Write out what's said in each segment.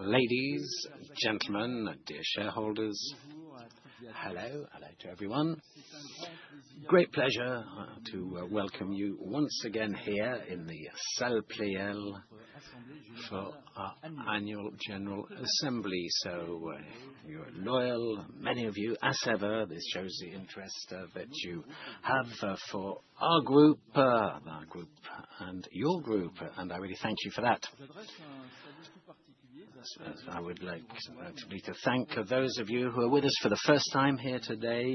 Ladies and gentlemen, dear shareholders, hello, hello to everyone. Great pleasure to welcome you once again here in the Salle Pleyel for our annual General Assembly. You are loyal, many of you, as ever. This shows the interest that you have for our group, our group and your group, and I really thank you for that. I would like to thank those of you who are with us for the first time here today.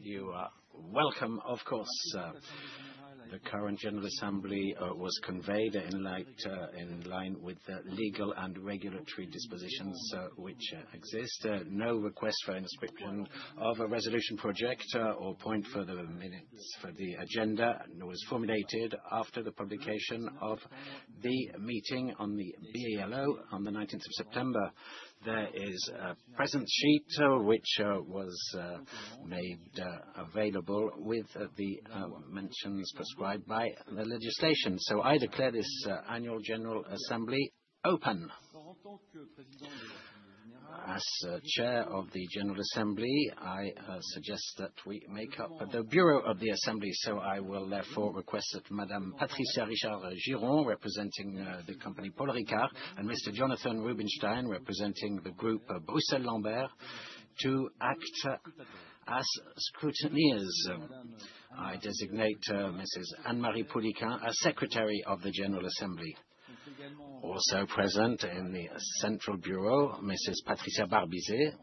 You are welcome, of course. The current General Assembly was convened in line with the legal and regulatory dispositions which exist. No request for an inscription of a resolution project or point for the minutes for the agenda was formulated after the publication of the meeting on the BALO on the 19th of September. There is a present sheet which was made available with the mentions prescribed by the legislation. I declare this annual General Assembly open. As Chair of the General Assembly, I suggest that we make up the Bureau of the Assembly. I will therefore request that Madame Patricia Ricard Giron, representing the company Paul Ricard, and Mr. Jonathan Rubinstein, representing the Groupe Bruxelles Lambert, to act as scrutineers. I designate Mrs. Anne-Marie Poliquin, Secretary of the General Assembly. Also present in the Central Bureau, Mrs. Patricia Barbizet,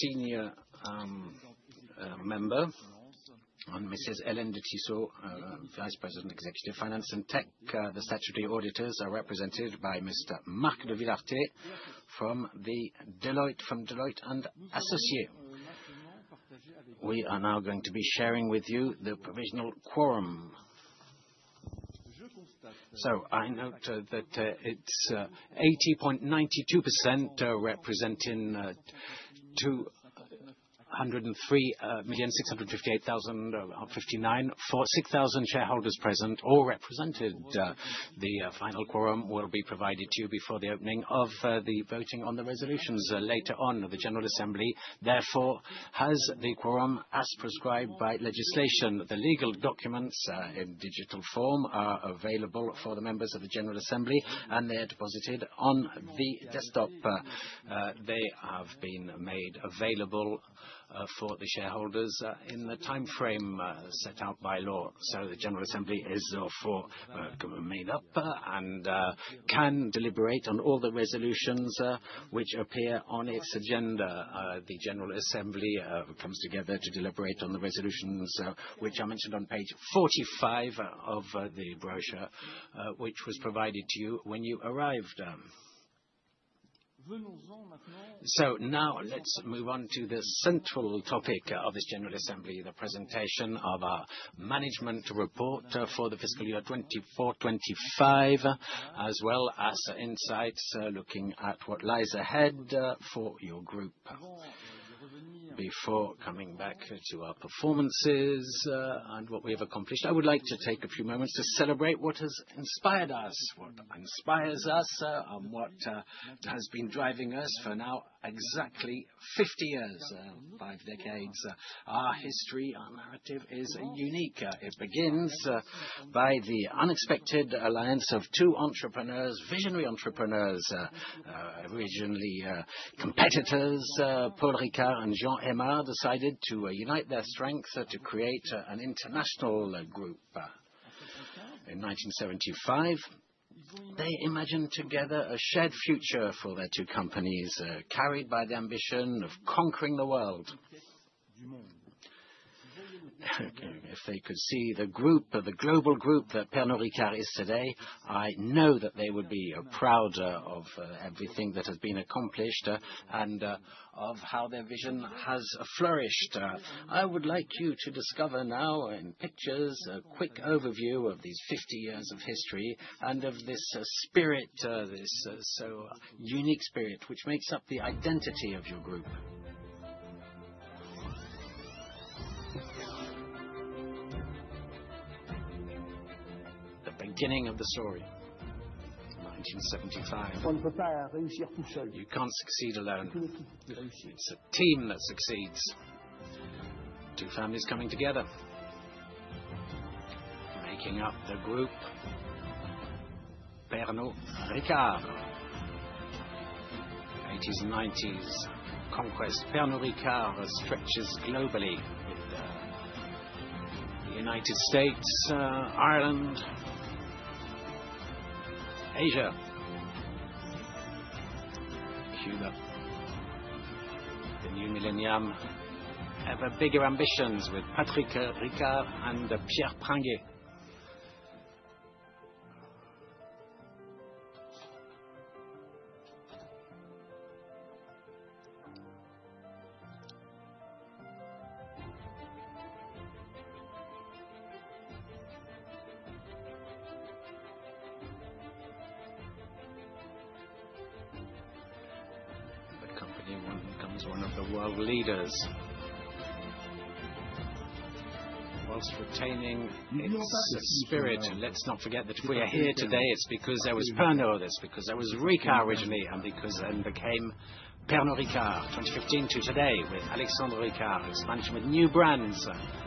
Senior Member, and Mrs. Hélène de Tissot, Vice President, Executive Finance and Tech. The statutory auditors are represented by Mr. Marc de Villartay from Deloitte & Associés. We are now going to be sharing with you the provisional quorum. I note that it's 80.92%, representing 203,658,059 for 6,000 shareholders present, all represented. The final quorum will be provided to you before the opening of the voting on the resolutions later on the General Assembly. Therefore, has the quorum, as prescribed by legislation, the legal documents in digital form are available for the members of the General Assembly and they are deposited on the desktop. They have been made available for the shareholders in the time frame set out by law. The General Assembly is therefore made up and can deliberate on all the resolutions which appear on its agenda. The General Assembly comes together to deliberate on the resolutions which are mentioned on page 45 of the brochure which was provided to you when you arrived. Now let's move on to the central topic of this General Assembly, the presentation of our management report for the fiscal year 2024-2025, as well as insights looking at what lies ahead for your group. Before coming back to our performances and what we have accomplished, I would like to take a few moments to celebrate what has inspired us, what inspires us, and what has been driving us for now exactly 50 years, five decades. Our history, our narrative is unique. It begins by the unexpected alliance of two entrepreneurs, visionary entrepreneurs, originally competitors, Paul Ricard and Jean Hémard, who decided to unite their strengths to create an international group. In 1975, they imagined together a shared future for their two companies, carried by the ambition of conquering the world. If they could see the group, the global group that Pernod Ricard is today, I know that they would be proud of everything that has been accomplished and of how their vision has flourished. I would like you to discover now in pictures a quick overview of these 50 years of history and of this spirit, this so unique spirit which makes up the identity of your group. The beginning of the story, 1975. On ne peut pas réussir tout seul. You can't succeed alone. It's a team that succeeds. Two families coming together, making up the group. Pernod Ricard. 1980s and 1990s conquest. Pernod Ricard stretches globally with the United States, Ireland, Asia, Cuba. The new millennium. Ever bigger ambitions with Patrick Ricard and Pierre Pringuet. The company becomes one of the world leaders. Whilst retaining the spirit, let's not forget that we are here today. It's because there was Pernod, it's because there was Ricard originally, and because then became Pernod Ricard. 2015 to today with Alexandre Ricard, expansion with new brands. A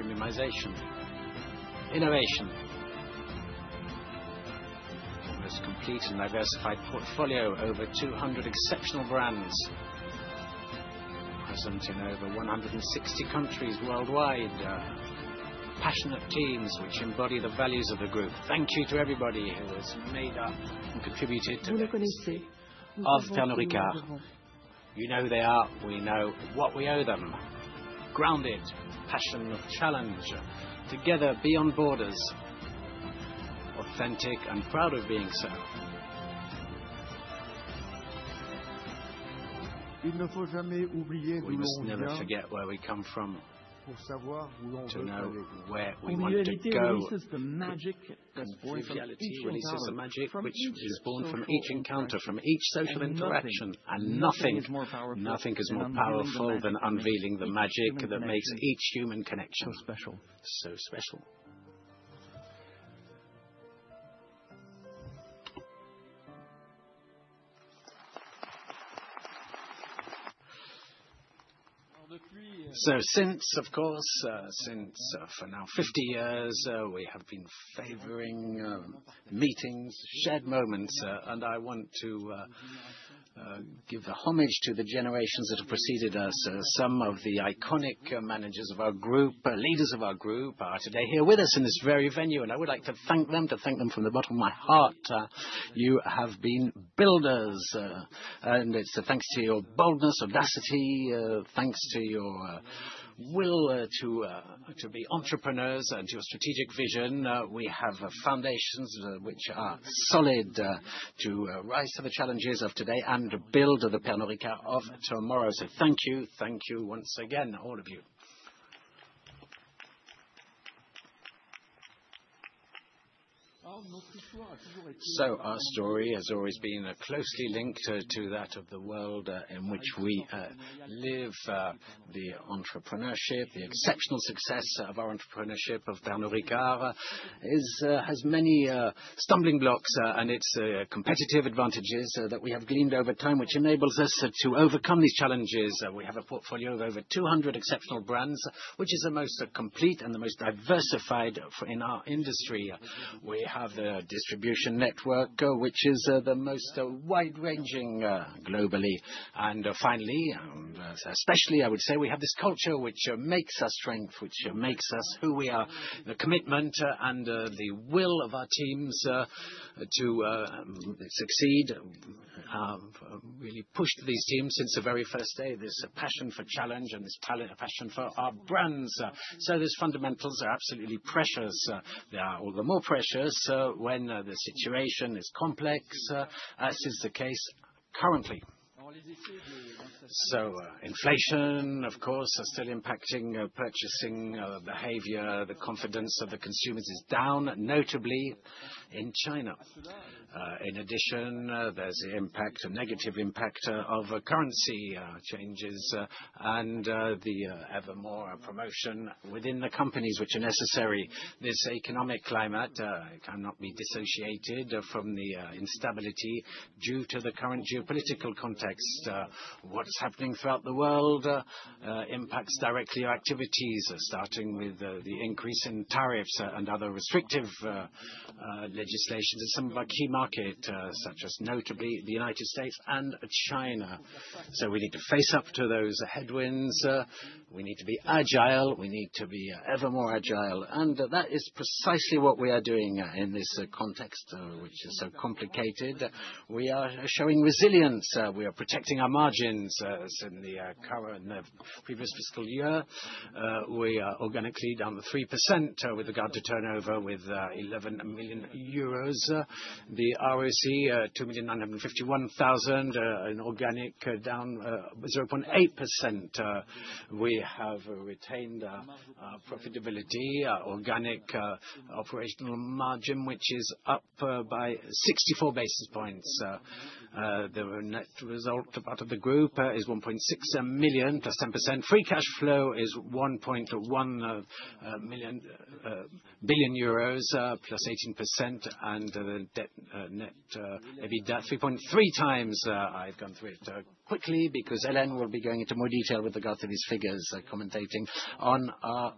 group which continuing to gather pace, digital acceleration, premiumization, innovation. Almost complete and diversified portfolio over 200 exceptional brands, present in over 160 countries worldwide. Passionate teams which embody the values of the group. Thank you to everybody who has made up and contributed to the group. Tous les Convivialistes. Of Pernod Ricard. You know who they are, we know what we owe them. Grounded, passion of challenge, together beyond borders. Authentic and proud of being so. Il ne faut jamais oublier de. We must never forget where we come from, to know where we want to go. When he says the magic of sociality, when he says the magic which is born from each encounter, from each social interaction, and nothing, nothing is more powerful than unveiling the magic that makes each human connection so special. Since, of course, for now 50 years, we have been favoring meetings, shared moments, and I want to give homage to the generations that have preceded us. Some of the iconic managers of our group, leaders of our group, are today here with us in this very venue, and I would like to thank them, to thank them from the bottom of my heart. You have been builders, and it's thanks to your boldness, audacity, thanks to your will to be entrepreneurs and your strategic vision. We have foundations which are solid to rise to the challenges of today and build the Pernod Ricard of tomorrow. Thank you, thank you once again, all of you. Our story has always been closely linked to that of the world in which we live. The entrepreneurship, the exceptional success of our entrepreneurship of Pernod Ricard has many stumbling blocks and its competitive advantages that we have gleaned over time, which enables us to overcome these challenges. We have a portfolio of over 200 exceptional brands, which is the most complete and the most diversified in our industry. We have a distribution network which is the most wide-ranging globally. Finally, especially, I would say we have this culture which makes us strength, which makes us who we are, the commitment and the will of our teams to succeed. Really pushed these teams since the very first day. This passion for challenge and this passion for our brands. These fundamentals are absolutely precious. They are all the more precious when the situation is complex, as is the case currently. Inflation, of course, is still impacting purchasing behavior. The confidence of the consumers is down, notably in China. In addition, there's the impact, a negative impact of currency changes and the evermore promotion within the companies which are necessary. This economic climate cannot be dissociated from the instability due to the current geopolitical context. What's happening throughout the world impacts directly our activities, starting with the increase in tariffs and other restrictive legislations in some of our key markets, such as notably the United States and China. We need to face up to those headwinds. We need to be agile. We need to be evermore agile. That is precisely what we are doing in this context, which is so complicated. We are showing resilience. We are protecting our margins in the current previous fiscal year. We are organically down 3% with regard to turnover, with 11 million euros. The ROC, 2,951,000, an organic down 0.8%. We have retained our profitability, our organic operational margin, which is up by 64 basis points. The net result part of the group is 1.6 million, +10%. Free cash flow is 1.1 billion euros, +18%, and the net EBITDA, 3.3 times. I've gone through it quickly because Hélène will be going into more detail with regard to these figures, commenting on our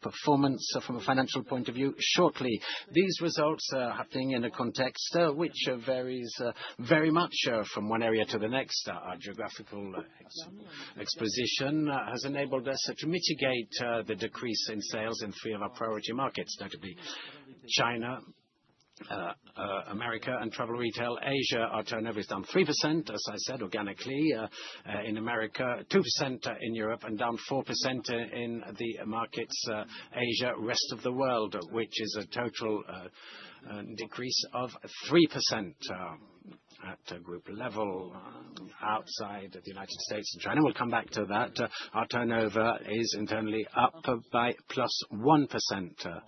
performance from a financial point of view shortly. These results are happening in a context which varies very much from one area to the next. Our geographical exposition has enabled us to mitigate the decrease in sales in three of our priority markets, notably China, America, and travel retail. Asia, our turnover is down 3%, as I said, organically in America, 2% in Europe, and down 4% in the markets, Asia, rest of the world, which is a total decrease of 3% at a group level outside the United States and China. We'll come back to that. Our turnover is internally up by plus 1%.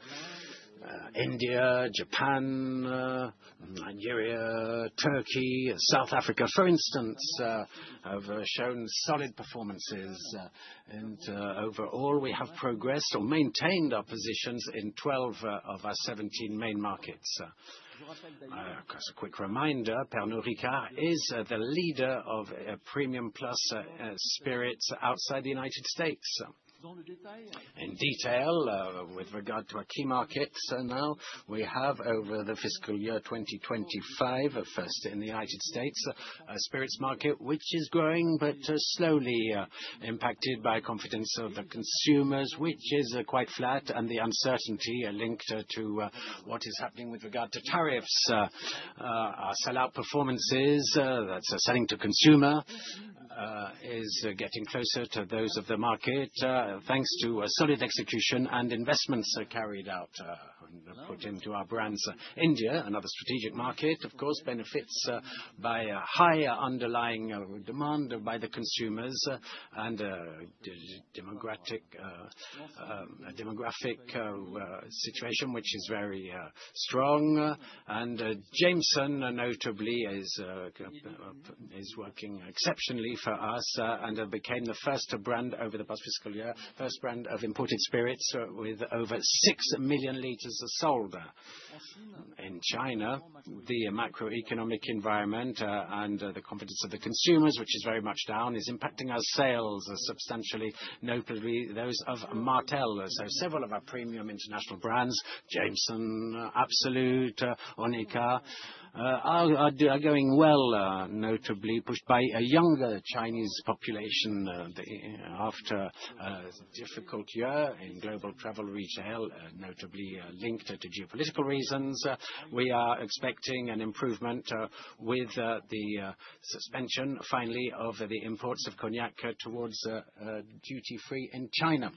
India, Japan, Nigeria, Turkey, South Africa, for instance, have shown solid performances. Overall, we have progressed or maintained our positions in 12 of our 17 main markets. As a quick reminder, Pernod Ricard is the leader of premium plus spirits outside the United States. In detail, with regard to our key markets now, we have over the fiscal year 2025, first in the United States, a spirits market which is growing but slowly impacted by confidence of the consumers, which is quite flat, and the uncertainty linked to what is happening with regard to tariffs. Our sellout performances, that's a selling to consumer, is getting closer to those of the market, thanks to solid execution and investments carried out and put into our brands. India, another strategic market, of course, benefits by high underlying demand by the consumers and demographic situation, which is very strong. Jameson, notably, is working exceptionally for us and became the first brand over the past fiscal year, first brand of imported spirits with over 6 million liters sold. In China, the macroeconomic environment and the confidence of the consumers, which is very much down, is impacting our sales substantially, notably those of Martell. Several of our premium international brands, Jameson, Absolut, Olmeca, are going well, notably pushed by a younger Chinese population after a difficult year in global travel retail, notably linked to geopolitical reasons. We are expecting an improvement with the suspension, finally, of the imports of cognac towards duty-free in China.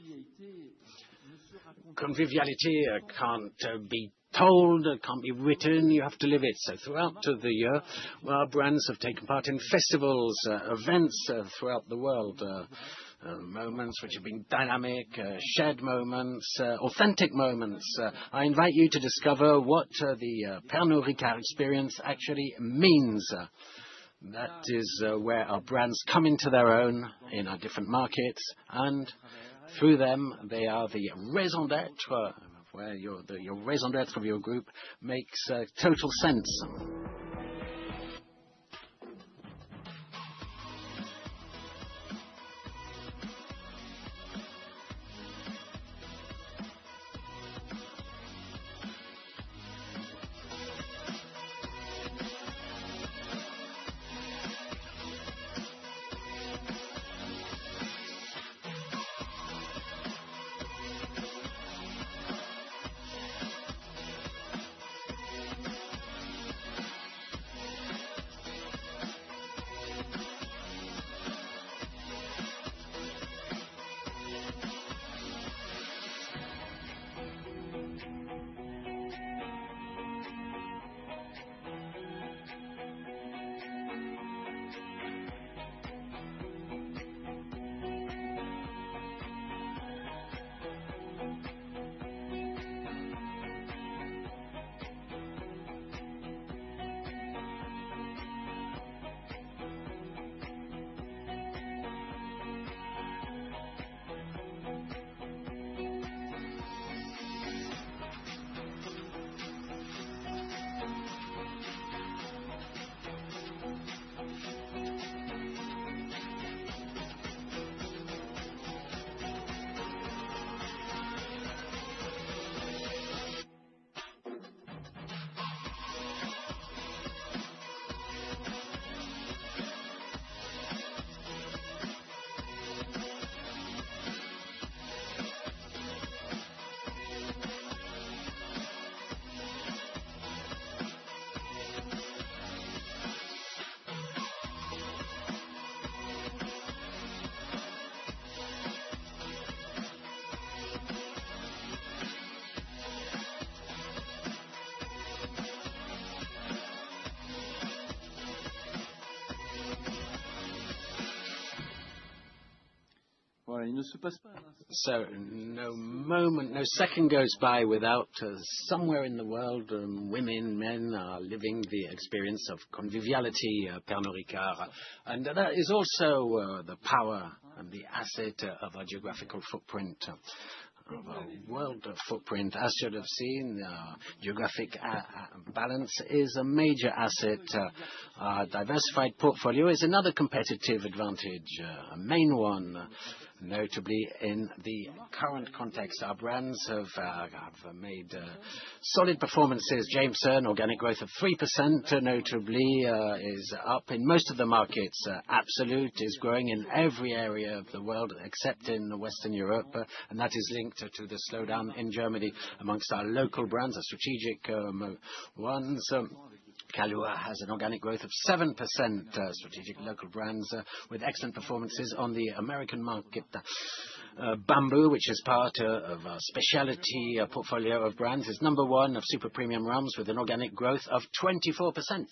Conviviality can't be told, can't be written. You have to live it. Throughout the year, our brands have taken part in festivals, events throughout the world, moments which have been dynamic, shared moments, authentic moments. I invite you to discover what the Pernod Ricard experience actually means. That is where our brands come into their own in our different markets, and through them, they are the raison d'être, where your raison d'être of your group makes total sense. No moment, no second goes by without somewhere in the world, women, men, are living the experience of conviviality of Pernod Ricard. That is also the power and the asset of our geographical footprint, of our world footprint. As you have seen, geographic balance is a major asset. Our diversified portfolio is another competitive advantage, a main one, notably in the current context. Our brands have made solid performances. Jameson, organic growth of 3%, notably, is up in most of the markets. Absolut is growing in every area of the world except in Western Europe, and that is linked to the slowdown in Germany amongst our local brands, our strategic ones. Kahlúa has an organic growth of 7%. Strategic local brands with excellent performances on the American market. Bumbu, which is part of our specialty portfolio of brands, is number one of super premium rums with an organic growth of 24%.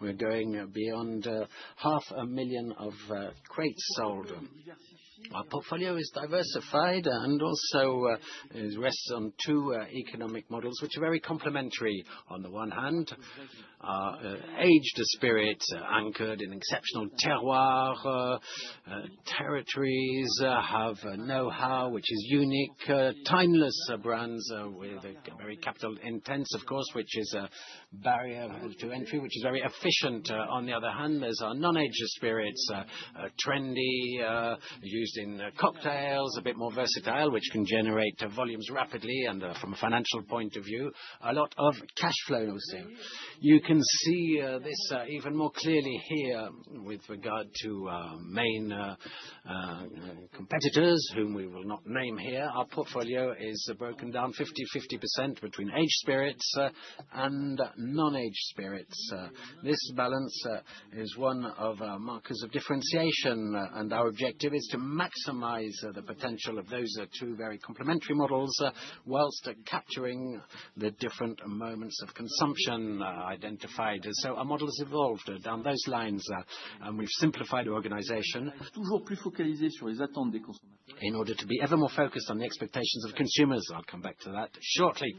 We're going beyond half a million of crates sold. Our portfolio is diversified and also rests on two economic models which are very complementary. On the one hand, aged spirits anchored in exceptional terroir territories have know-how which is unique. Timeless brands with a very capital intense, of course, which is a barrier to entry, which is very efficient. On the other hand, there's our non-aged spirits, trendy, used in cocktails, a bit more versatile, which can generate volumes rapidly and from a financial point of view, a lot of cash flow. You can see this even more clearly here with regard to main competitors whom we will not name here. Our portfolio is broken down 50/50 between aged spirits and non-aged spirits. This balance is one of our markers of differentiation, and our objective is to maximize the potential of those two very complementary models whilst capturing the different moments of consumption identified. Our model has evolved down those lines, and we've simplified organization in order to be ever more focused on the expectations of consumers. I'll come back to that shortly.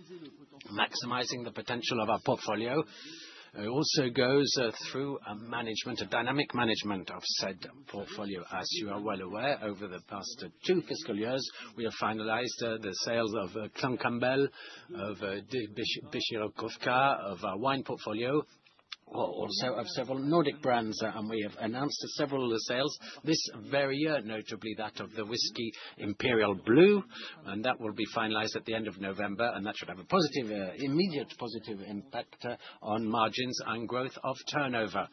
Maximizing the potential of our portfolio also goes through a management, a dynamic management of said portfolio. As you are well aware, over the past two fiscal years, we have finalized the sales of Clan Campbell, of Becherovka, of our wine portfolio, also of several Nordic brands, and we have announced several sales. This very year, notably that of the whiskey Imperial Blue, and that will be finalized at the end of November, and that should have a positive, immediate positive impact on margins and growth of turnover.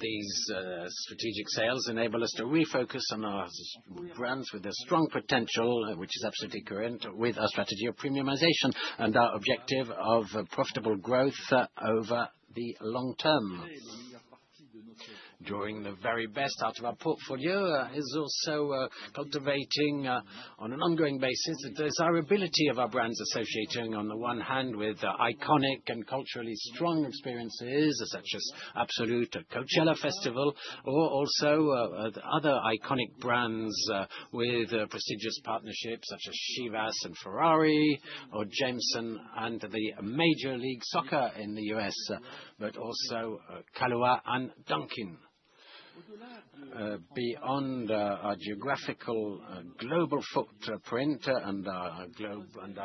These strategic sales enable us to refocus on our brands with a strong potential, which is absolutely current with our strategy of premiumization and our objective of profitable growth over the long term. During the very best out of our portfolio is also cultivating on an ongoing basis the desirability of our brands, associating on the one hand with iconic and culturally strong experiences such as Absolut, Coachella Festival, or also other iconic brands with prestigious partnerships such as Chivas and Ferrari, or Jameson and the Major League Soccer in the U.S., but also Kahlúa and Dunkin'. Beyond our geographical global footprint and our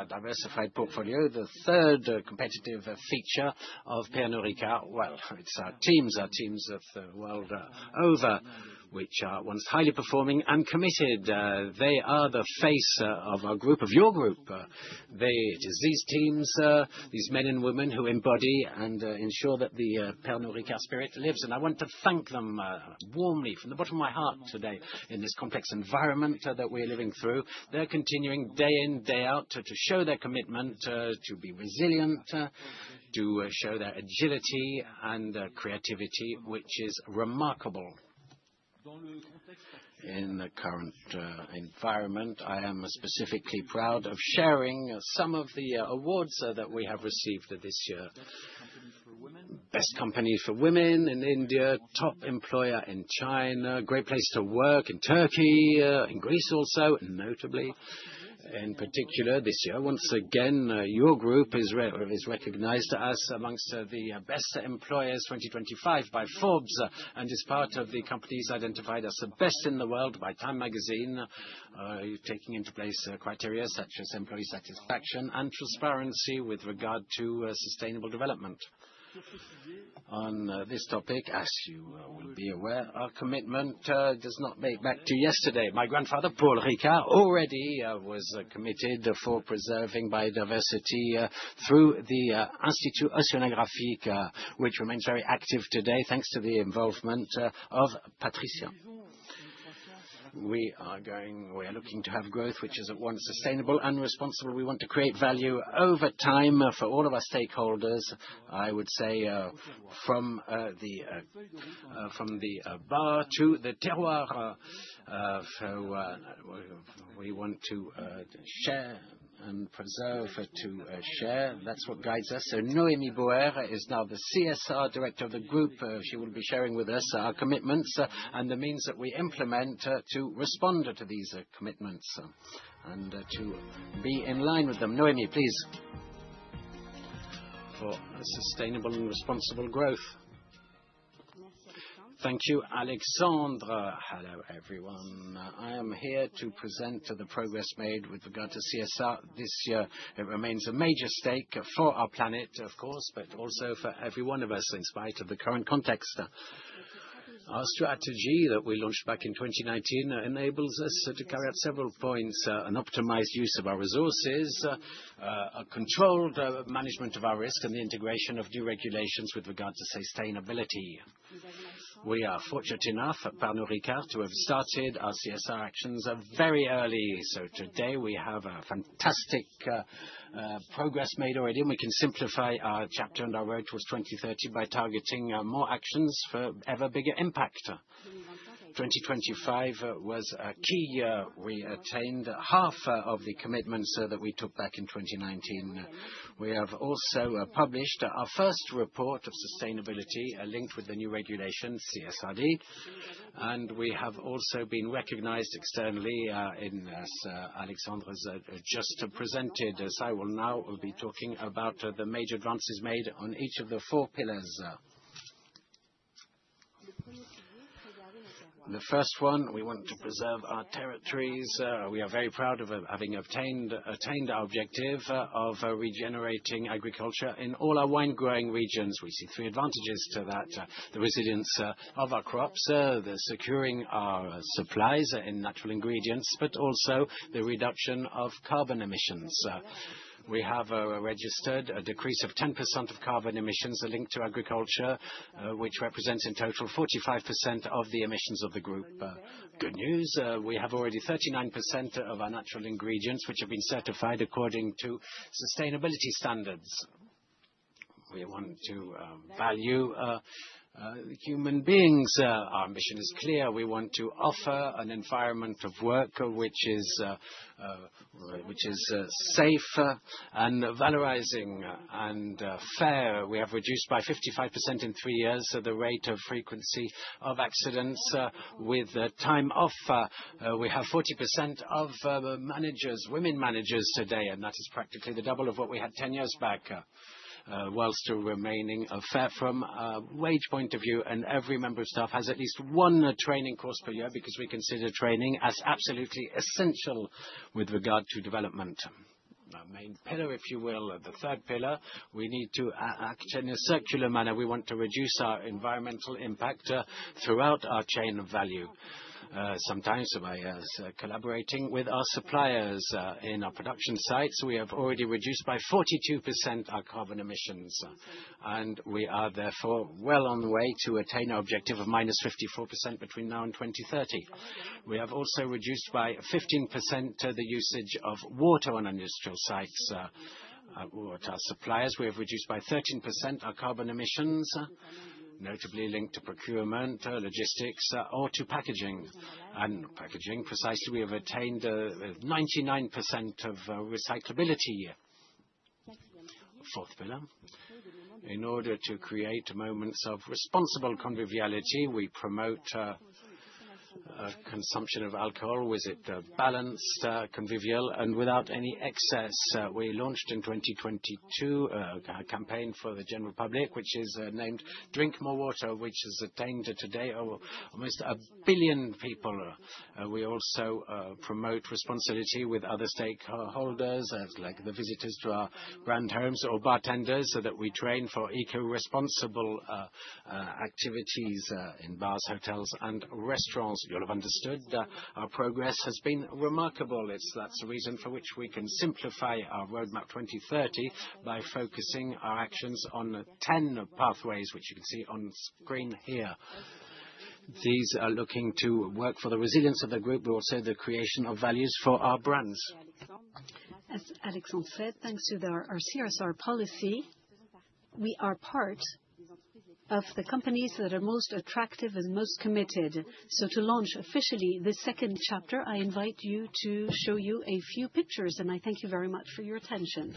diversified portfolio, the third competitive feature of Pernod Ricard, well, it's our teams, our teams of the world over, which are once highly performing and committed. They are the face of our group, of your group. It is these teams, these men and women who embody and ensure that the Pernod Ricard spirit lives. I want to thank them warmly from the bottom of my heart today in this complex environment that we are living through. They're continuing day in, day out to show their commitment to be resilient, to show their agility and creativity, which is remarkable. In the current environment, I am specifically proud of sharing some of the awards that we have received this year. Best Companies for Women in India, Top Employer in China, Great Place to Work in Turkey, in Greece also, notably. In particular, this year, once again, your group is recognized to us amongst the best employers 2025 by Forbes and is part of the companies identified as the best in the world by Time Magazine, taking into place criteria such as employee satisfaction and transparency with regard to sustainable development. On this topic, as you will be aware, our commitment does not date back to yesterday. My grandfather, Paul Ricard, already was committed for preserving biodiversity through the L'Institut Océanographique, which remains very active today, thanks to the involvement of Patricia. We are looking to have growth, which is at once sustainable and responsible. We want to create value over time for all of our stakeholders, I would say, from the bar to the terroir. We want to share and preserve to share. That's what guides us. Noémie Bauer is now the CSR Director of the group. She will be sharing with us our commitments and the means that we implement to respond to these commitments and to be in line with them. Noémie, please, for sustainable and responsible growth. Thank you, Alexandre. Hello everyone. I am here to present the progress made with regard to CSR this year. It remains a major stake for our planet, of course, but also for every one of us in spite of the current context. Our strategy that we launched back in 2019 enables us to carry out several points: an optimized use of our resources, a controlled management of our risk, and the integration of new regulations with regard to sustainability. We are fortunate enough at Pernod Ricard to have started our CSR actions very early. Today, we have fantastic progress made already, and we can simplify our chapter and our road towards 2030 by targeting more actions for ever bigger impact. 2025 was a key year. We attained half of the commitments that we took back in 2019. We have also published our first report of sustainability linked with the new regulation, CSRD, and we have also been recognized externally. As Alexandre has just presented, I will now be talking about the major advances made on each of the four pillars. The first one, we want to preserve our territories. We are very proud of having attained our objective of regenerating agriculture in all our wine-growing regions. We see three advantages to that: the resilience of our crops, the securing of our supplies in natural ingredients, but also the reduction of carbon emissions. We have registered a decrease of 10% of carbon emissions linked to agriculture, which represents in total 45% of the emissions of the group. Good news. We have already 39% of our natural ingredients, which have been certified according to sustainability standards. We want to value human beings. Our mission is clear. We want to offer an environment of work which is safe and valorizing and fair. We have reduced by 55% in three years the rate of frequency of accidents with time off. We have 40% of managers, women managers today, and that is practically the double of what we had 10 years back, whilst remaining fair from a wage point of view. Every member of staff has at least one training course per year because we consider training as absolutely essential with regard to development. Our main pillar, if you will, the third pillar, we need to act in a circular manner. We want to reduce our environmental impact throughout our chain of value. Sometimes, by collaborating with our suppliers in our production sites, we have already reduced by 42% our carbon emissions, and we are therefore well on the way to attain our objective of minus 54% between now and 2030. We have also reduced by 15% the usage of water on industrial sites. Our suppliers, we have reduced by 13% our carbon emissions, notably linked to procurement, logistics, or to packaging. And packaging, precisely, we have attained 99% of recyclability. Fourth pillar. In order to create moments of responsible conviviality, we promote consumption of alcohol with a balanced convivial and without any excess. We launched in 2022 a campaign for the general public, which is named "Drink More Water," which has attained today almost a billion people. We also promote responsibility with other stakeholders, like the visitors to our grand homes or bartenders, so that we train for eco-responsible activities in bars, hotels, and restaurants. You'll have understood our progress has been remarkable. That's the reason for which we can simplify our roadmap 2030 by focusing our actions on 10 pathways, which you can see on screen here. These are looking to work for the resilience of the group, but also the creation of values for our brands. As Alexandre said, thanks to our CSR policy, we are part of the companies that are most attractive and most committed. To launch officially the second chapter, I invite you to show you a few pictures, and I thank you very much for your attention.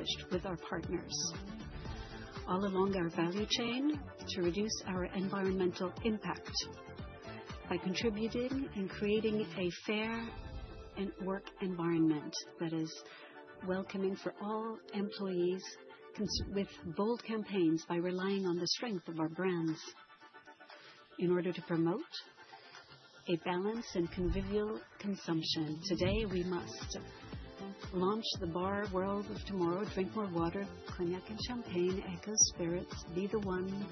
We're proud of progress accomplished with our partners all along our value chain to reduce our environmental impact by contributing and creating a fair work environment that is welcoming for all employees, with bold campaigns by relying on the strength of our brands in order to promote a balanced and convivial consumption. Today, we must launch the Bar World of Tomorrow: Drink More Water, Cognac and Champagne, ecoSPIRITS, Be the One,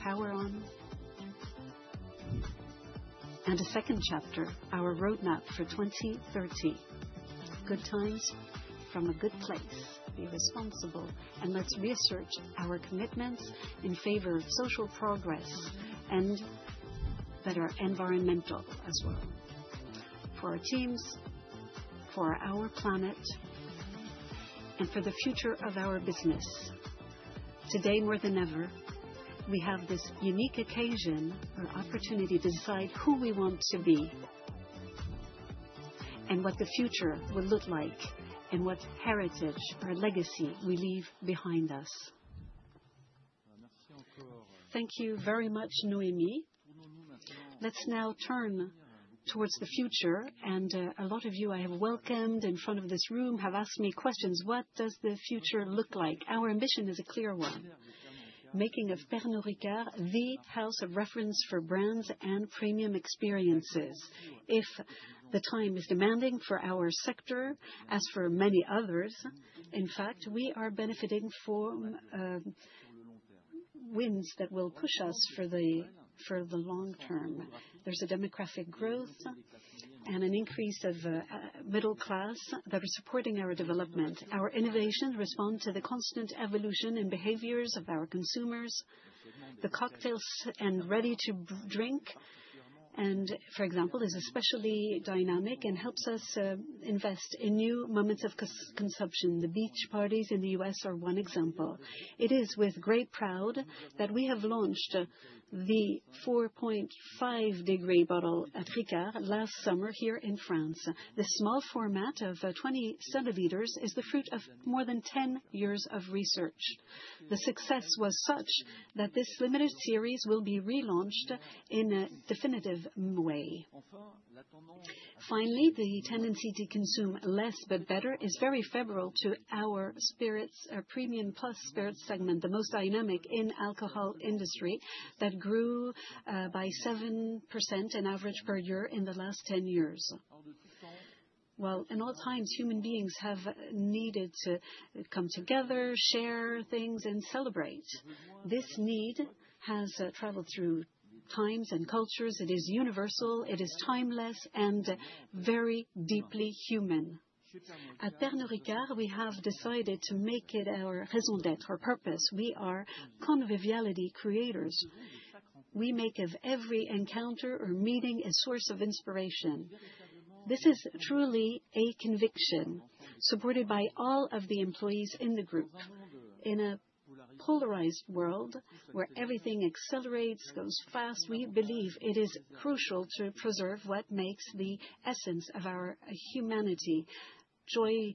Power On. And the second chapter, our roadmap for 2030. Good Times from a Good Place. Be responsible, and let's reassert our commitments in favor of social progress and that are environmental as well. For our teams, for our planet, and for the future of our business. Today, more than ever, we have this unique occasion or opportunity to decide who we want to be and what the future will look like and what heritage or legacy we leave behind us. Thank you very much, Noémie. Let's now turn towards the future, and a lot of you I have welcomed in front of this room have asked me questions. What does the future look like? Our ambition is a clear one: making of Pernod Ricard the house of reference for brands and premium experiences. If the time is demanding for our sector, as for many others, in fact, we are benefiting from wins that will push us for the long term. There's a demographic growth and an increase of middle class that are supporting our development. Our innovations respond to the constant evolution in behaviors of our consumers. The cocktails and ready-to-drink, for example, is especially dynamic and helps us invest in new moments of consumption. The beach parties in the U.S. are one example. It is with great pride that we have launched the 4.5-degree bottle at Ricard last summer here in France. The small format of 20 cL is the fruit of more than 10 years of research. The success was such that this limited series will be relaunched in a definitive way. Finally, the tendency to consume less but better is very favorable to our spirits, our Premium Plus spirits segment, the most dynamic in the alcohol industry that grew by 7% on average per year in the last 10 years. In all times, human beings have needed to come together, share things, and celebrate. This need has traveled through times and cultures. It is universal. It is timeless and very deeply human. At Pernod Ricard, we have decided to make it our raison d'être, our purpose. We are conviviality creators. We make of every encounter or meeting a source of inspiration. This is truly a conviction supported by all of the employees in the group. In a polarized world where everything accelerates, goes fast, we believe it is crucial to preserve what makes the essence of our humanity: joy,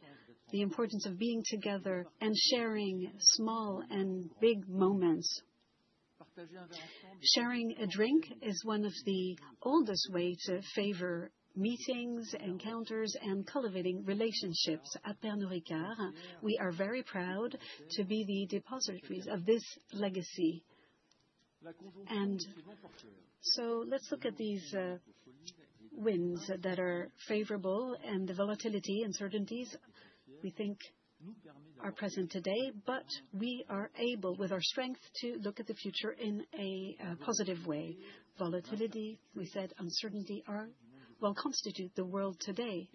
the importance of being together, and sharing small and big moments. Sharing a drink is one of the oldest ways to favor meetings, encounters, and cultivating relationships at Pernod Ricard. We are very proud to be the depositories of this legacy. Let's look at these wins that are favorable and the volatility and uncertainties we think are present today, but we are able, with our strength, to look at the future in a positive way. Volatility, uncertainty, well, constitute the world today,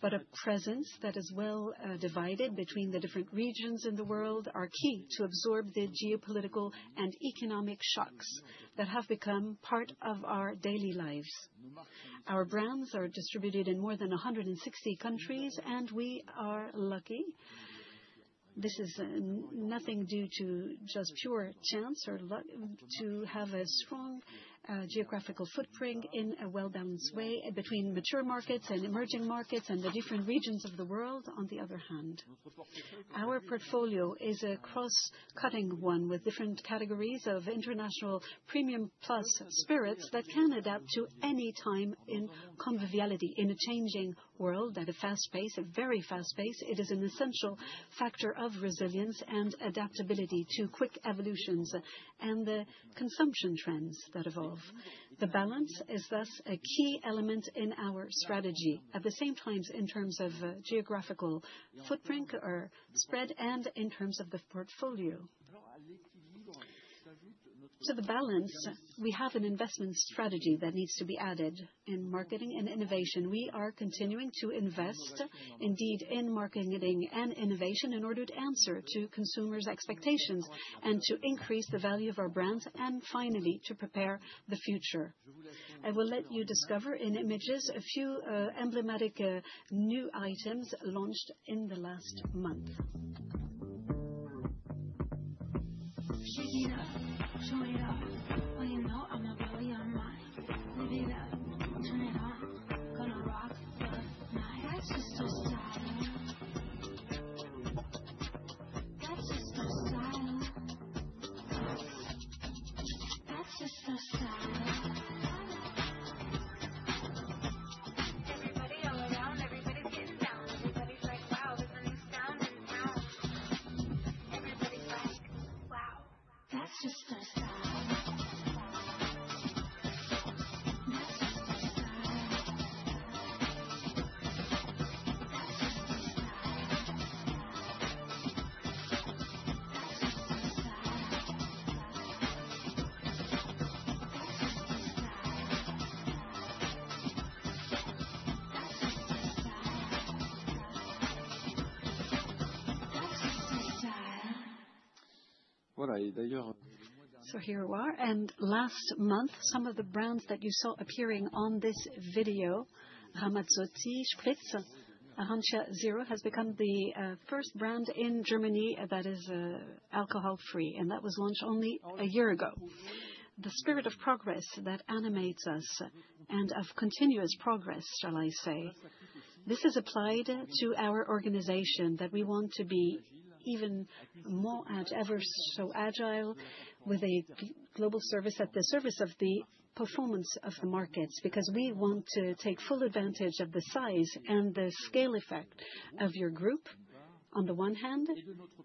but a presence that is well divided between the different regions in the world are key to absorb the geopolitical and economic shocks that have become part of our daily lives. Our brands are distributed in more than 160 countries, and we are lucky. This is nothing due to just pure chance or luck to have a strong geographical footprint in a well-balanced way between mature markets and emerging markets and the different regions of the world. Our portfolio is a cross-cutting one with different categories of international Premium Plus spirits that can adapt to any time in conviviality in a changing world at a fast pace, a very fast pace. It is an essential factor of resilience and adaptability to quick evolutions and the consumption trends that evolve. The balance is thus a key element in our strategy, at the same time in terms of geographical footprint or spread and in terms of the portfolio. To the balance, we have an investment strategy that needs to be added in marketing and innovation. We are continuing to invest, indeed, in marketing and innovation in order to answer to consumers' expectations and to increase the value of our brands and finally to prepare the future. I will let you discover in images a few emblematic new items launched in the last month. Here we are. Last month, some of the brands that you saw appearing on this video, Ramazzotti Spritz Arancia Zero, has become the first brand in Germany that is alcohol-free, and that was launched only a year ago. The spirit of progress that animates us and of continuous progress, shall I say, this is applied to our organization that we want to be even more and ever so agile with a global service at the service of the performance of the markets because we want to take full advantage of the size and the scale effect of our group on the one hand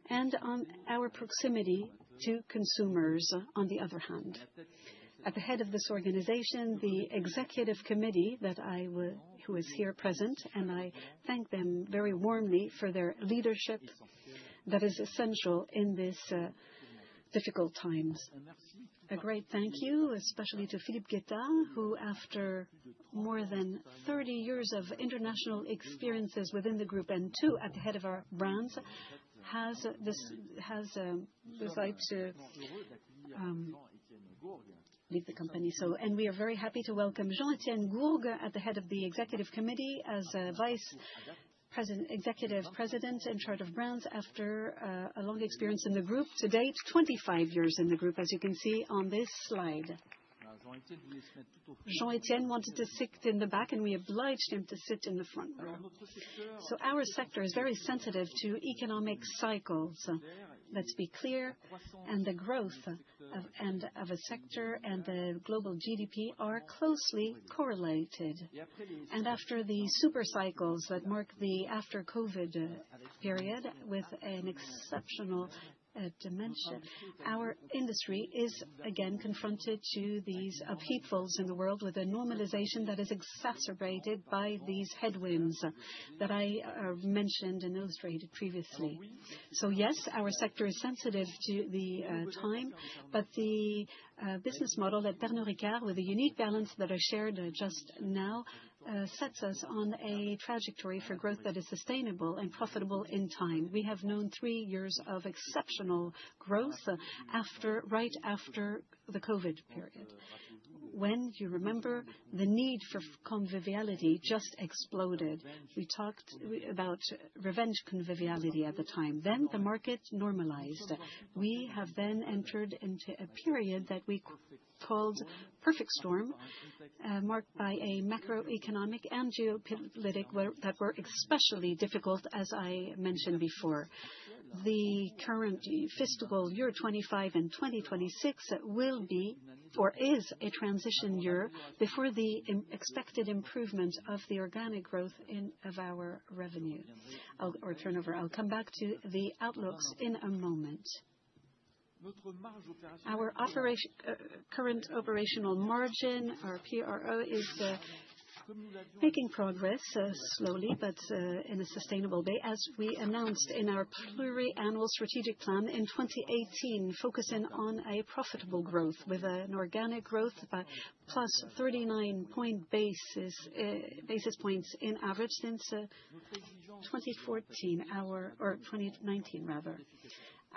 and on our proximity to consumers on the other hand. At the head of this organization, the Executive Committee that I have here present, and I thank them very warmly for their leadership that is essential in these difficult times. A great thank you, especially to Philippe Guettat, who after more than 30 years of international experiences within the group and two at the head of our brands, has decided to leave the company. We are very happy to welcome Jean-Etienne Gourgues at the head of the executive committee as Executive President in charge of brands after a long experience in the group to date, 25 years in the group, as you can see on this slide. Jean-Etienne wanted to sit in the back, and we obliged him to sit in the front row. Our sector is very sensitive to economic cycles. Let's be clear, the growth of a sector and the global GDP are closely correlated. After the super cycles that marked the after-COVID period with an exceptional dimension, our industry is again confronted to these upheavals in the world with a normalization that is exacerbated by these headwinds that I mentioned and illustrated previously. Our sector is sensitive to the time, but the business model at Pernod Ricard, with the unique balance that I shared just now, sets us on a trajectory for growth that is sustainable and profitable in time. We have known three years of exceptional growth right after the COVID period. When you remember, the need for conviviality just exploded. We talked about revenge conviviality at the time. Then the market normalized. We have then entered into a period that we called Perfect Storm, marked by a macroeconomic and geopolitical that were especially difficult, as I mentioned before. The current fiscal year 2025 and 2026 will be, or is, a transition year before the expected improvement of the organic growth of our revenue. I'll come back to the outlooks in a moment. Our current operating margin, our PRO, is making progress slowly but in a sustainable way, as we announced in our pluriannual strategic plan in 2018, focusing on profitable growth with organic growth by plus 39 basis points on average since 2019.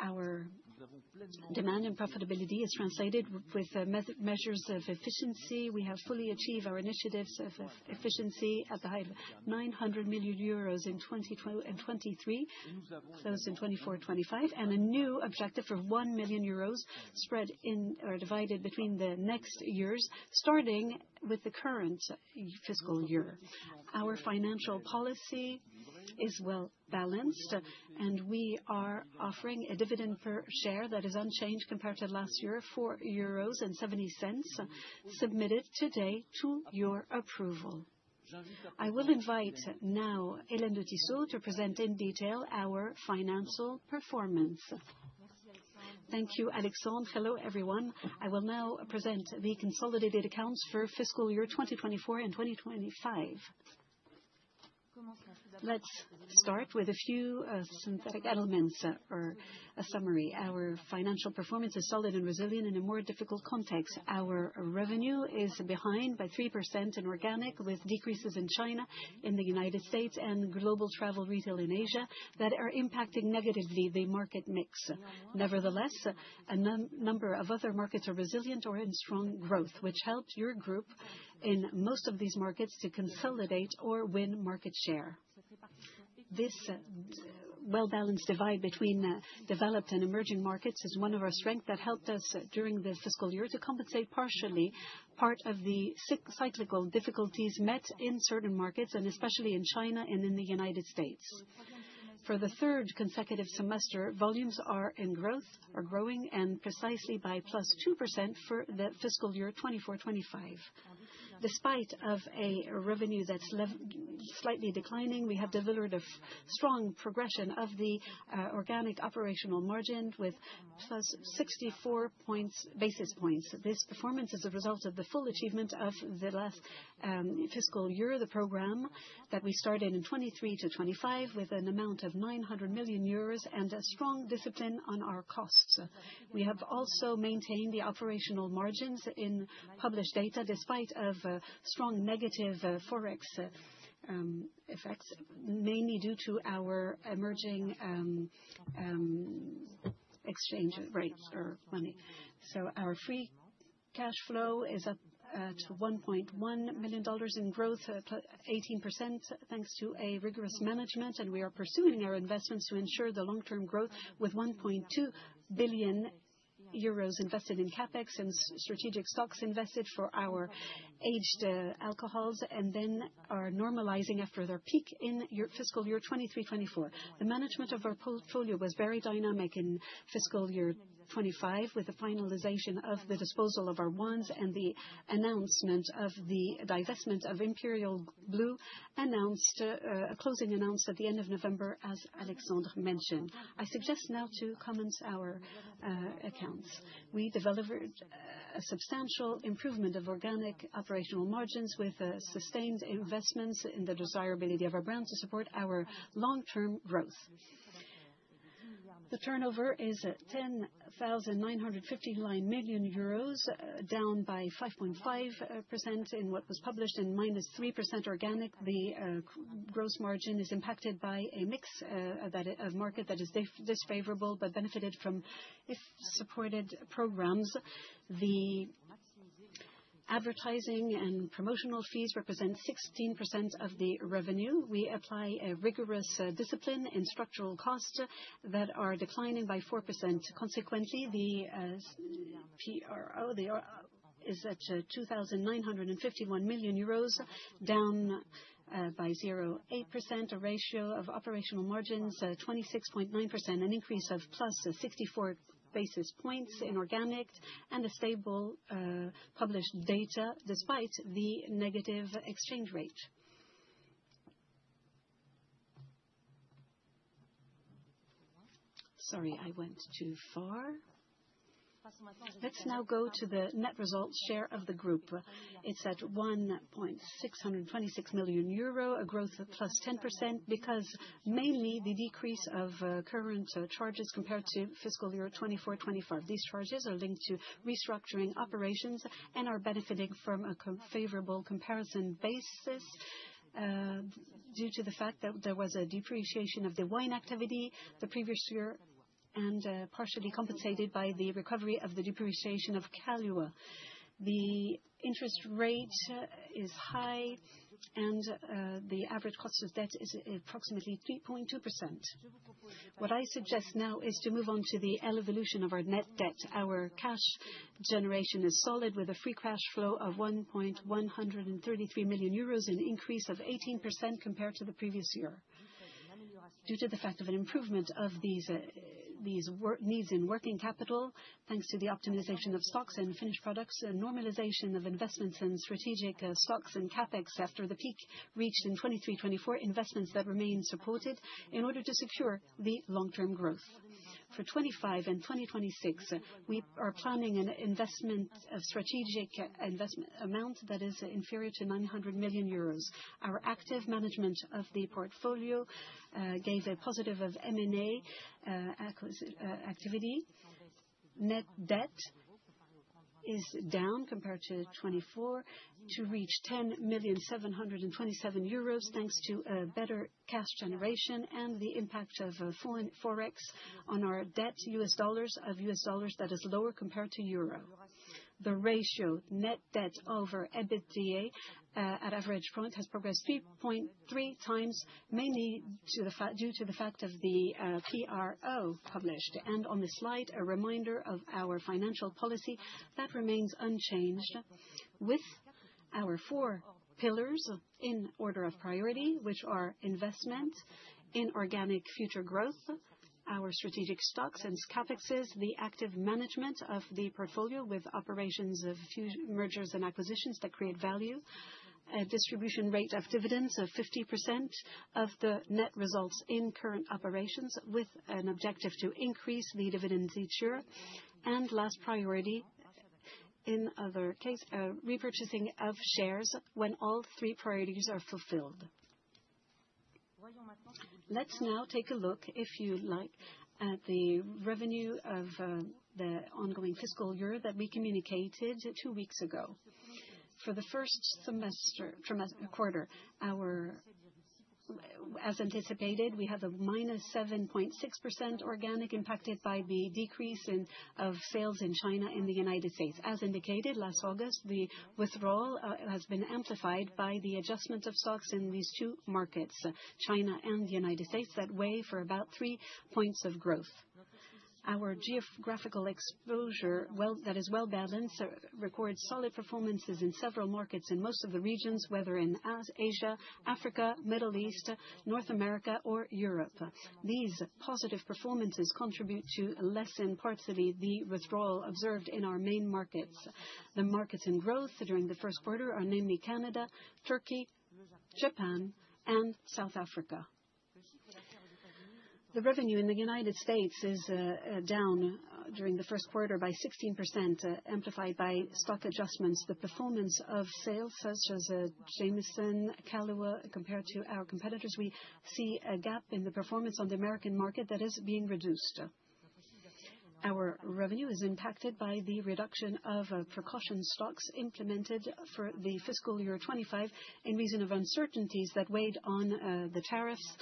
Our demand and profitability is translated with measures of efficiency. We have fully achieved our initiatives of efficiency at the height of 900 million euros in 2023, closed in 24-25, and a new objective of 1 billion euros spread or divided between the next years, starting with the current fiscal year. Our financial policy is well balanced, and we are offering a dividend per share that is unchanged compared to last year, 4.70 euros, submitted today to your approval. I will invite now Hélène de Tissot to present in detail our financial performance. Thank you, Alexandre. Hello everyone. I will now present the consolidated accounts for fiscal year 2024 and 2025. Let's start with a few synthetic elements or a summary. Our financial performance is solid and resilient in a more difficult context. Our revenue is behind by 3% in organic, with decreases in China, in the United States, and global travel retail in Asia that are impacting negatively the market mix. Nevertheless, a number of other markets are resilient or in strong growth, which helped your group in most of these markets to consolidate or win market share. This well-balanced divide between developed and emerging markets is one of our strengths that helped us during the fiscal year to compensate partially for part of the cyclical difficulties met in certain markets, and especially in China and in the United States. For the third consecutive semester, volumes are in growth or growing and precisely by +2% for the fiscal year 2024-2025. Despite a revenue that's slightly declining, we have delivered a strong progression of the organic operational margin with +64 basis points. This performance is a result of the full achievement of the last fiscal year, the program that we started in 2023-2025, with an amount of 900 million euros and a strong discipline on our costs. We have also maintained the operational margins in published data despite strong negative forex effects, mainly due to our emerging exchange rates or money. Our free cash flow is up to $1.1 million in growth, 18% thanks to rigorous management, and we are pursuing our investments to ensure the long-term growth with 1.2 billion euros invested in CapEx and strategic stocks invested for our aged alcohols and then are normalizing after their peak in fiscal year 2023-2024. The management of our portfolio was very dynamic in fiscal year 2025, with the finalization of the disposal of our wines and the announcement of the divestment of Imperial Blue announced a closing announcement at the end of November, as Alexandre mentioned. I suggest now to comment our accounts. We developed a substantial improvement of organic operational margins with sustained investments in the desirability of our brand to support our long-term growth. The turnover is 10,959 million euros, down by 5.5% in what was published and -3% organic. The gross margin is impacted by a mix of market that is unfavorable but benefited from supported programs. The advertising and promotional fees represent 16% of the revenue. We apply a rigorous discipline and structural costs that are declining by 4%. Consequently, the PRO is at 2,951 million euros, down by 0.8%, a ratio of operational margins 26.9%, an increase of plus 64 basis points in organic and a stable published data despite the negative exchange rate. Sorry, I went too far. Let's now go to the net result share of the group. It's at 1,626 million euro, a growth of plus 10% because mainly the decrease of current charges compared to fiscal year 2024-2025. These charges are linked to restructuring operations and are benefiting from a favorable comparison basis due to the fact that there was a depreciation of the wine activity the previous year and partially compensated by the recovery of the depreciation of Kahlúa. The interest rate is high, and the average cost of debt is approximately 3.2%. What I suggest now is to move on to the evolution of our net debt. Our cash generation is solid with a free cash flow of 1.133 million euros, an increase of 18% compared to the previous year. Due to the fact of an improvement of these needs in working capital, thanks to the optimization of stocks and finished products, normalization of investments in strategic stocks and CapEx after the peak reached in 2023-2024, investments that remain supported in order to secure the long-term growth. For 2025 and 2026, we are planning a strategic investment amount that is inferior to 900 million euros. Our active management of the portfolio gave a positive M&A activity. Net debt is down compared to 2024 to reach 10,727 million euros, thanks to better cash generation and the impact of forex on our U.S. dollar debt that is lower compared to euro. The ratio net debt over EBITDA at average point has progressed to 3.3 times, mainly due to the fact of the PRO published. On the slide, a reminder of our financial policy that remains unchanged with our four pillars in order of priority, which are investment in organic future growth, our strategic stocks and CapEx, the active management of the portfolio with operations of mergers and acquisitions that create value, a distribution rate of dividends of 50% of the net results in current operations with an objective to increase the dividend feature, and last priority in other cases, repurchasing of shares when all three priorities are fulfilled. Let's now take a look, if you like, at the revenue of the ongoing fiscal year that we communicated two weeks ago. For the first quarter, as anticipated, we have a -7.6% organic impacted by the decrease of sales in China and the United States. As indicated last August, the withdrawal has been amplified by the adjustment of stocks in these two markets, China and the United States, that weigh for about three points of growth. Our geographical exposure that is well balanced records solid performances in several markets in most of the regions, whether in Asia, Africa, the Middle East, North America, or Europe. These positive performances contribute to lessen partially the withdrawal observed in our main markets. The markets in growth during the first quarter are namely Canada, Turkey, Japan, and South Africa. The revenue in the United States is down during the first quarter by 16%, amplified by stock adjustments. The performance of sales such as Jameson, Kahlúa, compared to our competitors, we see a gap in the performance on the American market that is being reduced. Our revenue is impacted by the reduction of precautionary stocks implemented for fiscal year 2025 in reason of uncertainties that weighed on the tariffs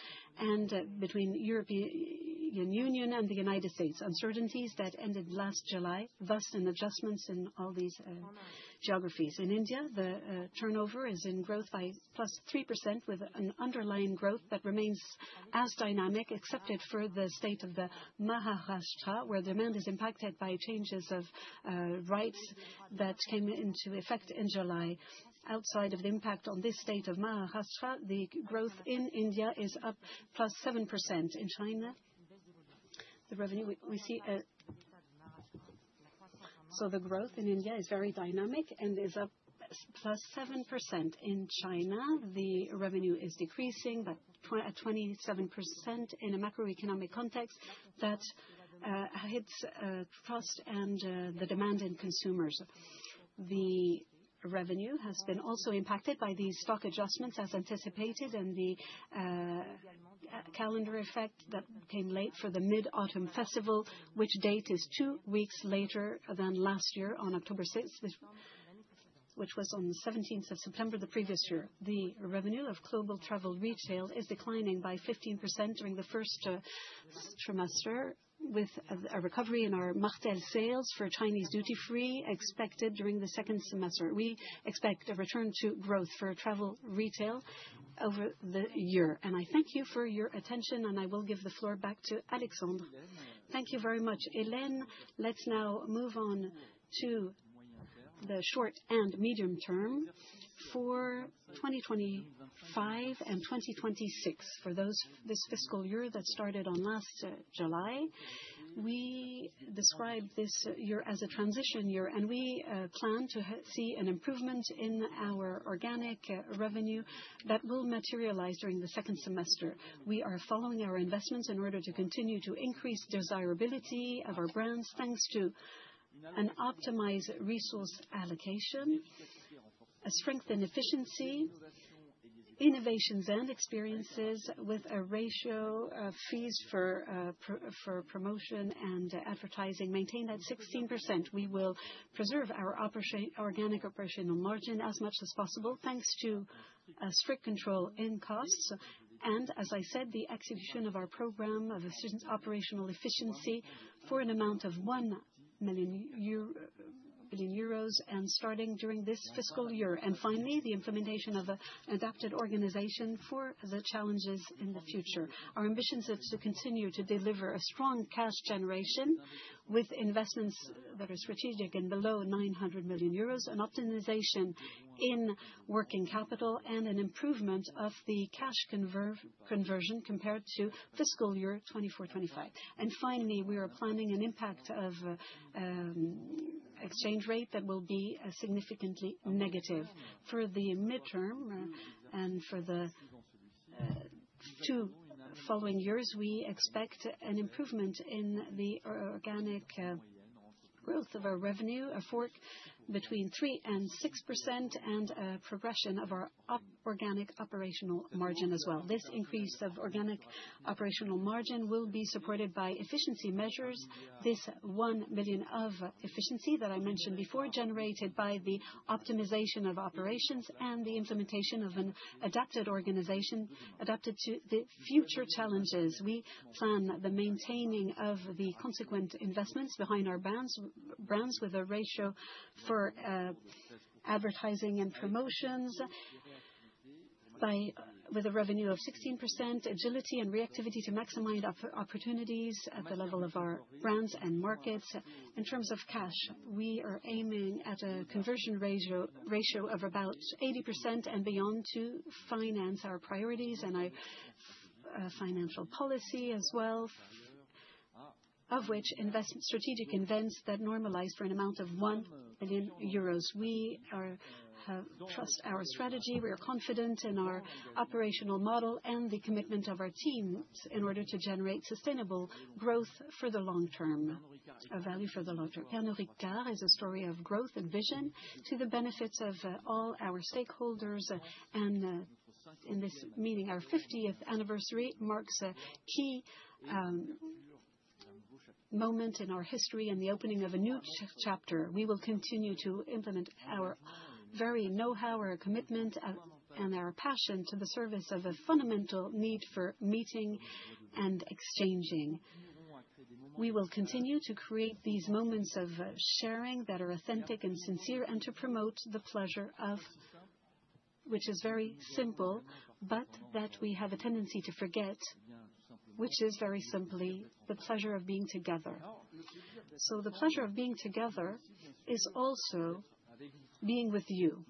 between the European Union and the United States, uncertainties that ended last July. Thus, adjustments in all these geographies. In India, the turnover is in growth by plus 3%, with an underlying growth that remains dynamic, except for the state of Maharashtra, where demand is impacted by changes of rights that came into effect in July. Outside of the impact on this state of Maharashtra, the growth in India is up plus 7%. In China, the revenue is decreasing by 27% in a macroeconomic context that hits costs and the demand of consumers. The revenue has been also impacted by the stock adjustments, as anticipated, and the calendar effect that came late for the Mid-Autumn Festival, which date is two weeks later than last year on October 6, which was on the 17th of September the previous year. The revenue of global travel retail is declining by 15% during the first trimester, with a recovery in our Martell sales for Chinese duty-free expected during the second semester. We expect a return to growth for travel retail over the year. I thank you for your attention, and I will give the floor back to Alexandre. Thank you very much, Hélène. Let's now move on to the short and medium term for 2025 and 2026. For those, this fiscal year that started on last July, we describe this year as a transition year, and we plan to see an improvement in our organic revenue that will materialize during the second semester. We are following our investments in order to continue to increase desirability of our brands, thanks to an optimized resource allocation, a strength in efficiency, innovations, and experiences with a ratio of fees for promotion and advertising maintained at 16%. We will preserve our organic operational margin as much as possible, thanks to strict control in costs, and, as I said, the execution of our program of operational efficiency for an amount of 1 million euros and starting during this fiscal year. Finally, the implementation of an adapted organization for the challenges in the future. Our ambitions are to continue to deliver strong cash generation with investments that are strategic and below 900 million euros, an optimization in working capital, and an improvement of the cash conversion compared to fiscal year 2024-2025. Finally, we are planning an impact of exchange rate that will be significantly negative. For the midterm and for the two following years, we expect an improvement in the organic growth of our revenue, a range between 3% and 6%, and a progression of our organic operational margin as well. This increase of organic operational margin will be supported by efficiency measures. This 1 million of efficiency that I mentioned before generated by the optimization of operations and the implementation of an adapted organization adapted to the future challenges. We plan the maintaining of the consequent investments behind our brands with a ratio for advertising and promotions with a revenue of 16%, agility and reactivity to maximize opportunities at the level of our brands and markets. In terms of cash, we are aiming at a conversion ratio of about 80% and beyond to finance our priorities and our financial policy as well, of which investment strategic events that normalize for an amount of 1 million euros. We trust our strategy. We are confident in our operational model and the commitment of our teams in order to generate sustainable growth for the long term, a value for the long term. Pernod Ricard is a story of growth and vision to the benefit of all our stakeholders, and in this meeting, our 50th anniversary marks a key moment in our history and the opening of a new chapter. We will continue to implement our very know-how, our commitment, and our passion to the service of a fundamental need for meeting and exchanging. We will continue to create these moments of sharing that are authentic and sincere and to promote the pleasure of, which is very simple, but that we have a tendency to forget, which is very simply the pleasure of being together. The pleasure of being together is also being with you,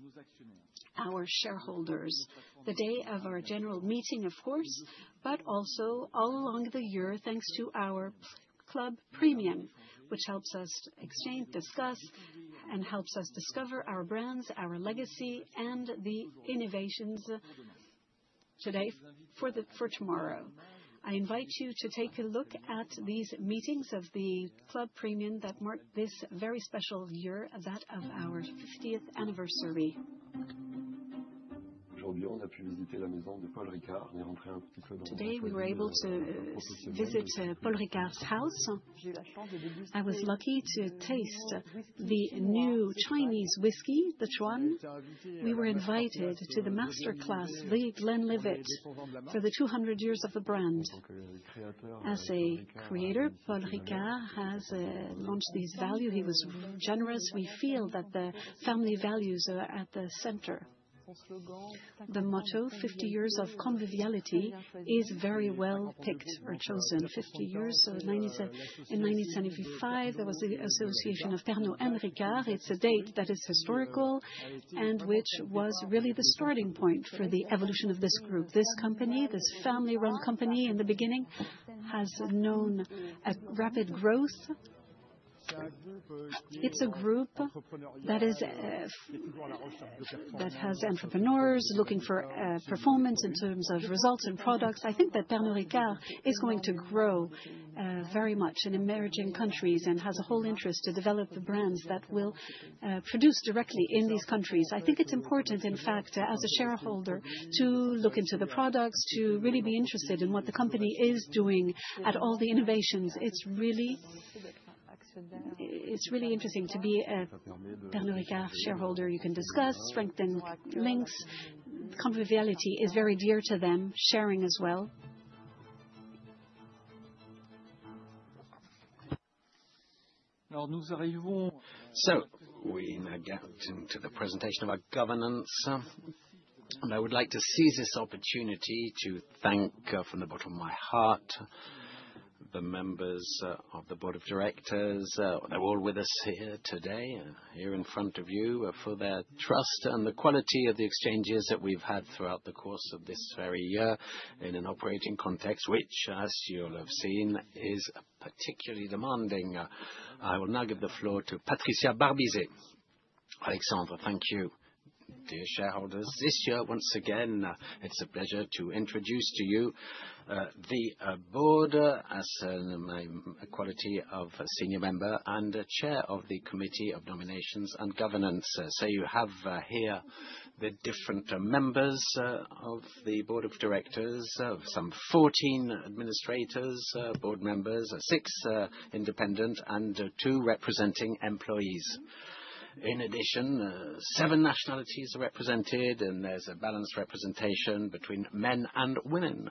our shareholders, the day of our general meeting, of course, but also all along the year, thanks to our Club Premium, which helps us exchange, discuss, and helps us discover our brands, our legacy, and the innovations today for tomorrow. I invite you to take a look at these meetings of the Club Premium that mark this very special year, that of our 50th anniversary. Today, we were able to visit Paul Ricard's house. I was lucky to taste the new Chinese whiskey, The Chuan. We were invited to the masterclass The Glenlivet for the 200 years of the brand. As a creator, Paul Ricard has launched these values. He was generous. We feel that the family values are at the center. The motto, 50 years of conviviality, is very well picked or chosen. 50 years, so in 1975, there was the association of Pernod and Ricard. It's a date that is historical and which was really the starting point for the evolution of this group. This company, this family-run company in the beginning, has known rapid growth. It's a group that has entrepreneurs looking for performance in terms of results and products. I think that Pernod Ricard is going to grow very much in emerging countries and has a whole interest to develop the brands that will produce directly in these countries. I think it's important, in fact, as a shareholder, to look into the products, to really be interested in what the company is doing at all the innovations. It's really interesting to be a Pernod Ricard shareholder. You can discuss, strengthen links. Conviviality is very dear to them, sharing as well. So, we're now getting to the presentation of our governance, and I would like to seize this opportunity to thank from the bottom of my heart the members of the Board of Directors. They're all with us here today, here in front of you, for their trust and the quality of the exchanges that we've had throughout the course of this very year in an operating context, which, as you'll have seen, is particularly demanding. I will now give the floor to Patricia Barbizet. Alexandre, thank you, dear shareholders. This year, once again, it's a pleasure to introduce to you the board as my quality of senior member and Chair of the Committee of Nominations and Governance. So, you have here the different members of the Board of Directors, some 14 administrators, board members, six independent, and two representing employees. In addition, seven nationalities are represented, and there's a balanced representation between men and women.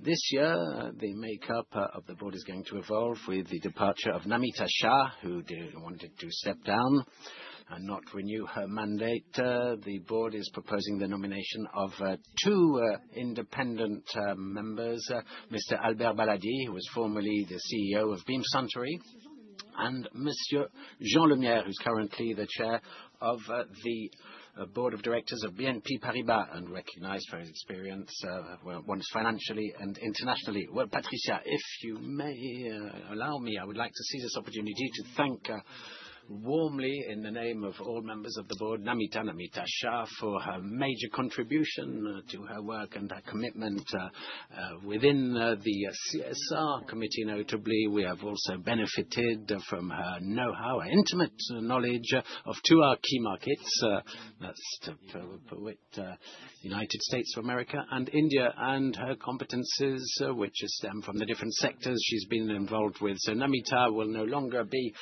This year, the makeup of the board is going to evolve with the departure of Namita Shah, who wanted to step down and not renew her mandate. The board is proposing the nomination of two independent members, Mr. Albert Baladi, who was formerly the CEO of Beam Suntory, and Monsieur Jean Lemierre, who's currently the Chair of the Board of Directors of BNP Paribas, and recognized for his experience both financially and internationally. Patricia, if you may allow me, I would like to seize this opportunity to thank warmly, in the name of all members of the board, Namita Shah, for her major contribution to her work and her commitment within the CSR committee, notably. We have also benefited from her know-how, her intimate knowledge of two of our key markets, the United States of America and India, and her competencies, which stem from the different sectors she's been involved with. Namita will no longer be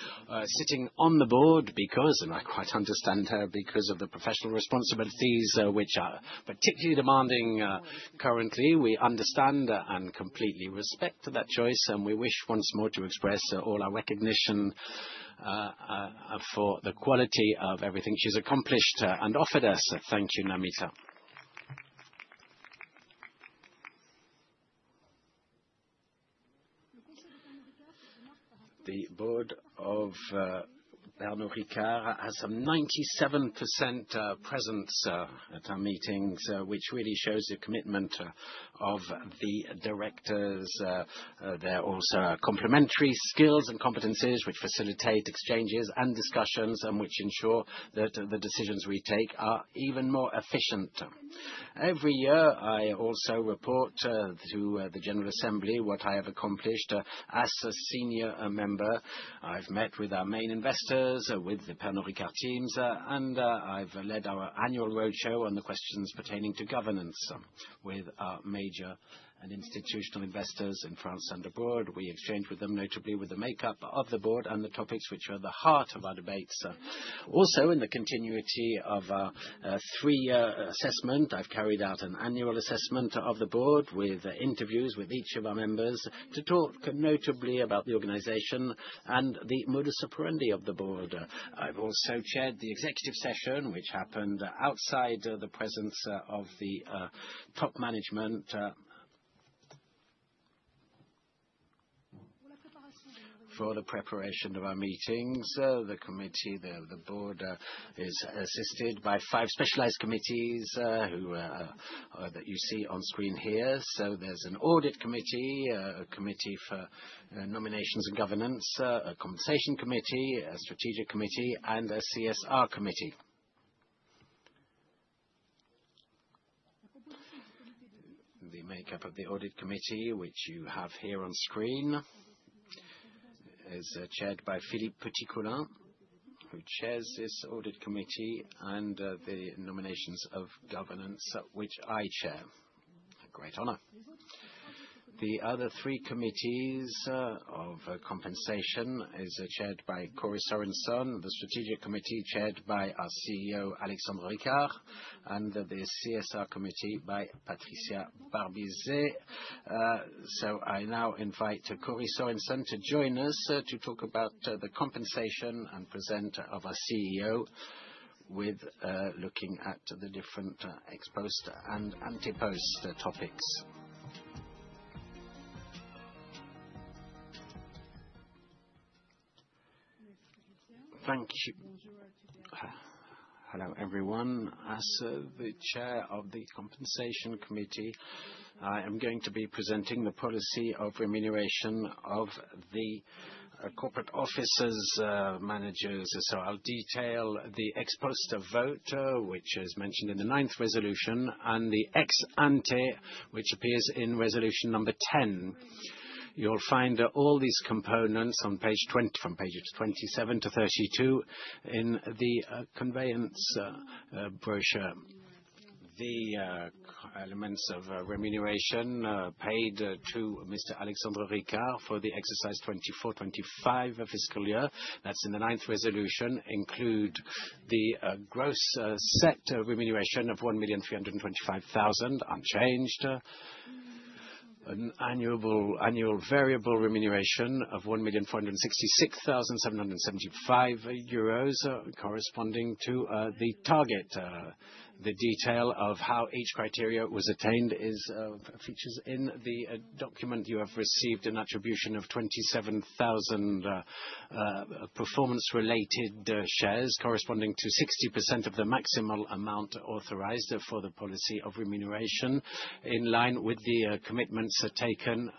sitting on the board because, and I quite understand her, because of the professional responsibilities, which are particularly demanding currently. We understand and completely respect that choice, and we wish once more to express all our recognition for the quality of everything she's accomplished and offered us. Thank you, Namita. The board of Pernod Ricard has a 97% presence at our meetings, which really shows the commitment of the directors. There are also complementary skills and competencies which facilitate exchanges and discussions and which ensure that the decisions we take are even more efficient. Every year, I also report to the General Assembly what I have accomplished as a senior member. I've met with our main investors, with the Pernod Ricard teams, and I've led our annual roadshow on the questions pertaining to governance with our major and institutional investors in France and abroad. We exchange with them, notably with the makeup of the board and the topics which are at the heart of our debates. Also, in the continuity of our three-year assessment, I've carried out an annual assessment of the board with interviews with each of our members to talk notably about the organization and the modus operandi of the board. I've also chaired the executive session, which happened outside the presence of the top management. For the preparation of our meetings, the board is assisted by five specialized committees that you see on screen here. There's an audit committee, a committee for nominations and governance, a compensation committee, a strategic committee, and a CSR committee. The makeup of the audit committee, which you have here on screen, is chaired by Philippe Petitcolin, who chairs this audit committee, and the nominations of governance, which I chair. A great honor. The other three committees of compensation are chaired by Kory Sorenson, the strategic committee chaired by our CEO, Alexandre Ricard, and the CSR committee by Patricia Barbizet. I now invite Kory Sorenson to join us to talk about the compensation and present of our CEO, looking at the different ex-post and ex-ante topics. Thank you. Hello everyone. As the chair of the compensation committee, I am going to be presenting the policy of remuneration of the corporate officers' managers. I'll detail the ex-post vote, which is mentioned in the ninth resolution, and the ex-ante, which appears in resolution number 10. You'll find all these components on page. From page 27 to 32 in the convening brochure. The elements of remuneration paid to Mr. Alexandre Ricard for the exercise 2024-2025 fiscal year, that's in the ninth resolution, includes the gross set remuneration of 1,325,000 unchanged, annual variable remuneration of 1,466,775 euros corresponding to the target. The detail of how each criteria was attained features in the document you have received. An attribution of 27,000 performance-related shares corresponding to 60% of the maximal amount authorized for the policy of remuneration in line with the commitments taken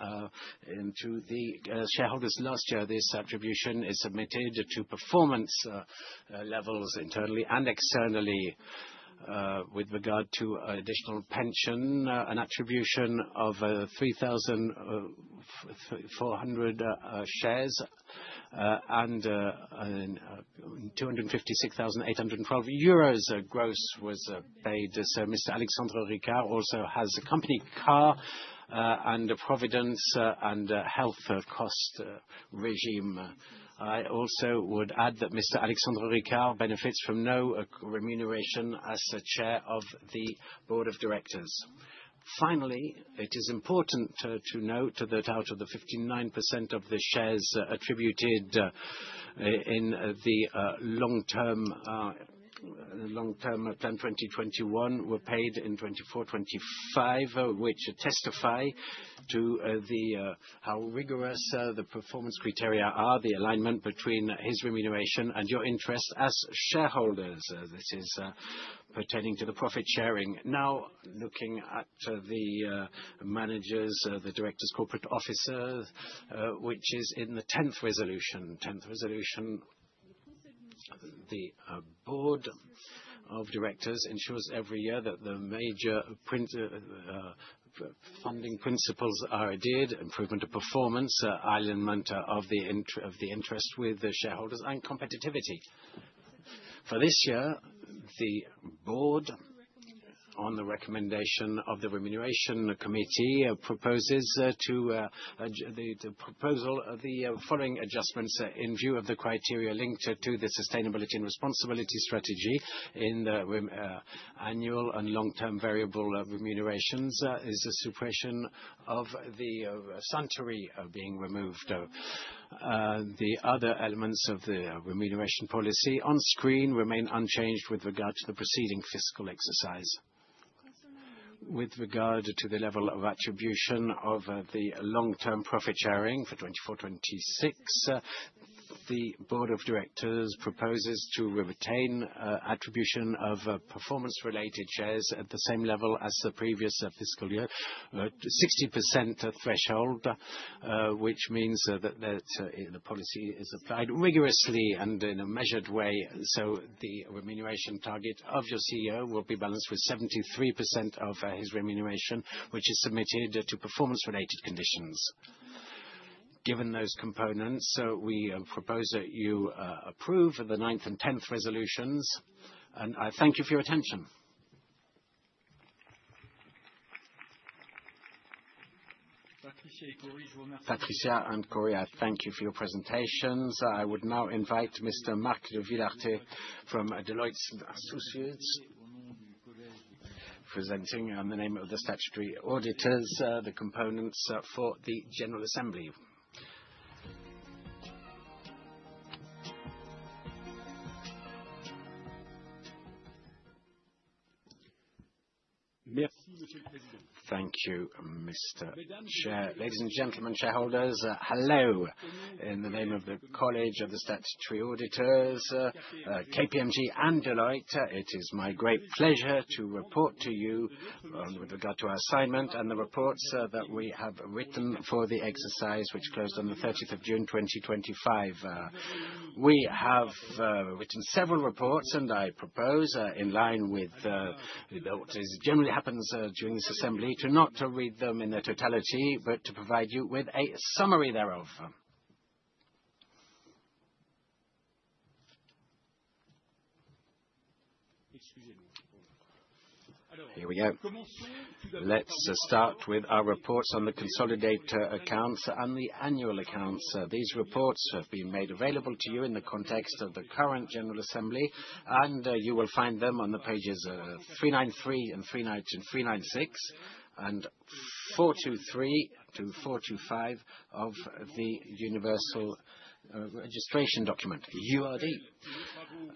to the shareholders last year. This attribution is submitted to performance levels internally and externally. With regard to additional pension, an attribution of 3,400 shares and 256,812 euros gross was paid. Mr. Alexandre Ricard also has a company car and a providence and health cost regime. I also would add that Mr. Alexandre Ricard benefits from no remuneration as Chair of the Board of Directors. Finally, it is important to note that out of the 59% of the shares attributed in the long-term plan 2021, were paid in 2024-2025, which testify to how rigorous the performance criteria are, the alignment between his remuneration and your interests as shareholders. This is pertaining to the profit sharing. Now, looking at the managers, the directors, corporate officers, which is in the 10th resolution. The Board of Directors ensures every year that the major funding principles are adhered, improvement of performance, alignment of the interests with the shareholders, and competitivity. For this year, the board, on the recommendation of the remuneration committee, proposes the proposal of the following adjustments in view of the criteria linked to the sustainability and responsibility strategy in the annual and long-term variable remunerations is the suppression of the Suntory being removed. The other elements of the remuneration policy on screen remain unchanged with regard to the preceding fiscal exercise. With regard to the level of attribution of the long-term profit sharing for 2024-2026, the Board of Directors proposes to retain attribution of performance-related shares at the same level as the previous fiscal year, 60% threshold, which means that the policy is applied rigorously and in a measured way. The remuneration target of your CEO will be balanced with 73% of his remuneration, which is submitted to performance-related conditions. Given those components, we propose that you approve the ninth and 10th resolutions, and I thank you for your attention. Patricia and Kory, I thank you for your presentations. I would now invite Mr. Marc de Villartay from Deloitte & Associés presenting on the name of the statutory auditors the components for the General Assembly. Thank you, Mr. Chair. Ladies and gentlemen, shareholders, hello in the name of the College of the Statutory Auditors, KPMG, and Deloitte. It is my great pleasure to report to you with regard to our assignment and the reports that we have written for the exercise which closed on the 30th of June 2025. We have written several reports, and I propose, in line with what generally happens during this assembly, to not read them in their totality, but to provide you with a summary thereof. Here we go. Let's start with our reports on the consolidated accounts and the annual accounts. These reports have been made available to you in the context of the current General Assembly, and you will find them on pages 393 and 396 and 423 to 425 of the Universal Registration Document, URD.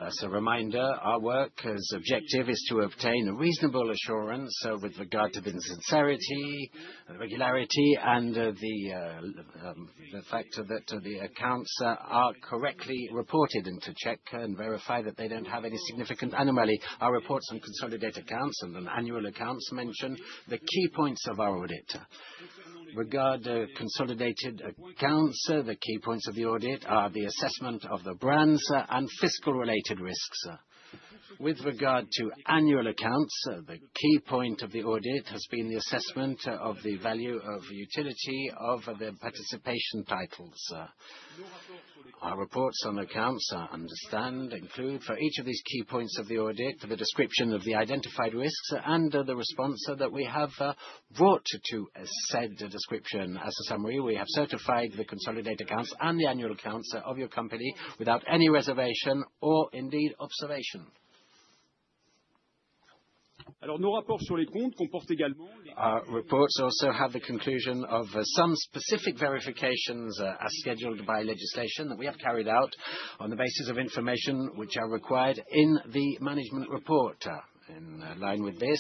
As a reminder, our work's objective is to obtain reasonable assurance with regard to the sincerity, the regularity, and the fact that the accounts are correctly reported and to check and verify that they don't have any significant anomaly. Our reports on consolidated accounts and annual accounts mention the key points of our audit. Regarding consolidated accounts, the key points of the audit are the assessment of the brands and fiscal-related risks. With regard to annual accounts, the key point of the audit has been the assessment of the value of utility of the participation titles. Our reports on accounts include for each of these key points of the audit the description of the identified risks and the response that we have brought to said description. As a summary, we have certified the consolidated accounts and the annual accounts of your company without any reservation or observation. Our reports also have the conclusion of some specific verifications as scheduled by legislation that we have carried out on the basis of information which are required in the management report. In line with this,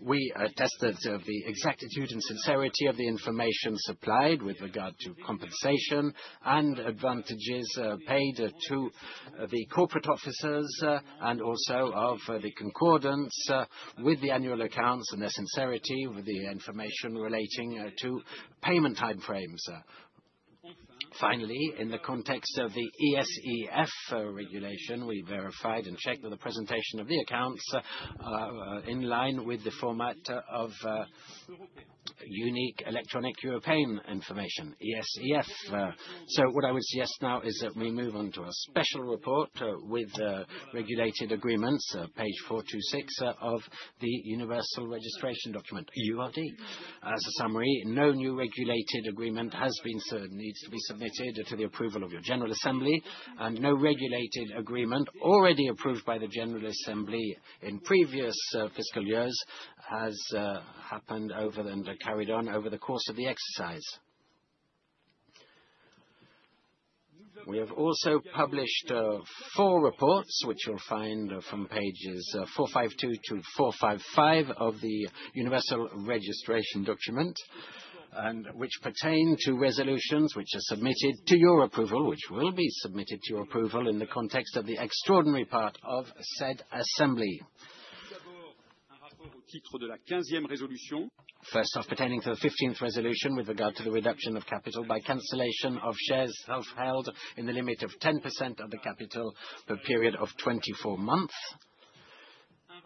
we tested the exactitude and sincerity of the information supplied with regard to compensation and advantages paid to the corporate officers and also of the concordance with the annual accounts and their sincerity with the information relating to payment time frames. Finally, in the context of the ESEF regulation, we verified and checked the presentation of the accounts in line with the format of unique electronic European information, ESEF. What I would suggest now is that we move on to a special report with regulated agreements, page 426 of the Universal Registration Document, URD. As a summary, no new regulated agreement has been submitted to the approval of your General Assembly, and no regulated agreement already approved by the General Assembly in previous fiscal years has happened and carried on over the course of the exercise. We have also published four reports, which you'll find from pages 452 to 455 of the Universal Registration Document, which pertain to resolutions which are submitted to your approval, which will be submitted to your approval in the context of the extraordinary part of said assembly. First off, pertaining to the 15th resolution with regard to the reduction of capital by cancellation of shares held in the limit of 10% of the capital for a period of 24 months.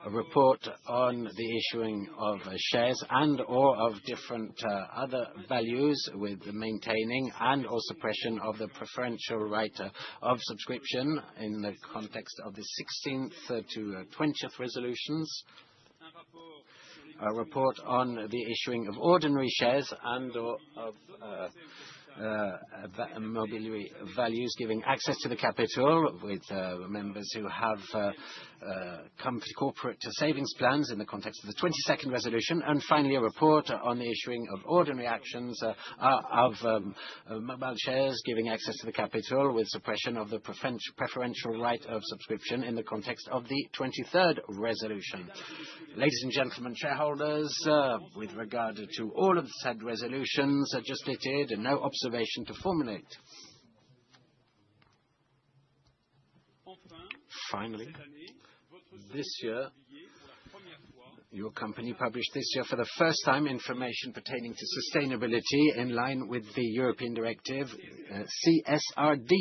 A report on the issuing of shares and/or of different other securities with maintaining and/or suppression of the preferential right of subscription in the context of the 16th to 20th resolutions. A report on the issuing of ordinary shares and/or of securities giving access to the capital with members who have company corporate savings plans in the context of the 22nd resolution. And finally, a report on the issuing of ordinary shares of securities giving access to the capital with suppression of the preferential right of subscription in the context of the 23rd resolution. Ladies and gentlemen, shareholders, with regard to all of the said resolutions just stated, no observation to formulate. Finally, this year, your company published this year for the first time information pertaining to sustainability in line with the European directive CSRD.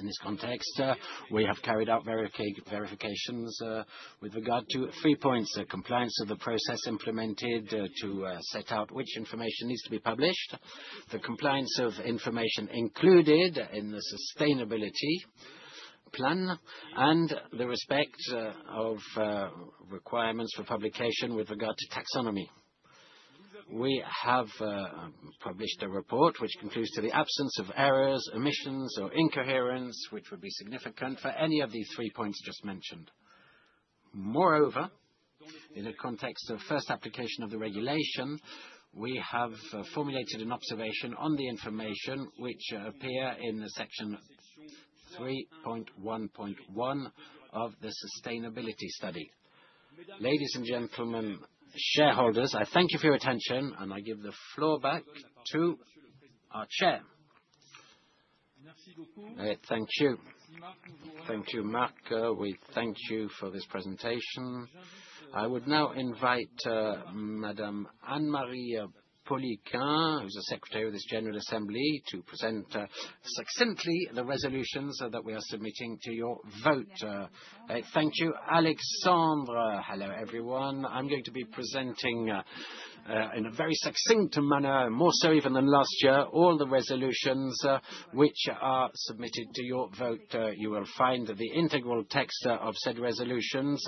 In this context, we have carried out verifications with regard to three points: compliance of the process implemented to set out which information needs to be published, the compliance of information included in the sustainability plan, and the respect of requirements for publication with regard to taxonomy. We have published a report which concludes to the absence of errors, omissions, or incoherence which would be significant for any of the three points just mentioned. Moreover, in the context of first application of the regulation, we have formulated an observation on the information which appears in section 3.1.1 of the sustainability study. Ladies and gentlemen, shareholders, I thank you for your attention, and I give the floor back to our chair. Thank you. Thank you, Marc. We thank you for this presentation. I would now invite Madame Anne-Marie Poliquin, who's the Secretary of this General Assembly, to present succinctly the resolutions that we are submitting to your vote. Thank you, Alexandre. Hello everyone. I'm going to be presenting in a very succinct manner, more so even than last year, all the resolutions which are submitted to your vote. You will find the integral text of said resolutions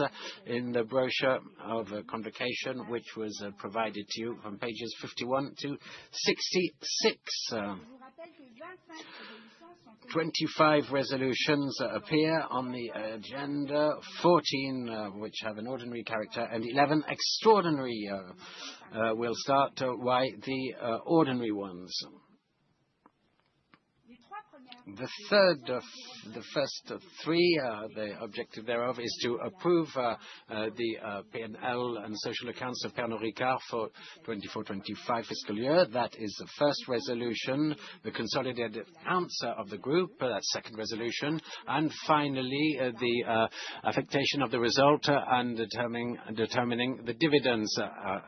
in the brochure of convocation, which was provided to you from pages 51 to 66. Twenty-five resolutions appear on the agenda, 14 which have an ordinary character and 11 extraordinary. We'll start by the ordinary ones. The third of the first three, the objective thereof is to approve the P&L and social accounts of Pernod Ricard for 2024-2025 fiscal year. That is the first resolution, the consolidated answer of the group, that second resolution, and finally the affectation of the result and determining the dividends,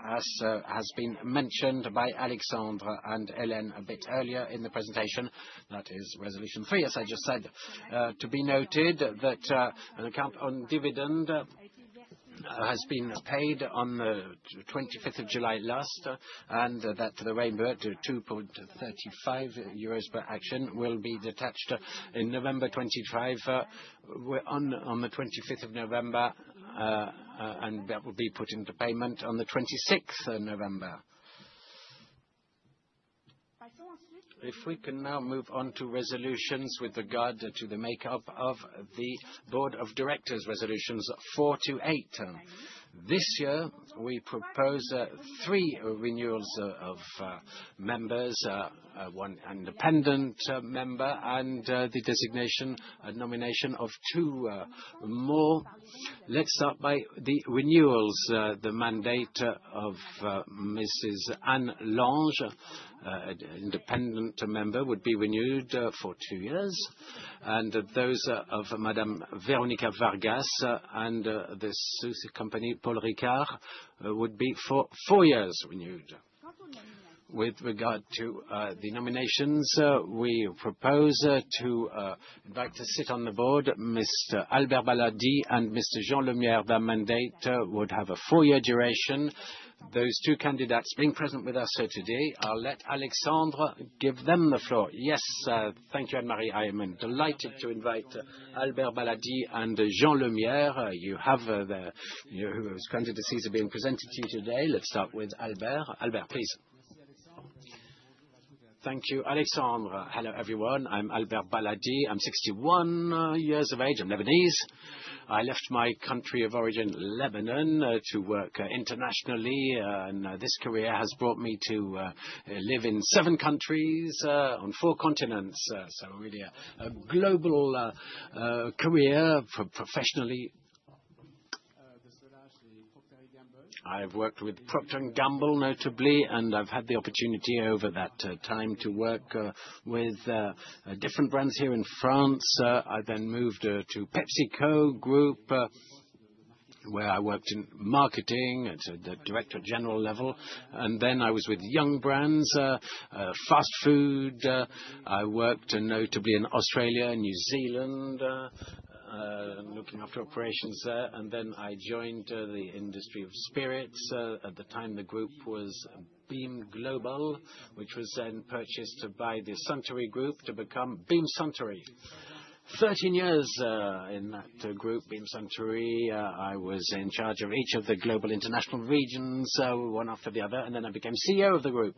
as has been mentioned by Alexandre and Hélène a bit earlier in the presentation. That is resolution three, as I just said. To be noted that an account on dividend has been paid on the 25th of July last, and that the remainder, 2.35 euros per action, will be detached on November 25th, and that will be put into payment on the 26th of November. If we can now move on to resolutions with regard to the makeup of the Board of Directors resolutions four to eight. This year, we propose three renewals of members, one independent member, and the designation and nomination of two more. Let's start by the renewals. The mandate of Mrs. Anne Lange, independent member, would be renewed for two years, and those of Madame Veronica Vargas and the sous-compagnie Paul Ricard would be renewed for four years. With regard to the nominations, we propose to invite to sit on the board Mr. Albert Baladi and Mr. Jean Lemierre. Their mandate would have a four-year duration. Those two candidates being present with us today, I'll let Alexandre give them the floor. Yes, thank you, Anne-Marie. I am delighted to invite Albert Baladi and Jean Lemierre. You have the candidacy being presented to you today. Let's start with Albert. Albert, please. Thank you, Alexandre. Hello everyone. I'm Albert Baladi. I'm 61 years of age. I'm Lebanese. I left my country of origin, Lebanon, to work internationally, and this career has brought me to live in seven countries on four continents. So really a global career professionally. I've worked with Procter & Gamble, notably, and I've had the opportunity over that time to work with different brands here in France. I then moved to PepsiCo Group, where I worked in marketing at the director general level, and then I was with Yum! Brands, fast food. I worked notably in Australia and New Zealand, looking after operations, and then I joined the industry of spirits. At the time, the group was Beam Global, which was then purchased by the Suntory Group to become Beam Suntory. Thirteen years in that group, Beam Suntory, I was in charge of each of the global international regions, one after the other, and then I became CEO of the group.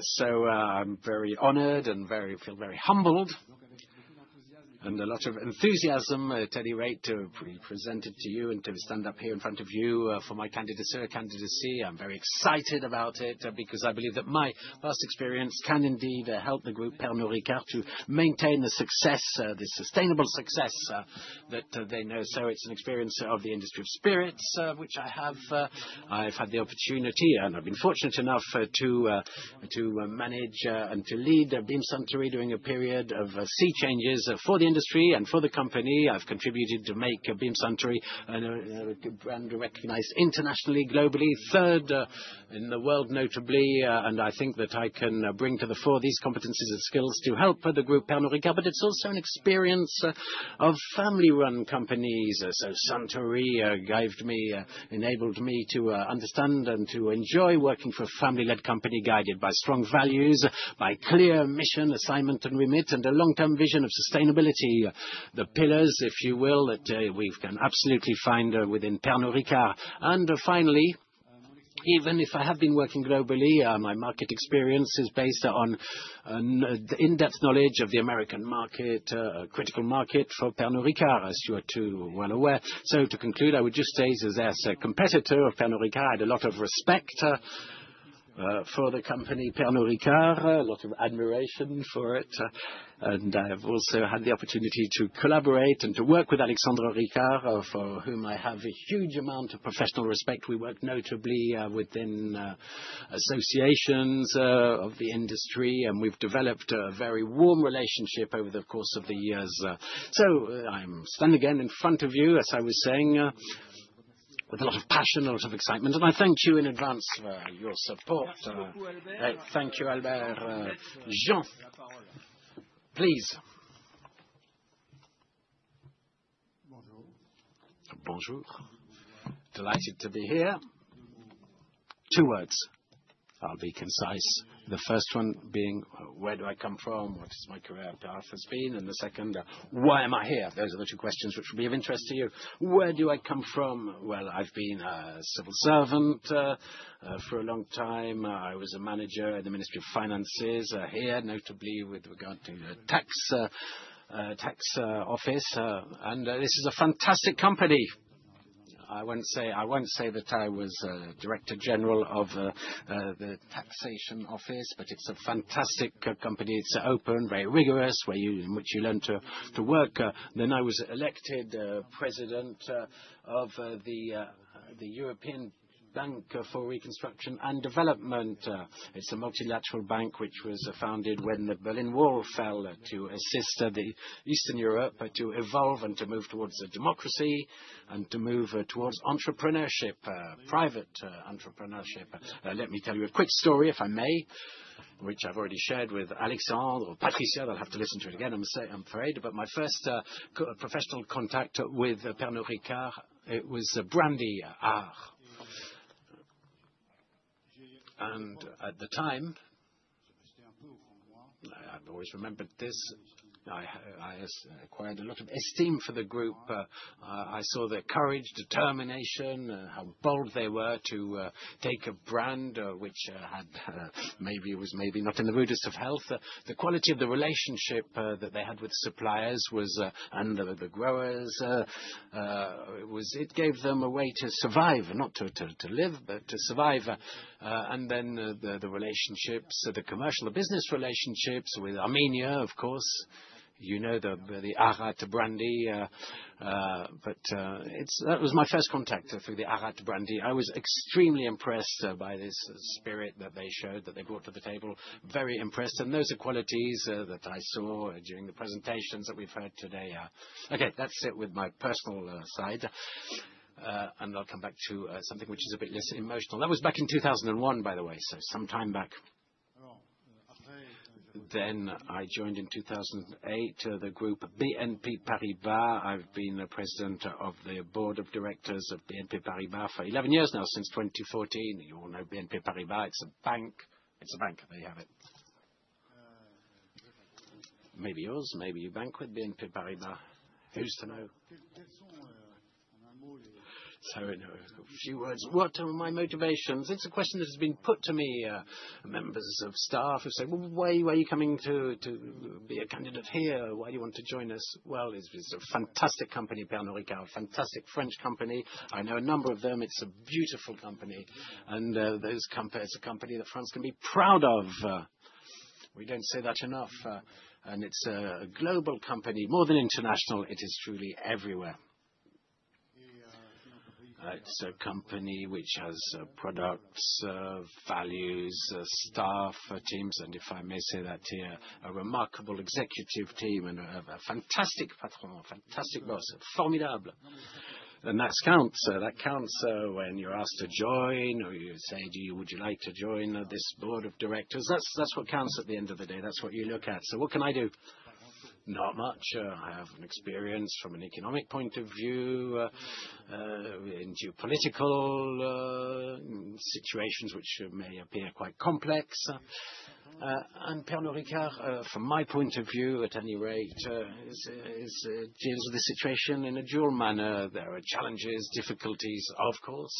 So I'm very honored and feel very humbled and a lot of enthusiasm at any rate to be presented to you and to stand up here in front of you for my candidacy. I'm very excited about it because I believe that my past experience can indeed help the group Pernod Ricard to maintain the success, the sustainable success that they know. So it's an experience of the industry of spirits, which I have. I've had the opportunity, and I've been fortunate enough to manage and to lead Beam Suntory during a period of sea changes for the industry and for the company. I've contributed to make Beam Suntory a brand recognized internationally, globally, third in the world, notably, and I think that I can bring to the fore these competencies and skills to help the group Pernod Ricard, but it's also an experience of family-run companies. Suntory enabled me to understand and to enjoy working for a family-led company guided by strong values, by clear mission, assignment, and remit, and a long-term vision of sustainability. The pillars, if you will, that we can absolutely find within Pernod Ricard. And finally, even if I have been working globally, my market experience is based on in-depth knowledge of the American market, a critical market for Pernod Ricard, as you are too well aware. So to conclude, I would just say that as a competitor of Pernod Ricard, I had a lot of respect for the company Pernod Ricard, a lot of admiration for it, and I have also had the opportunity to collaborate and to work with Alexandre Ricard, for whom I have a huge amount of professional respect. We work notably within associations of the industry, and we've developed a very warm relationship over the course of the years. I'm standing again in front of you, as I was saying, with a lot of passion, a lot of excitement, and I thank you in advance for your support. Thank you, Albert. Jean, please. Bonjour. Delighted to be here. Two words. I'll be concise. The first one being, where do I come from? What has my career path been? And the second, why am I here? Those are the two questions which will be of interest to you. Where do I come from? I've been a civil servant for a long time. I was a manager in the Ministry of Finances here, notably with regard to the tax office, and this is a fantastic company. I won't say that I was a Director General of the taxation office, but it's a fantastic company. It's open, very rigorous, in which you learn to work. I was elected President of the European Bank for Reconstruction and Development. It's a multilateral bank which was founded when the Berlin Wall fell to assist Eastern Europe to evolve and to move towards democracy and to move towards entrepreneurship, private entrepreneurship. Let me tell you a quick story, if I may, which I've already shared with Alexandre or Patricia. They'll have to listen to it again, I'm afraid, but my first professional contact with Pernod Ricard was Brandy Ararat. At the time, I've always remembered this, I acquired a lot of esteem for the group. I saw their courage, determination, how bold they were to take a brand which maybe was not in the rudest of health. The quality of the relationship that they had with suppliers and the growers gave them a way to survive, not to live, but to survive. The relationships, the commercial, the business relationships with Armenia, of course. You know the Ararat Brandy, but that was my first contact through the Ararat Brandy. I was extremely impressed by this spirit that they showed, that they brought to the table. Very impressed. Those are qualities that I saw during the presentations that we've heard today. That's it with my personal side, and I'll come back to something which is a bit less emotional. That was back in 2001, by the way, so some time back. I joined in 2008 the group BNP Paribas. I've been the President of the Board of Directors of BNP Paribas for 11 years now, since 2014. You all know BNP Paribas. It's a bank. There you have it. Maybe yours, maybe you bank with BNP Paribas. Who's to know? In a few words, what are my motivations? It's a question that has been put to me. Members of staff have said, "Why are you coming to be a candidate here? Why do you want to join us?" Well, it's a fantastic company, Pernod Ricard. Fantastic French company. I know a number of them. It's a beautiful company. It's a company that France can be proud of. We don't say that enough. It's a global company. More than international, it is truly everywhere. It's a company which has products, values, staff, teams, and if I may say that here, a remarkable executive team and a fantastic patron, a fantastic boss, a formidable one. That counts. That counts when you're asked to join or you say, "Would you like to join this board of directors?" That's what counts at the end of the day. That's what you look at. So what can I do? Not much. I have an experience from an economic point of view, in geopolitical situations which may appear quite complex. Pernod Ricard, from my point of view, at any rate, deals with the situation in a dual manner. There are challenges, difficulties, of course.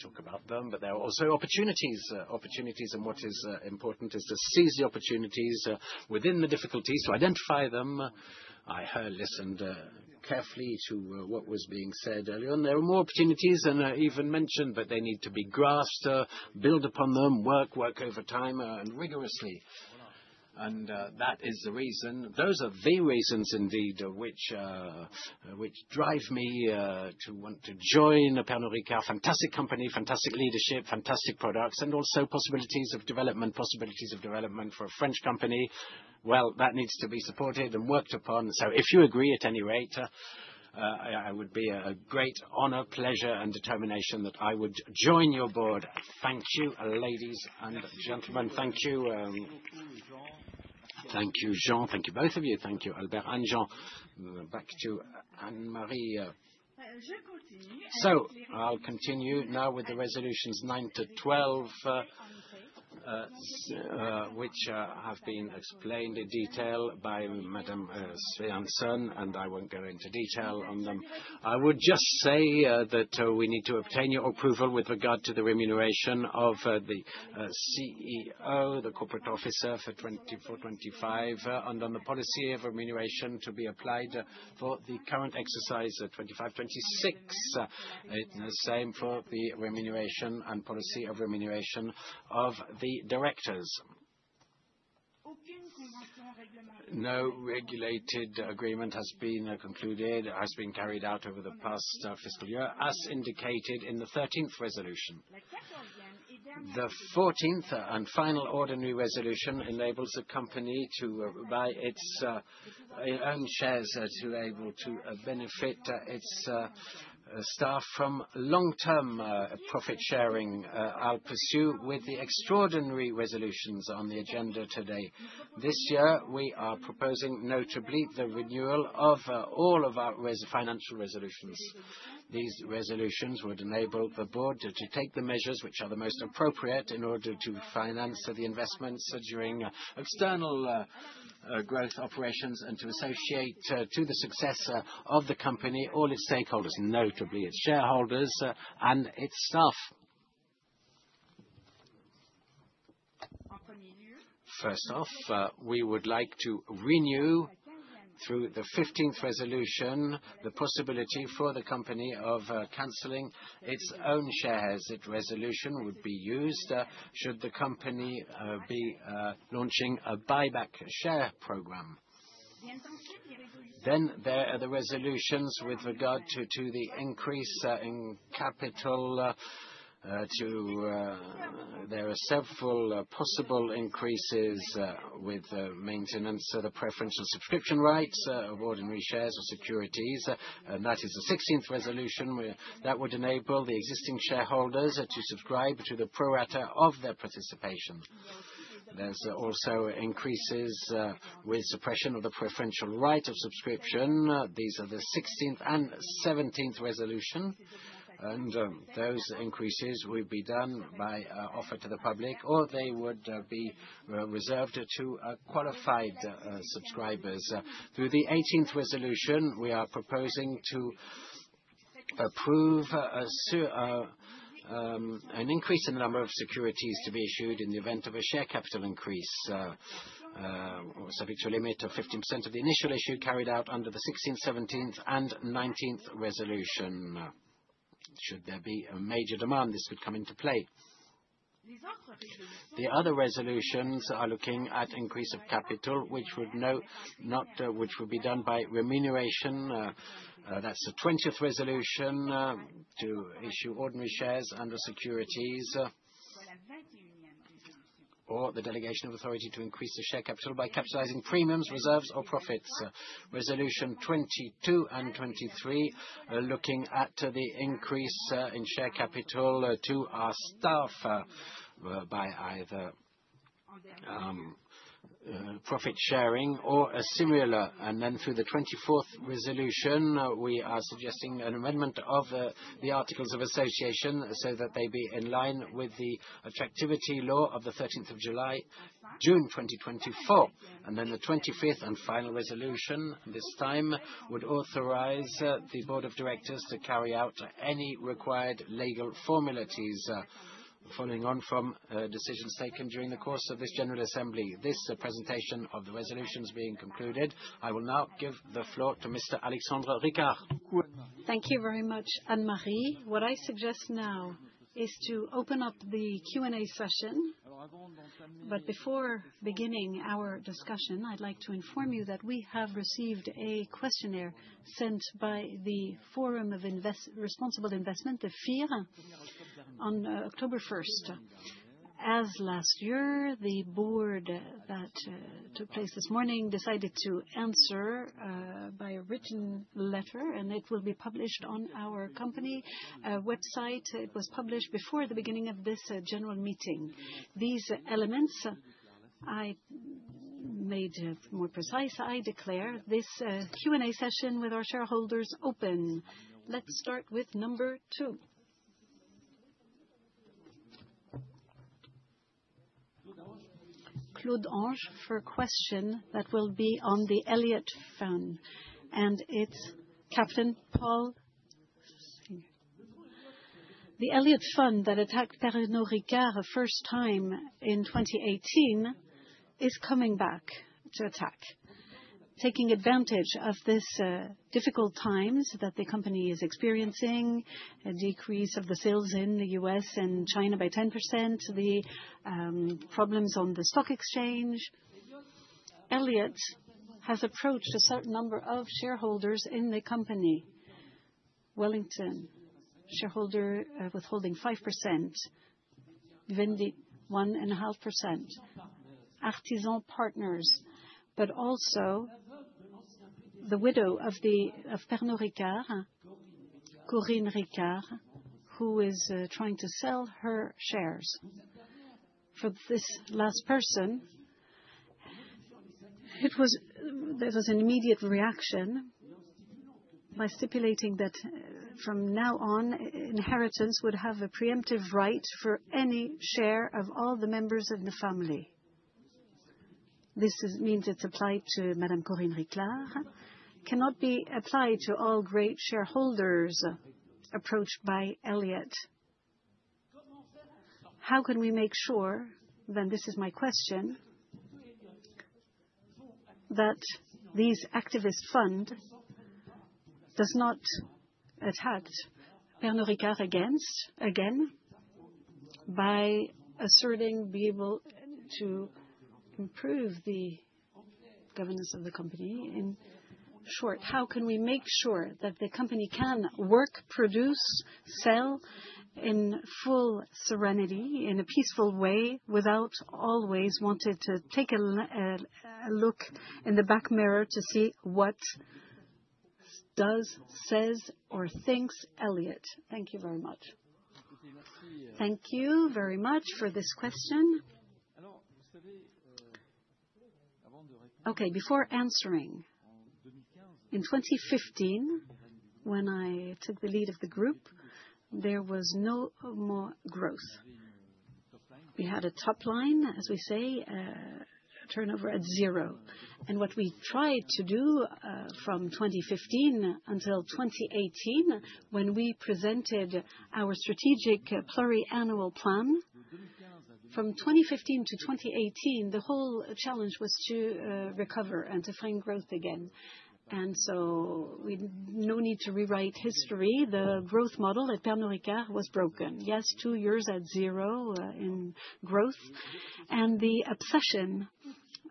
We talk about them, but there are also opportunities. Opportunities, and what is important is to seize the opportunities within the difficulties, to identify them. I listened carefully to what was being said earlier, and there are more opportunities than I even mentioned, but they need to be grasped, build upon them, work, work over time, and rigorously. That is the reason. Those are the reasons indeed which drive me to want to join Pernod Ricard. Fantastic company, fantastic leadership, fantastic products, and also possibilities of development, possibilities of development for a French company. Well, that needs to be supported and worked upon. If you agree, at any rate, it would be a great honor, pleasure, and determination that I would join your board. Thank you, ladies and gentlemen. Thank you. Thank you, Jean. Thank you, both of you. Thank you, Albert and Jean. Back to Anne-Marie. I'll continue now with the resolutions 9 to 12, which have been explained in detail by Madame Sorenson, and I won't go into detail on them. I would just say that we need to obtain your approval with regard to the remuneration of the CEO, the corporate officer for 2024-2025, and on the policy of remuneration to be applied for the current exercise 2025-2026. Same for the remuneration and policy of remuneration of the directors. No regulated agreement has been concluded, has been carried out over the past fiscal year, as indicated in the 13th resolution. The 14th and final ordinary resolution enables a company to buy its own shares, to be able to benefit its staff from long-term profit sharing. I'll pursue with the extraordinary resolutions on the agenda today. This year, we are proposing, notably, the renewal of all of our financial resolutions. These resolutions would enable the board to take the measures which are the most appropriate in order to finance the investments during external growth operations and to associate to the success of the company all its stakeholders, notably its shareholders and its staff. First off, we would like to renew, through the 15th resolution, the possibility for the company of canceling its own shares. That resolution would be used should the company be launching a buyback share program. There are the resolutions with regard to the increase in capital. There are several possible increases with maintenance of the preferential subscription rights of ordinary shares or securities. That is the 16th resolution, that would enable the existing shareholders to subscribe to the prorata of their participation. There's also increases with suppression of the preferential right of subscription. These are the 16th and 17th resolutions. Those increases will be done by offer to the public, or they would be reserved to qualified subscribers. Through the 18th resolution, we are proposing to approve an increase in the number of securities to be issued in the event of a share capital increase, subject to a limit of 15% of the initial issue carried out under the 16th, 17th, and 19th resolution. Should there be a major demand, this could come into play. The other resolutions are looking at increase of capital, which would be done by remuneration. That's the 20th resolution to issue ordinary shares under securities or the delegation of authority to increase the share capital by capitalizing premiums, reserves, or profits. Resolution 22 and 23 are looking at the increase in share capital to our staff by either profit sharing or a similar. Through the 24th resolution, we are suggesting an amendment of the articles of association so that they be in line with the attractivity law of the 13th of July 2024. The 25th and final resolution, this time, would authorize the board of directors to carry out any required legal formalities following on from decisions taken during the course of this general assembly. This presentation of the resolutions being concluded, I will now give the floor to Mr. Alexandre Ricard. Thank you very much, Anne-Marie. What I suggest now is to open up the Q&A session. But before beginning our discussion, I'd like to inform you that we have received a questionnaire sent by the Forum of Responsible Investment, the FIR, on October 1st. As last year, the board that took place this morning decided to answer by a written letter, and it will be published on our company website. It was published before the beginning of this general meeting. These elements, I made more precise, I declare this Q&A session with our shareholders open. Let's start with number two. Claude Ange for a question that will be on the Elliott Fund. And it's captain, Paul. The Elliott Fund that attacked Pernod Ricard the first time in 2018 is coming back to attack, taking advantage of these difficult times that the company is experiencing, a decrease of the sales in the U.S. and China by 10%, the problems on the stock exchange. Elliott has approached a certain number of shareholders in the company. Wellington, shareholder withholding 5%, Vanguard 1.5%, Artisan Partners, but also the widow of Pernod Ricard, Corinne Ricard, who is trying to sell her shares. For this last person, there was an immediate reaction by stipulating that from now on, inheritance would have a preemptive right for any share of all the members of the family. This means it's applied to Madame Corinne Ricard, cannot be applied to all great shareholders approached by Elliott. How can we make sure, then this is my question, that these activist funds do not attack Pernod Ricard again by asserting to improve the governance of the company? In short, how can we make sure that the company can work, produce, sell in full serenity, in a peaceful way, without always wanting to take a look in the back mirror to see what does, says, or thinks Elliott? Thank you very much. Thank you very much for this question. Before answering, in 2015, when I took the lead of the group, there was no more growth. We had a top line, as we say, turnover at zero. What we tried to do from 2015 until 2018, when we presented our strategic pluriannual plan, from 2015 to 2018, the whole challenge was to recover and to find growth again. We had no need to rewrite history. The growth model at Pernod Ricard was broken. Yes, two years at zero in growth. The obsession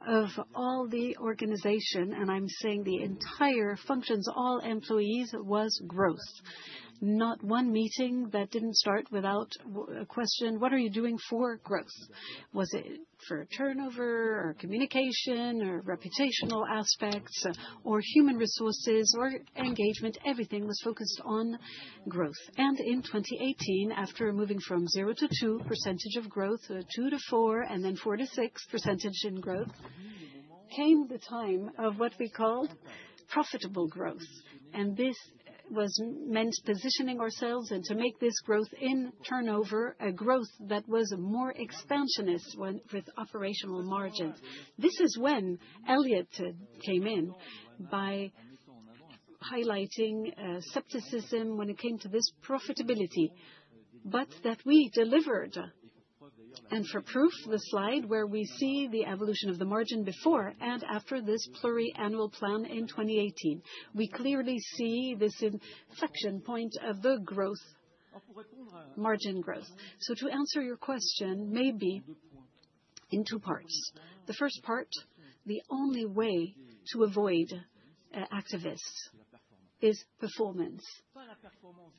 of all the organization, and I'm saying the entire functions, all employees, was growth. Not one meeting that didn't start without a question: What are you doing for growth? Was it for turnover or communication or reputational aspects or human resources or engagement? Everything was focused on growth. In 2018, after moving from 0% to 2% growth, 2% to 4%, and then 4% to 6% growth, came the time of what we called profitable growth. This was meant positioning ourselves and to make this growth in turnover a growth that was more expansionist with operational margins. This is when Elliott came in by highlighting skepticism when it came to this profitability, but that we delivered. For proof, the slide where we see the evolution of the margin before and after this pluriannual plan in 2018, we clearly see this inflection point of the growth, margin growth. To answer your question, maybe in two parts. The first part, the only way to avoid activists is performance.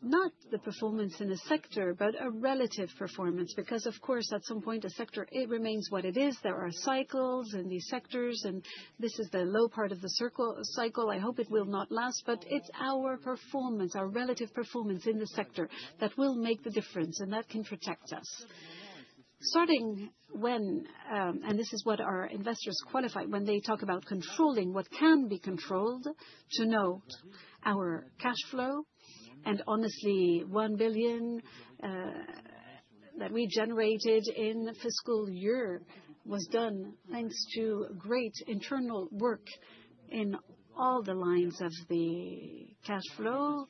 Not the performance in a sector, but a relative performance, because of course, at some point, a sector, it remains what it is. There are cycles in these sectors, and this is the low part of the cycle. I hope it will not last, but it's our performance, our relative performance in the sector that will make the difference, and that can protect us. Starting when, and this is what our investors qualify when they talk about controlling what can be controlled, to note our cash flow. Honestly, $1 billion that we generated in fiscal year was done thanks to great internal work in all the lines of the cash flow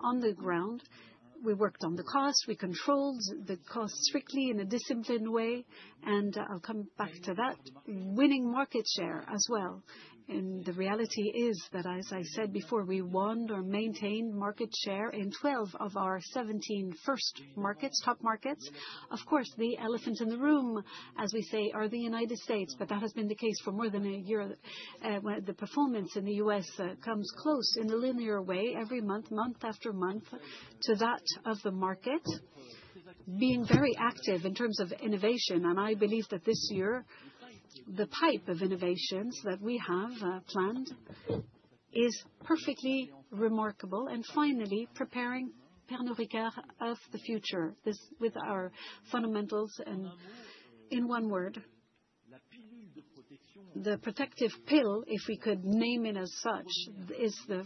on the ground. We worked on the cost. We controlled the cost strictly in a disciplined way. I'll come back to that. Winning market share as well. The reality is that, as I said before, we won or maintained market share in 12 of our 17 first markets, top markets. Of course, the elephant in the room, as we say, are the United States, but that has been the case for more than a year. The performance in the U.S. comes close in a linear way every month, month after month, to that of the market, being very active in terms of innovation. I believe that this year, the pipe of innovations that we have planned is perfectly remarkable. Finally, preparing Pernod Ricard of the future, this with our fundamentals, and in one word, the protective pill, if we could name it as such, is the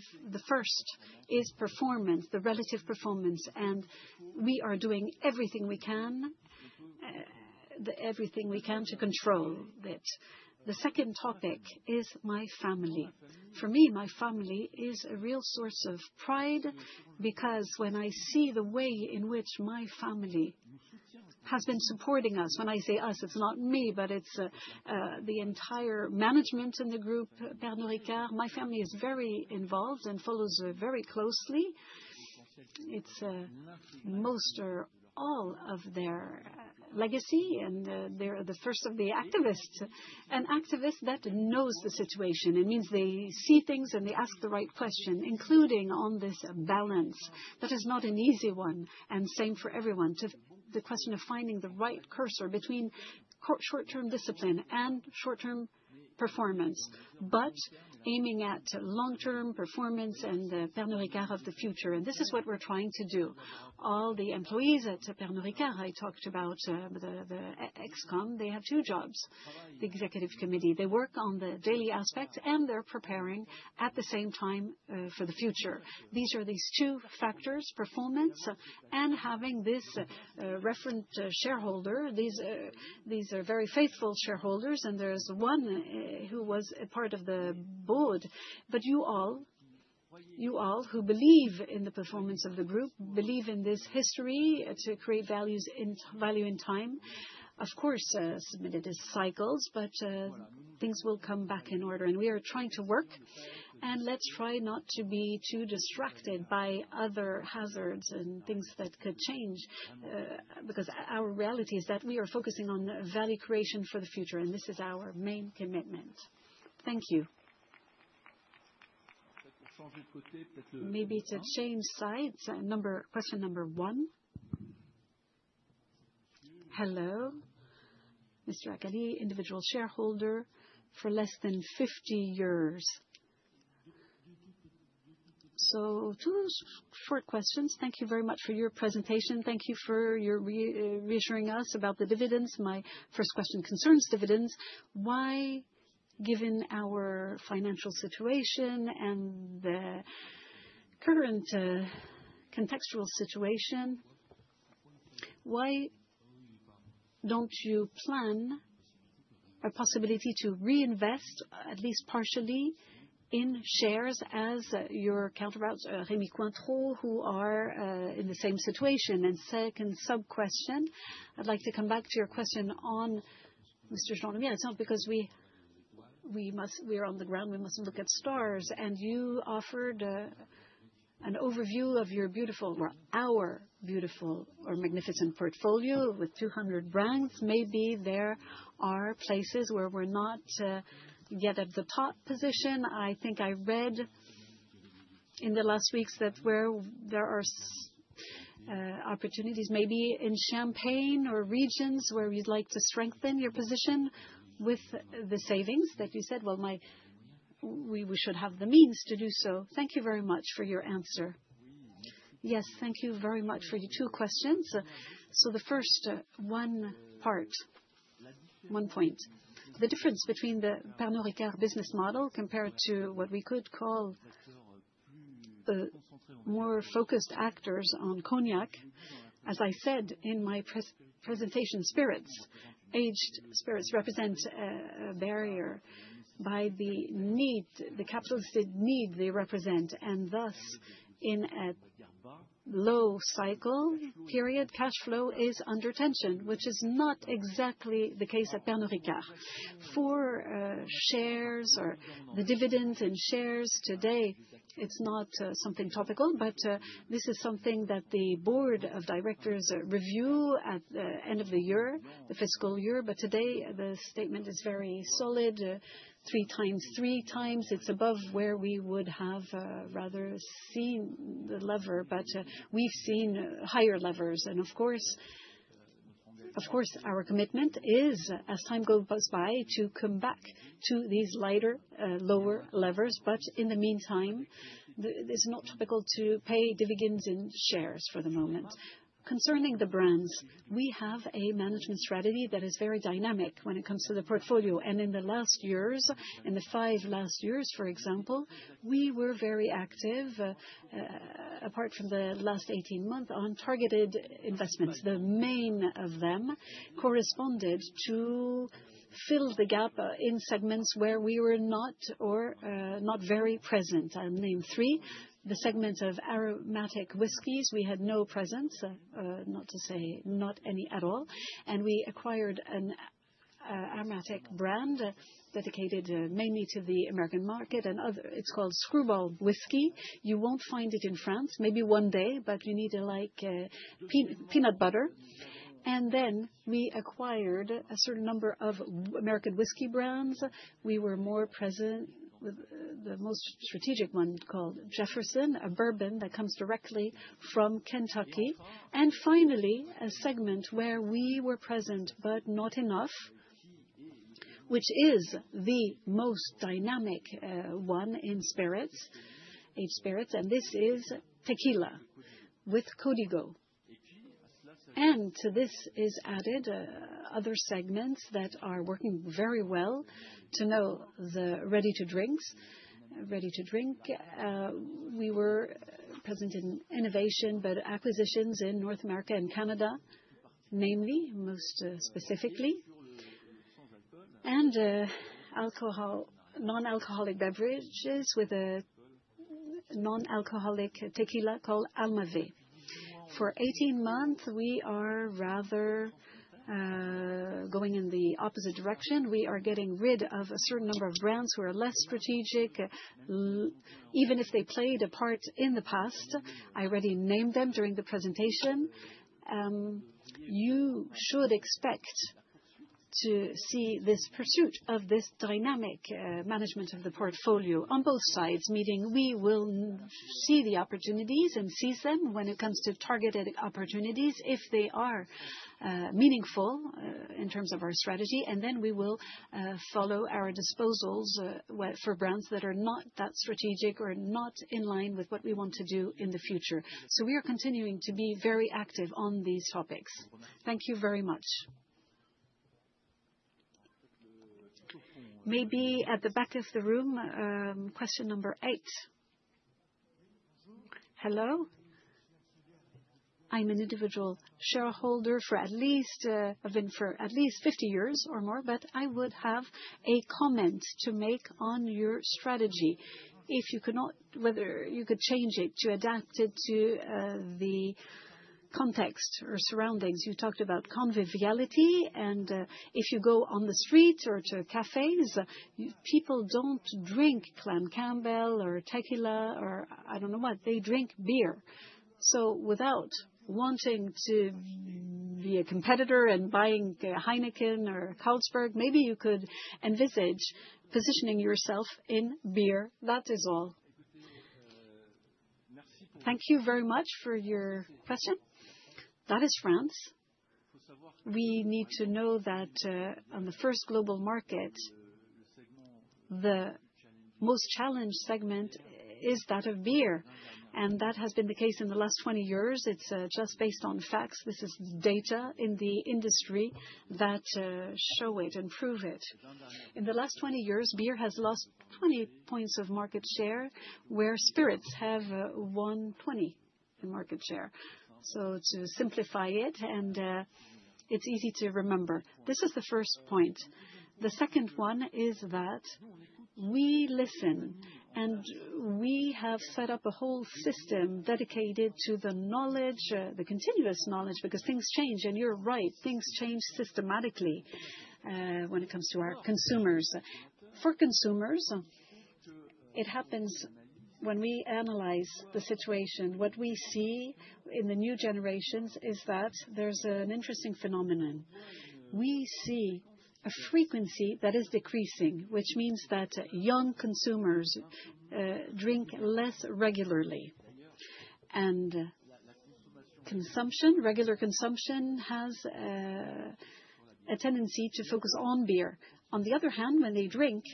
first, is performance, the relative performance. We are doing everything we can, everything we can to control it. The second topic is my family. For me, my family is a real source of pride because when I see the way in which my family has been supporting us, when I say us, it's not me, but it's the entire management in the group, Pernod Ricard. My family is very involved and follows very closely. It's most or all of their legacy, and they're the first of the activists, an activist that knows the situation. It means they see things and they ask the right question, including on this balance. That is not an easy one, and same for everyone, the question of finding the right cursor between short-term discipline and short-term performance, but aiming at long-term performance and Pernod Ricard of the future. This is what we're trying to do. All the employees at Pernod Ricard, I talked about the ex-com, they have two jobs, the executive committee. They work on the daily aspect, and they're preparing at the same time for the future. These are these two factors: performance and having this reference shareholder, these very faithful shareholders. There's one who was part of the board. But you all, you all who believe in the performance of the group, believe in this history to create value in time. Of course, submitted as cycles, but things will come back in order. We are trying to work, and let's try not to be too distracted by other hazards and things that could change, because our reality is that we are focusing on value creation for the future, and this is our main commitment. Thank you. Maybe to change sides. Question number one. Hello. Mr. Agali, individual shareholder for less than 50 years. Two short questions. Thank you very much for your presentation. Thank you for reassuring us about the dividends. My first question concerns dividends. Why, given our financial situation and the current contextual situation, why don't you plan a possibility to reinvest at least partially in shares as your counterpart, Rémy Cointreau, who are in the same situation? Second sub-question, I'd like to come back to your question on Mr. Alexandre, because we are on the ground, we must look at stars. You offered an overview of your beautiful, or our beautiful, or magnificent portfolio with 200 brands. Maybe there are places where we're not yet at the top position. I think I read in the last weeks that there are opportunities maybe in Champagne or regions where you'd like to strengthen your position with the savings that you said. We should have the means to do so. Thank you very much for your answer. Yes, thank you very much for your two questions. The first, one part, one point. The difference between the Pernod Ricard business model compared to what we could call more focused actors on cognac, as I said in my presentation, spirits, aged spirits represent a barrier by the need, the capitalistic need they represent. In a low cycle period, cash flow is under tension, which is not exactly the case at Pernod Ricard. For shares or the dividends in shares today, it's not something topical, but this is something that the board of directors review at the end of the year, the fiscal year. Today, the statement is very solid, three times. It's above where we would have rather seen the lever, but we've seen higher levers. Of course, our commitment is, as time goes by, to come back to these lighter, lower levers. In the meantime, it is not typical to pay dividends in shares for the moment. Concerning the brands, we have a management strategy that is very dynamic when it comes to the portfolio. In the last years, in the five last years, for example, we were very active, apart from the last 18 months, on targeted investments. The main of them corresponded to fill the gap in segments where we were not or not very present. I'll name three: the segment of aromatic whiskies. We had no presence, not to say not any at all. We acquired an aromatic brand dedicated mainly to the American market, and it's called Skrewball Whiskey. You won't find it in France, maybe one day, but you need it like peanut butter. Then we acquired a certain number of American whiskey brands. We were more present with the most strategic one called Jefferson's, a bourbon that comes directly from Kentucky. Finally, a segment where we were present but not enough, which is the most dynamic one in spirits, aged spirits. This is Tequila with Código. To this is added other segments that are working very well to know the ready-to-drinks. We were present in innovation, but acquisitions in North America and Canada, namely most specifically, and non-alcoholic beverages with a non-alcoholic tequila called Almave. For 18 months, we are rather going in the opposite direction. We are getting rid of a certain number of brands who are less strategic. Even if they played a part in the past, I already named them during the presentation. You should expect to see this pursuit of this dynamic management of the portfolio on both sides, meaning we will see the opportunities and seize them when it comes to targeted opportunities if they are meaningful in terms of our strategy. We will follow our disposals for brands that are not that strategic or not in line with what we want to do in the future. So we are continuing to be very active on these topics. Thank you very much. Maybe at the back of the room, question number eight. Hello? I'm an individual shareholder for at least 50 years or more, but I would have a comment to make on your strategy. If you could change it to adapt it to the context or surroundings. You talked about conviviality, and if you go on the street or to cafés, people don't drink Clan Campbell or Tequila or I don't know what. They drink beer. So without wanting to be a competitor and buying Heineken or Carlsberg, maybe you could envisage positioning yourself in beer. That is all. Thank you very much for your question. That is France. We need to know that on the first global market, the most challenged segment is that of beer. That has been the case in the last 20 years. It's just based on facts. This is data in the industry that show it and prove it. In the last 20 years, beer has lost 20 points of market share, where spirits have won 20 in market share. So to simplify it, and it's easy to remember, this is the first point. The second one is that we listen, and we have set up a whole system dedicated to the knowledge, the continuous knowledge, because things change. You're right, things change systematically when it comes to our consumers. For consumers, it happens when we analyze the situation. What we see in the new generations is that there's an interesting phenomenon. We see a frequency that is decreasing, which means that young consumers drink less regularly. Consumption, regular consumption has a tendency to focus on beer. On the other hand, when they drink,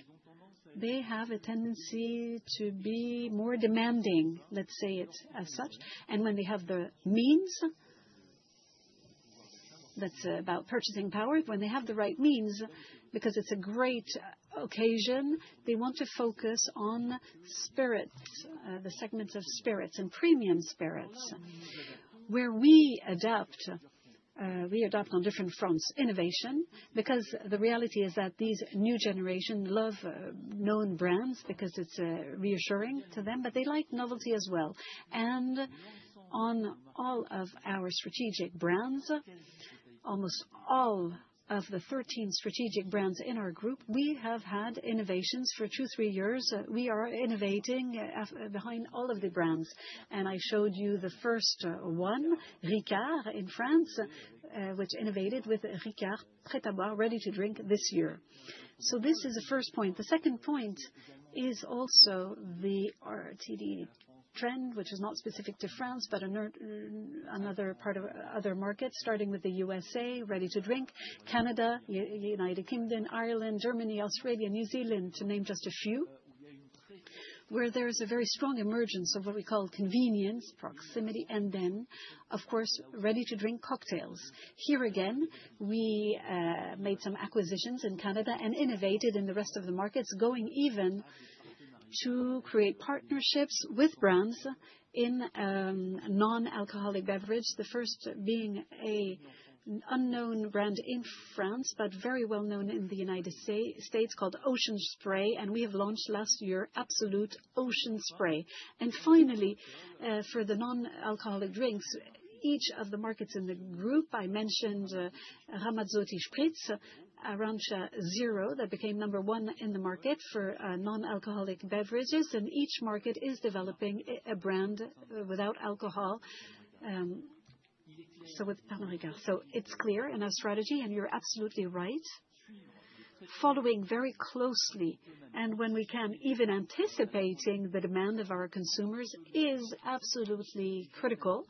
they have a tendency to be more demanding, let's say it as such. When they have the means, that's about purchasing power, when they have the right means, because it's a great occasion, they want to focus on spirits, the segments of spirits and premium spirits, where we adapt on different fronts, innovation, because the reality is that these new generations love known brands because it's reassuring to them, but they like novelty as well. On all of our strategic brands, almost all of the 13 strategic brands in our group, we have had innovations for two, three years. We are innovating behind all of the brands. I showed you the first one, Ricard in France, which innovated with Ricard Prêt-à-Boire Ready-to-Drink this year. This is the first point. The second point is also the RTD trend, which is not specific to France, but another part of other markets, starting with the USA, Ready-to-Drink, Canada, United Kingdom, Ireland, Germany, Australia, New Zealand, to name just a few, where there is a very strong emergence of what we call convenience, proximity, and then, of course, Ready-to-Drink cocktails. Here again, we made some acquisitions in Canada and innovated in the rest of the markets, going even to create partnerships with brands in non-alcoholic beverages, the first being an unknown brand in France, but very well known in the United States called Ocean Spray, and we have launched last year, Absolut Ocean Spray. Finally, for the non-alcoholic drinks, each of the markets in the group, I mentioned Ramazzotti Spritz Arancia Zero, that became number one in the market for non-alcoholic beverages, and each market is developing a brand without alcohol. So with Pernod Ricard, it's clear in our strategy, and you're absolutely right. Following very closely, and when we can even anticipate the demand of our consumers, is absolutely critical.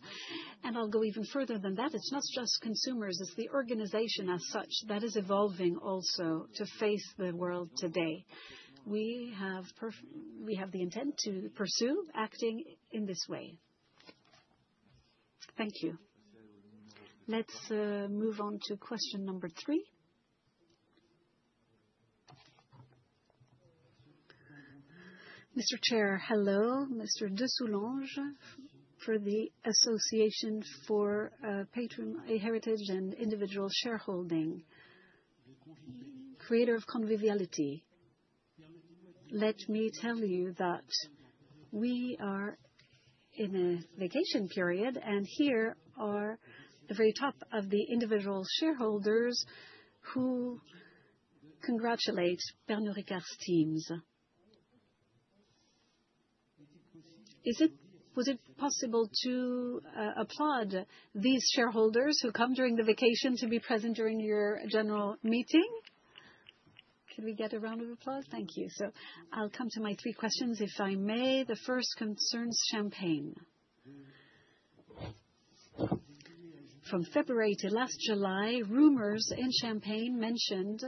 I'll go even further than that. It's not just consumers, it's the organization as such that is evolving also to face the world today. We have the intent to pursue acting in this way. Thank you. Let's move on to question number three. Mr. Chair, hello, Mr. de Soulages for the Association for Patron Heritage and Individual Shareholding, creator of conviviality. Let me tell you that we are in a vacation period, and here are the very top of the individual shareholders who congratulate Pernod Ricard's teams. Was it possible to applaud these shareholders who come during the vacation to be present during your general meeting? Can we get a round of applause? Thank you. I'll come to my three questions if I may. The first concerns Champagne. From February to last July, rumors in Champagne mentioned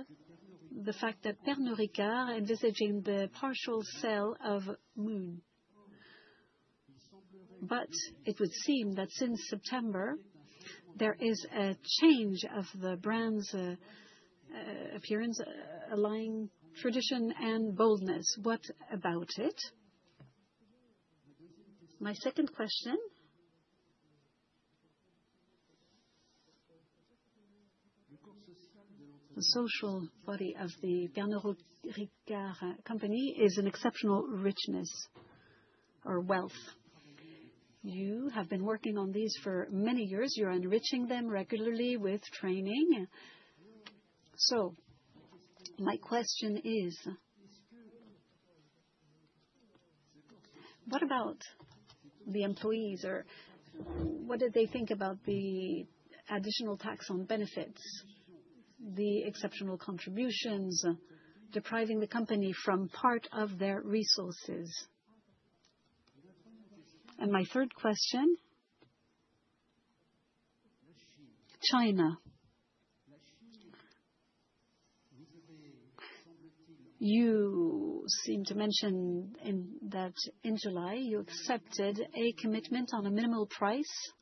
the fact that Pernod Ricard is envisaging the partial sale of Mumm. But it would seem that since September, there is a change of the brand's appearance, aligning tradition and boldness. What about it? My second question. The social body of the Pernod Ricard company is an exceptional richness or wealth. You have been working on these for many years. You're enriching them regularly with training. My question is, what about the employees? What do they think about the additional tax on benefits, the exceptional contributions, depriving the company from part of their resources? My third question. China. You seem to mention that in July, you accepted a commitment on a minimal price.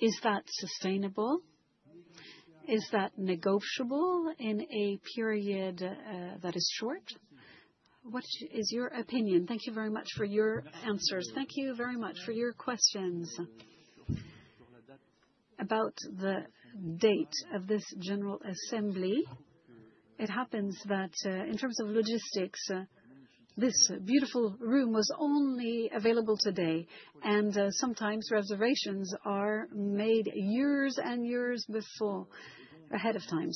Is that sustainable? Is that negotiable in a period that is short? What is your opinion? Thank you very much for your answers. Thank you very much for your questions. About the date of this general assembly, it happens that in terms of logistics, this beautiful room was only available today, and sometimes reservations are made years and years before, ahead of time.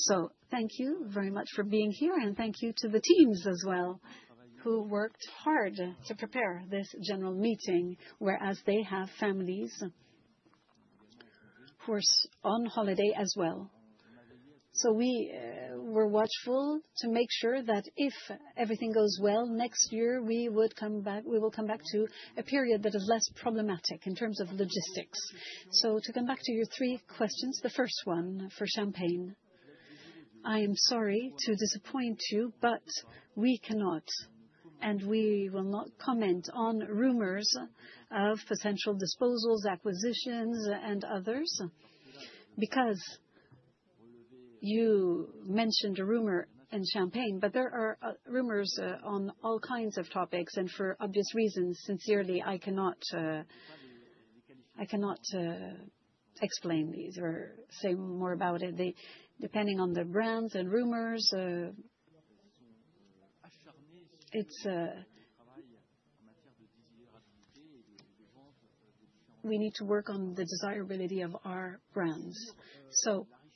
Thank you very much for being here, and thank you to the teams as well who worked hard to prepare this general meeting, whereas they have families who are on holiday as well. We were watchful to make sure that if everything goes well next year, we will come back to a period that is less problematic in terms of logistics. To come back to your three questions, the first one for Champagne, I am sorry to disappoint you, but we cannot, and we will not comment on rumors of potential disposals, acquisitions, and others, because you mentioned a rumor in Champagne, but there are rumors on all kinds of topics, and for obvious reasons, sincerely, I cannot explain these or say more about it. Depending on the brands and rumors, we need to work on the desirability of our brands.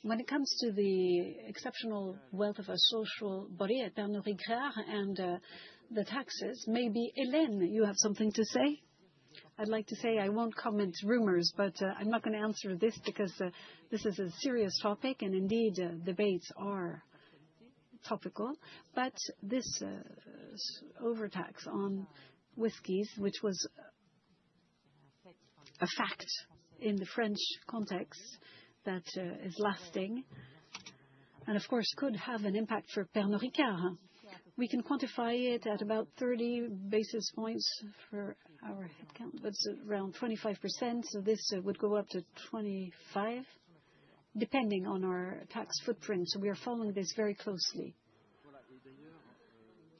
When it comes to the exceptional wealth of our social body, Pernod Ricard and the taxes, maybe Hélène, you have something to say? I'd like to say I won't comment on rumors, but I'm not going to answer this because this is a serious topic, and indeed, debates are topical. But this overtax on whiskeys, which was a fact in the French context that is lasting, and of course, could have an impact for Pernod Ricard. We can quantify it at about 30 basis points for our headcount, but it's around 25%. This would go up to 25%, depending on our tax footprint. We are following this very closely.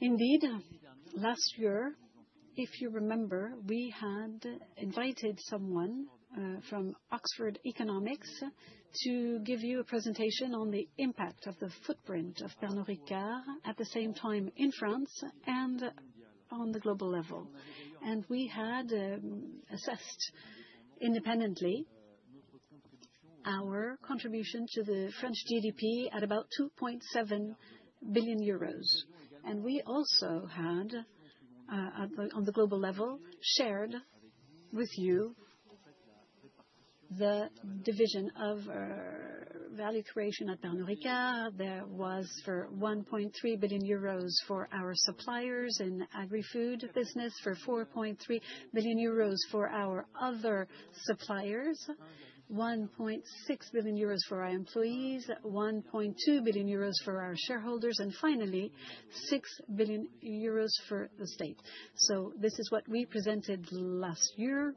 Indeed, last year, if you remember, we had invited someone from Oxford Economics to give you a presentation on the impact of the footprint of Pernod Ricard at the same time in France and on the global level. We had assessed independently our contribution to the French GDP at about 2.7 billion euros. We also had, on the global level, shared with you the division of value creation at Pernod Ricard. There was 1.3 billion euros for our suppliers in agri-food business, 4.3 billion euros for our other suppliers, 1.6 billion euros for our employees, 1.2 billion euros for our shareholders, and finally, 6 billion euros for the state. This is what we presented last year.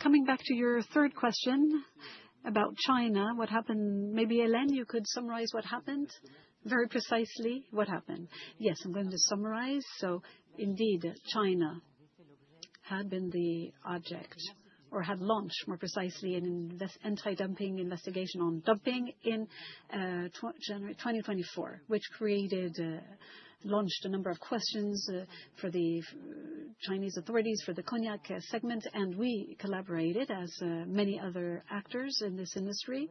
Coming back to your third question about China, what happened? Maybe Hélène, you could summarize what happened very precisely, what happened? Yes, I'm going to summarize. Indeed, China had been the object, or had launched, more precisely, an anti-dumping investigation on dumping in January 2024, which created, launched a number of questions for the Chinese authorities, for the cognac segment. We collaborated, as many other actors in this industry,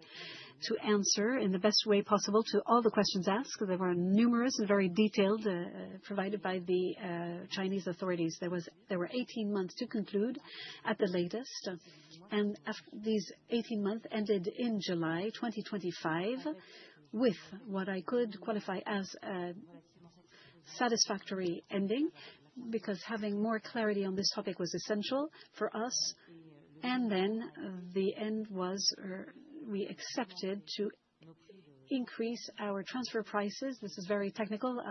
to answer in the best way possible to all the questions asked. There were numerous and very detailed questions provided by the Chinese authorities. There were 18 months to conclude at the latest. And these 18 months ended in July 2025 with what I could qualify as a satisfactory ending, because having more clarity on this topic was essential for us. The end was we accepted to increase our transfer prices. This is very technical.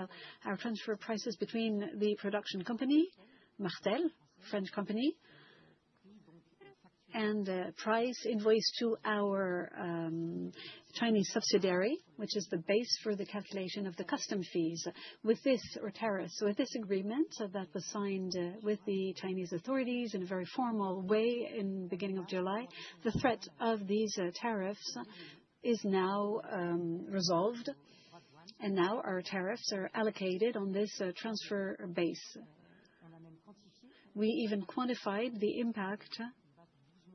Our transfer prices between the production company, Martell, French company, and price invoice to our Chinese subsidiary, which is the base for the calculation of the custom fees. With this tariff, so with this agreement that was signed with the Chinese authorities in a very formal way in the beginning of July, the threat of these tariffs is now resolved. Now our tariffs are allocated on this transfer base. We even quantified the impact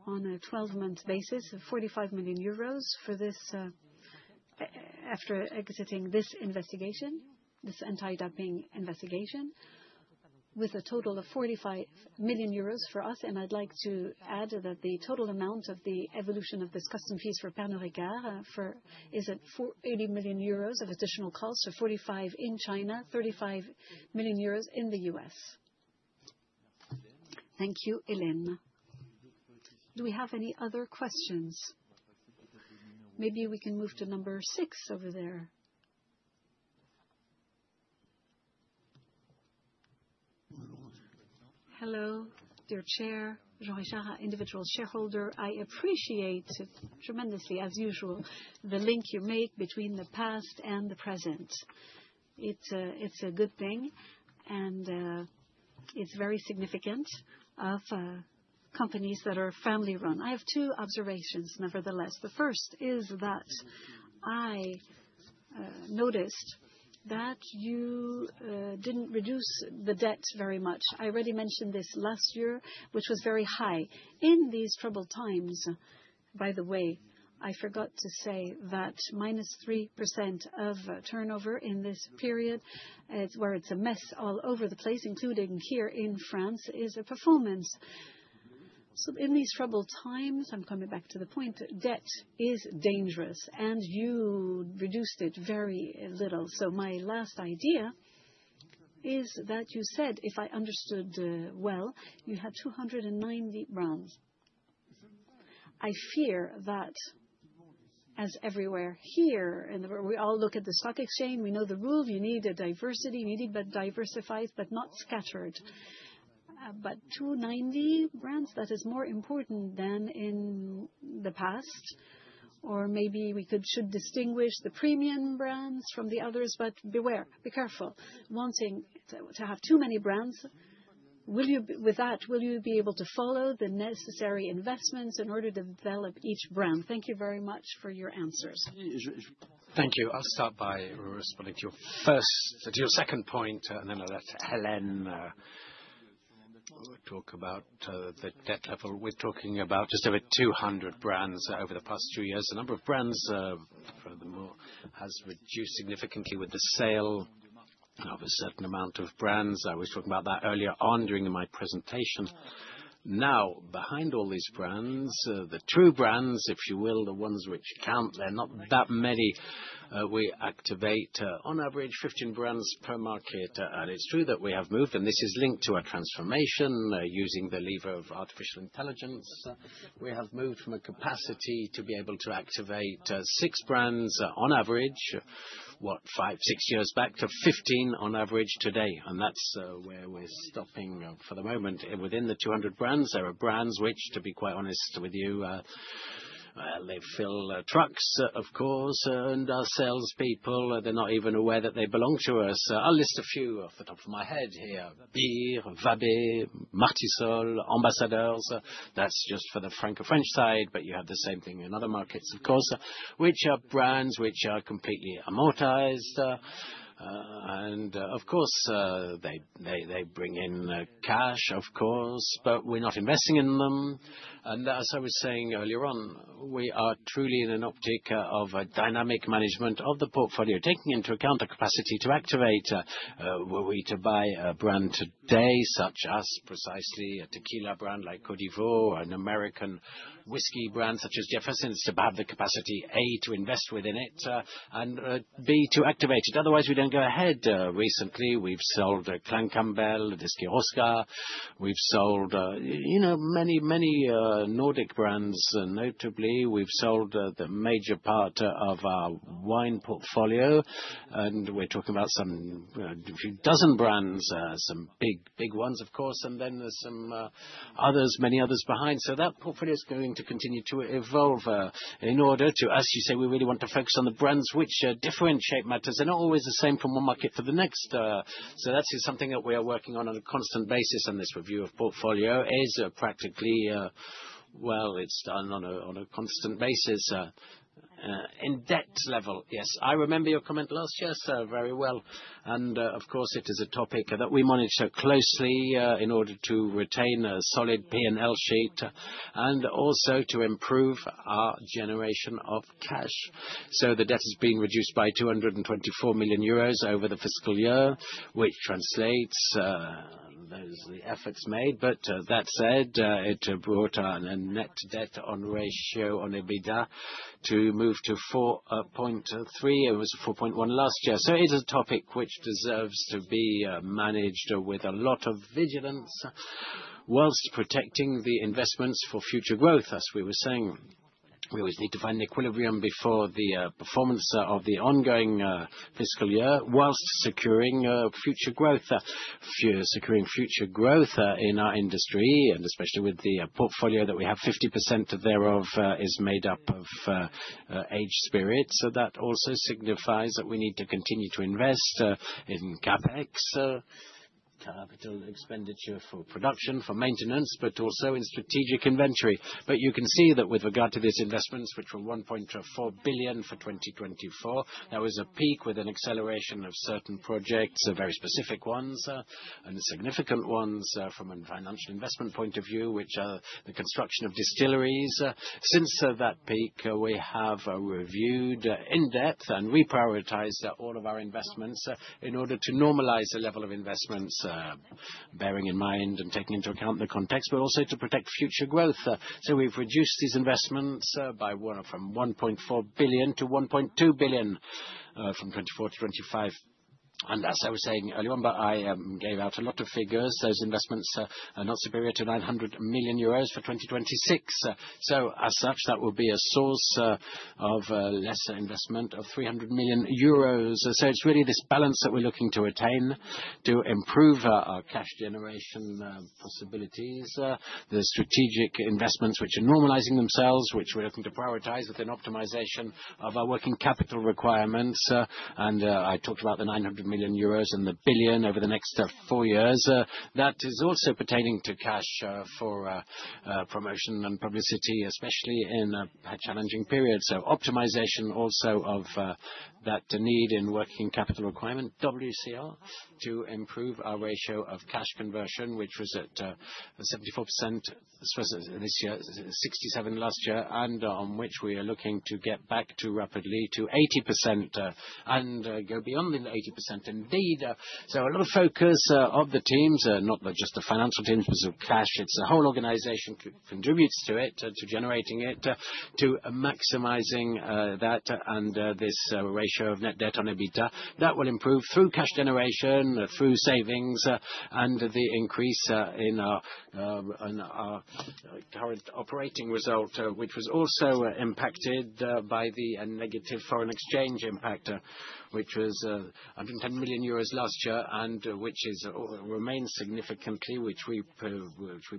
on a 12-month basis, 45 million euros for this after exiting this investigation, this anti-dumping investigation, with a total of 45 million euros for us. I'd like to add that the total amount of the evolution of this custom fees for Pernod Ricard is at 80 million euros of additional cost, so 45 million in China, 35 million euros in the US. Thank you, Hélène. Do we have any other questions? Maybe we can move to number six over there. Hello, dear Chair, Jean Richard, individual shareholder. I appreciate tremendously, as usual, the link you make between the past and the present. It's a good thing, and it's very significant of companies that are family-run. I have two observations, nevertheless. The first is that I noticed that you didn't reduce the debt very much. I already mentioned this last year, which was very high. In these troubled times, by the way, I forgot to say that minus 3% of turnover in this period, where it's a mess all over the place, including here in France, is a performance. So in these troubled times, I'm coming back to the point, debt is dangerous, and you reduced it very little. My last idea is that you said, if I understood well, you had 290 brands. I fear that, as everywhere here, we all look at the stock exchange, we know the rule, you need diversity, you need to diversify, but not scattered. But 290 brands, that is more important than in the past. Or maybe we should distinguish the premium brands from the others, but beware, be careful. Wanting to have too many brands, with that, will you be able to follow the necessary investments in order to develop each brand? Thank you very much for your answers. Thank you. I'll start by responding to your second point, and then I'll let Hélène talk about the debt level. We're talking about just over 200 brands over the past two years. The number of brands furthermore has reduced significantly with the sale of a certain amount of brands. I was talking about that earlier on during my presentation. Now, behind all these brands, the true brands, if you will, the ones which count, they're not that many. We activate, on average, 15 brands per market. It's true that we have moved, and this is linked to our transformation using the lever of artificial intelligence. We have moved from a capacity to be able to activate six brands on average, what, five, six years back, to 15 on average today. That's where we're stopping for the moment. Within the 200 brands, there are brands which, to be quite honest with you, they fill trucks, of course, and our salespeople, they're not even aware that they belong to us. I'll list a few off the top of my head here: Byrrh, Vabé, Bartissol, Ambassadeur. That's just for the Franco-French side, but you have the same thing in other markets, of course, which are brands which are completely amortized. Of course, they bring in cash, of course, but we're not investing in them. As I was saying earlier on, we are truly in an optic of a dynamic management of the portfolio, taking into account a capacity to activate. Were we to buy a brand today, such as precisely a tequila brand like Código, an American whiskey brand such as Jefferson's, it's to have the capacity, A, to invest within it, and B, to activate it. Otherwise, we don't go ahead. Recently, we've sold Clan Campbell, Becherovka. We've sold many, many Nordic brands, notably. We've sold the major part of our wine portfolio, and we're talking about some dozen brands, some big ones, of course, and then there's many others behind. That portfolio is going to continue to evolve in order to, as you say, we really want to focus on the brands which differentiate matters and are always the same from one market to the next. That is something that we are working on on a constant basis, and this review of portfolio is practically, well, it's done on a constant basis in debt level. Yes, I remember your comment last year very well. Of course, it is a topic that we monitor closely in order to retain a solid P&L sheet and also to improve our generation of cash. The debt has been reduced by 224 million euros over the fiscal year, which translates the efforts made. But that said, it brought our net debt on ratio on EBITDA to move to 4.3. It was 4.1 last year. It is a topic which deserves to be managed with a lot of vigilance whilst protecting the investments for future growth, as we were saying. We always need to find the equilibrium before the performance of the ongoing fiscal year whilst securing future growth. Securing future growth in our industry, and especially with the portfolio that we have, 50% of thereof is made up of aged spirits. That also signifies that we need to continue to invest in CapEx, capital expenditure for production, for maintenance, but also in strategic inventory. You can see that with regard to these investments, which were 1.4 billion for 2024, there was a peak with an acceleration of certain projects, very specific ones and significant ones from a financial investment point of view, which are the construction of distilleries. Since that peak, we have reviewed in depth and reprioritized all of our investments in order to normalize the level of investments, bearing in mind and taking into account the context, but also to protect future growth. We've reduced these investments from 1.4 billion to 1.2 billion from 2024 to 2025. As I was saying earlier, I gave out a lot of figures, those investments are not superior to 900 million euros for 2026. As such, that will be a source of lesser investment of 300 million euros. It's really this balance that we're looking to retain to improve our cash generation possibilities. The strategic investments, which are normalizing themselves, which we're looking to prioritize with an optimization of our working capital requirements. I talked about the 900 million euros and the 1 billion over the next four years. That is also pertaining to cash for promotion and publicity, especially in a challenging period. Optimization also of that need in Working Capital Requirement, WCR, to improve our ratio of cash conversion, which was at 74% this year, 67% last year, and on which we are looking to get back to rapidly to 80% and go beyond the 80% indeed. A lot of focus of the teams, not just the financial teams, but cash, it's a whole organization contributes to it, to generating it, to maximizing that and this ratio of net debt on EBITDA that will improve through cash generation, through savings, and the increase in our current operating result, which was also impacted by the negative foreign exchange impact, which was 110 million euros last year and which remains significantly, which we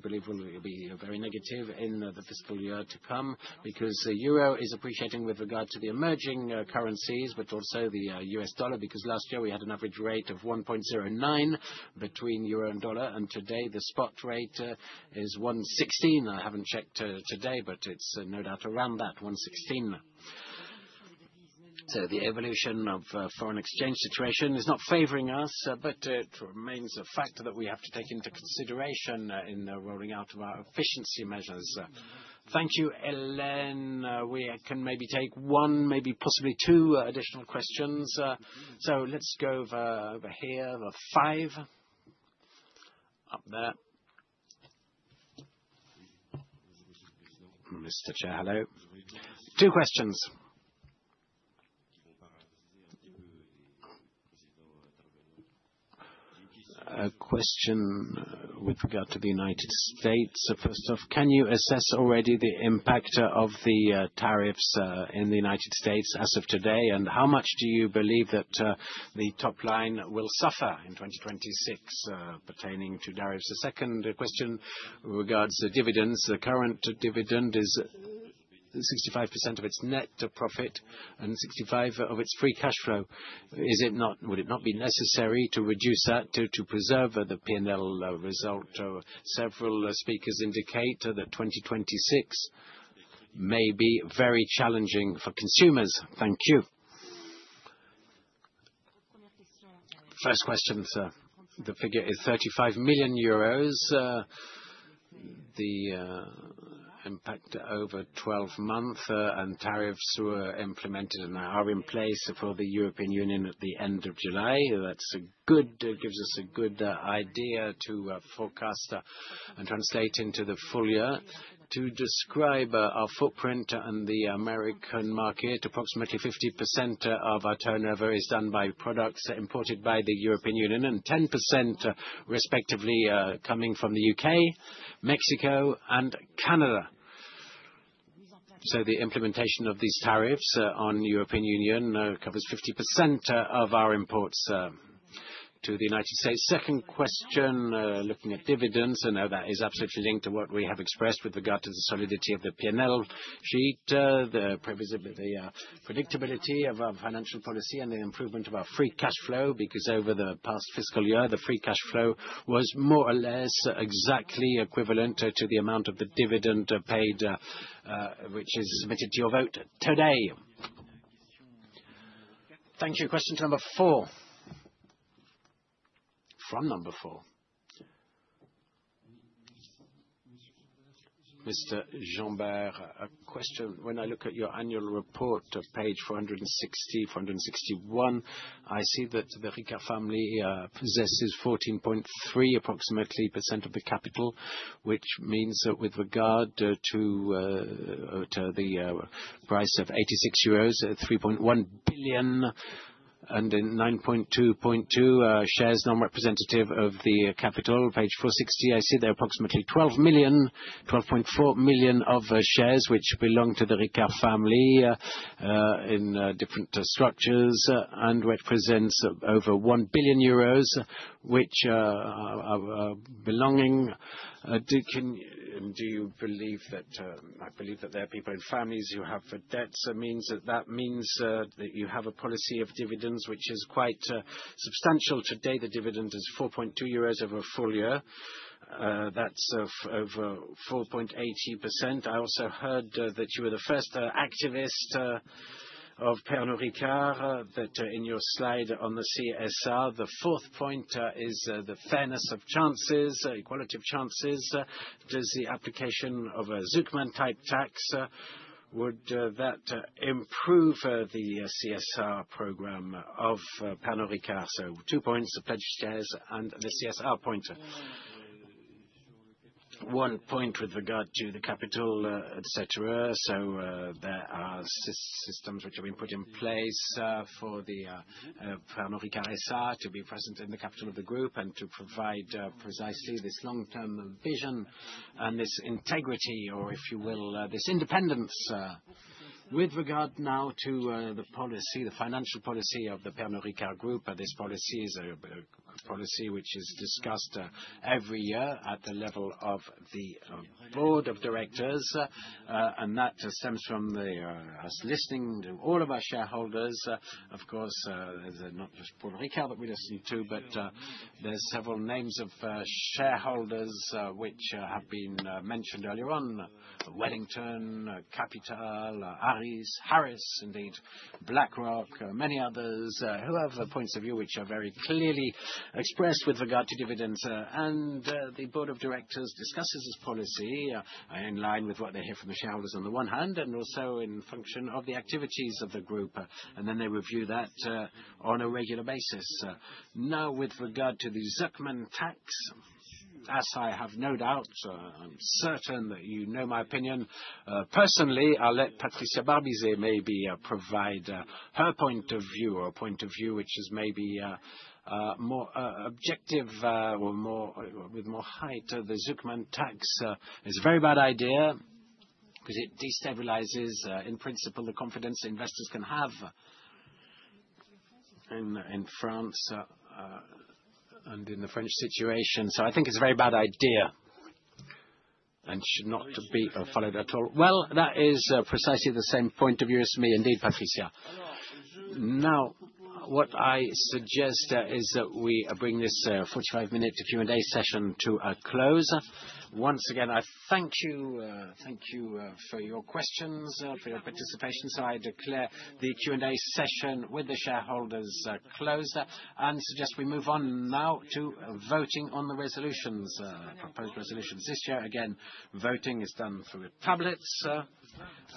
believe will be very negative in the fiscal year to come because the euro is appreciating with regard to the emerging currencies, but also the U.S. dollar, because last year we had an average rate of 1.09 between euro and dollar, and today the spot rate is 1.16. I haven't checked today, but it's no doubt around that, 1.16. The evolution of foreign exchange situation is not favoring us, but it remains a factor that we have to take into consideration in the rolling out of our efficiency measures. Thank you, Hélène. We can maybe take one, maybe possibly two additional questions. Let's go over here, the five up there. Mr. Chair, hello. Two questions. A question with regard to the United States. First off, can you assess already the impact of the tariffs in the United States as of today, and how much do you believe that the top line will suffer in 2026 pertaining to tariffs? A second question regards dividends. The current dividend is 65% of its net profit and 65% of its free cash flow. Would it not be necessary to reduce that to preserve the P&L result? Several speakers indicate that 2026 may be very challenging for consumers. Thank you. First question, sir. The figure is 35 million euros. The impact over 12 months and tariffs were implemented and are in place for the European Union at the end of July. That gives us a good idea to forecast and translate into the full year. To describe our footprint on the American market, approximately 50% of our turnover is done by products imported by the European Union and 10% respectively coming from the U.K., Mexico, and Canada. The implementation of these tariffs on the European Union covers 50% of our imports to the United States. Second question, looking at dividends, I know that is absolutely linked to what we have expressed with regard to the solidity of the P&L sheet, the predictability of our financial policy, and the improvement of our free cash flow because over the past fiscal year, the free cash flow was more or less exactly equivalent to the amount of the dividend paid, which is submitted to your vote today. Thank you. Question number four. From number four. Mr. Jean Baer, a question. When I look at your annual report, page 460, 461, I see that the Ricard family possesses approximately 14.3% of the capital, which means that with regard to the price of 86 euros, 3.1 billion and 9.2.2 shares non-representative of the capital. Page 460, I see there are approximately 12.4 million shares which belong to the Ricard family in different structures and represents over 1 billion euros, which are belonging. Do you believe that there are people in families who have debts? That means that you have a policy of dividends, which is quite substantial today. The dividend is 4.2 euros over a full year. That's over 4.80%. I also heard that you were the first activist of Pernod Ricard that in your slide on the CSR, the fourth point is the fairness of chances, equality of chances. Does the application of a Zucman-type tax, would that improve the CSR program of Pernod Ricard? So two points, the pledged shares and the CSR point. One point with regard to the capital, etc. There are systems which have been put in place for the Pernod Ricard S.A. to be present in the capital of the group and to provide precisely this long-term vision and this integrity, or if you will, this independence. With regard now to the policy, the financial policy of the Pernod Ricard group, this policy is a policy which is discussed every year at the level of the board of directors, and that stems from us listening to all of our shareholders. Of course, not just Pernod Ricard that we listen to, but there are several names of shareholders which have been mentioned earlier on: Wellington, Capital, Harris, indeed, BlackRock, many others, who have points of view which are very clearly expressed with regard to dividends. The board of directors discusses this policy in line with what they hear from the shareholders on the one hand and also in function of the activities of the group. They review that on a regular basis. Now, with regard to the Zucman tax, as I have no doubt, I'm certain that you know my opinion. Personally, I'll let Patricia Barbizet maybe provide her point of view or point of view which is maybe more objective or with more height. The Zucman tax is a very bad idea because it destabilizes, in principle, the confidence investors can have in France and in the French situation. I think it's a very bad idea and should not be followed at all. That is precisely the same point of view as me, indeed, Patricia. Now, what I suggest is that we bring this 45-minute Q&A session to a close. Once again, I thank you for your questions, for your participation. So I declare the Q&A session with the shareholders closed and suggest we move on now to voting on the resolutions, proposed resolutions this year. Again, voting is done through tablets.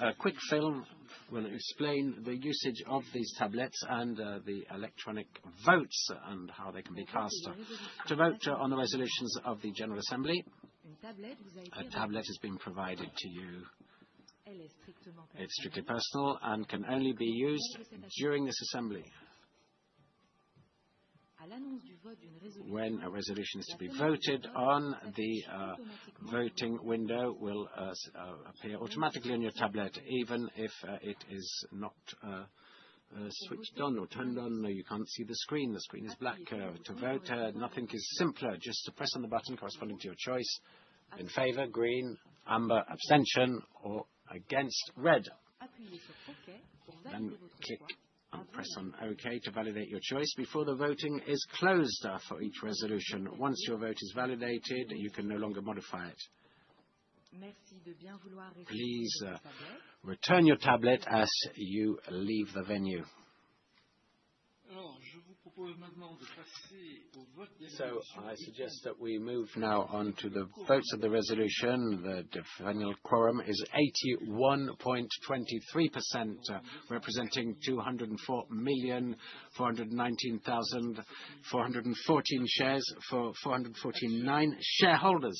A quick film will explain the usage of these tablets and the electronic votes and how they can be cast to vote on the resolutions of the General Assembly. A tablet has been provided to you. It's strictly personal and can only be used during this assembly. When a resolution is to be voted on, the voting window will appear automatically on your tablet, even if it is not switched on or turned on, or you can't see the screen. The screen is black. To vote, nothing is simpler. Just press on the button corresponding to your choice: in favor, green, amber, abstention, or against, red. Then click and press on okay to validate your choice before the voting is closed for each resolution. Once your vote is validated, you can no longer modify it. Please return your tablet as you leave the venue. I suggest that we move now on to the votes of the resolution. The final quorum is 81.23%, representing 204,419,414 shares for 449 shareholders.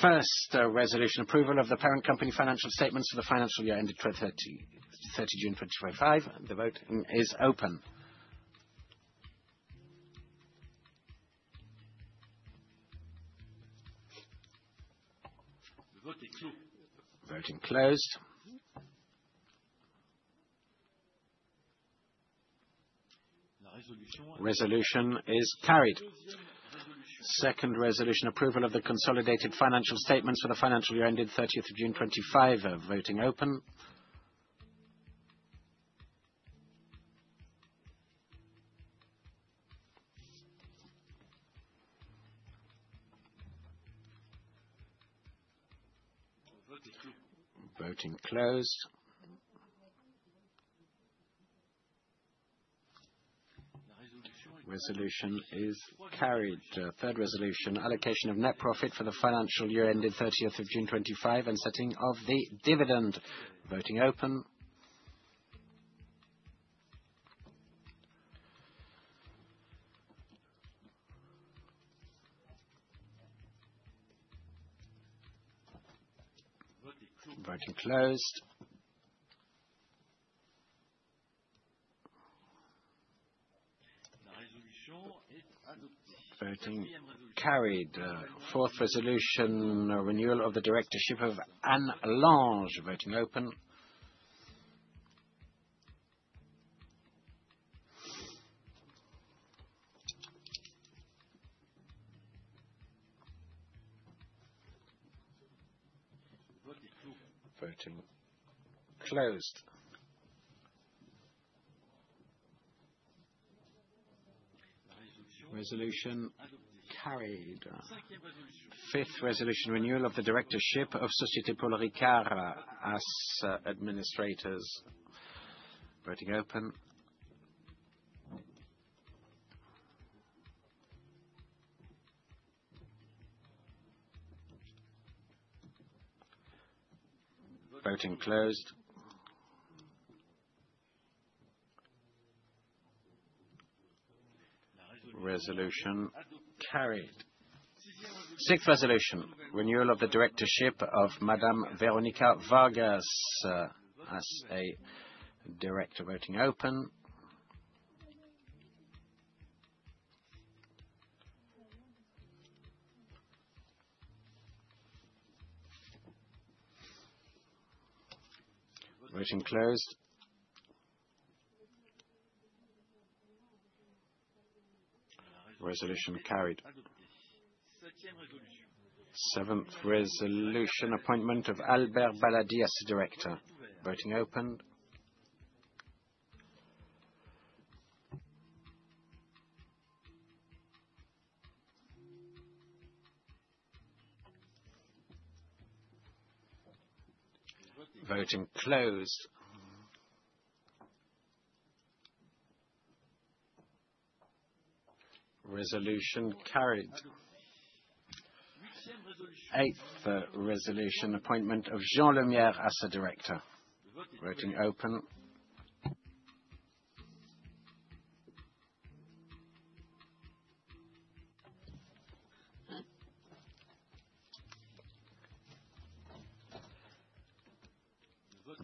First resolution: approval of the parent company financial statements for the financial year ended 30th June 2025. The vote is open. Voting closed. Resolution is carried. Second resolution: approval of the consolidated financial statements for the financial year ended 30th June 2025. Voting open. Voting closed. Resolution is carried. Third resolution: allocation of net profit for the financial year ended 30th June 2025 and setting of the dividend. Voting open. Voting closed. Voting carried. Fourth resolution: renewal of the directorship of Anne Lange. Voting open. Voting closed. Resolution carried. Fifth resolution: renewal of the directorship of Société Paul Ricard as administrators. Voting open. Voting closed. Resolution carried. Sixth resolution: renewal of the directorship of Madame Veronica Vargas as a director. Voting open. Voting closed. Resolution carried. Seventh resolution: appointment of Albert Baladi as director. Voting open. Voting closed. Resolution carried. Eighth resolution: appointment of Jean Lemierre as a director. Voting open.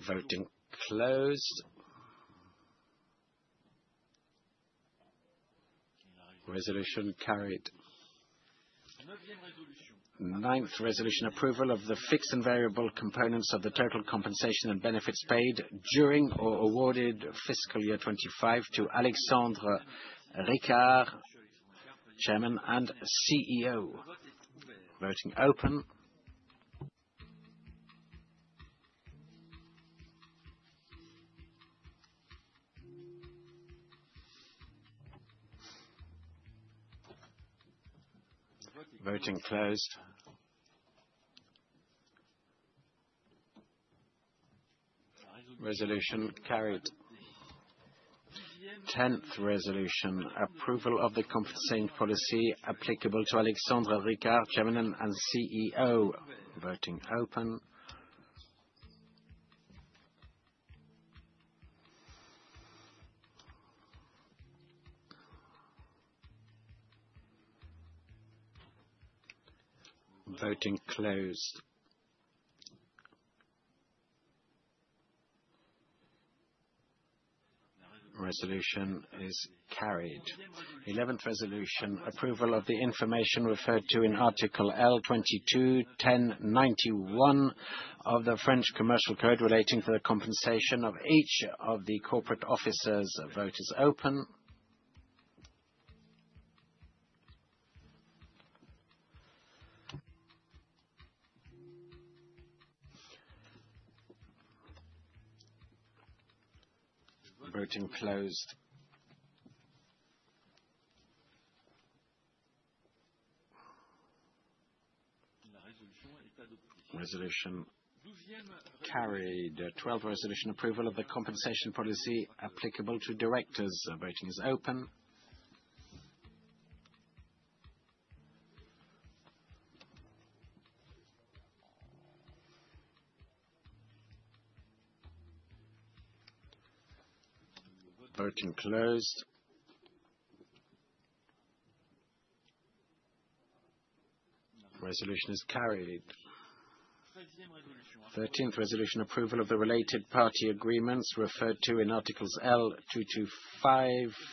Voting closed. Resolution carried. Ninth resolution: approval of the fixed and variable components of the total compensation and benefits paid during or awarded fiscal year 2025 to Alexandre Ricard, Chairman and CEO. Voting open. Voting closed. Resolution carried. 10th resolution: approval of the compensation policy applicable to Alexandre Ricard, Chairman and CEO. Voting open. Voting closed. Resolution is carried. 11th resolution: approval of the information referred to in Article L. 22-10-91 of the French Commercial Code relating to the compensation of each of the corporate officers. Voters open. Voting closed. Resolution carried. 12th resolution: approval of the compensation policy applicable to directors. Voting is open. Voting closed. Resolution is carried. 13th resolution: approval of the related party agreements referred to in Articles L.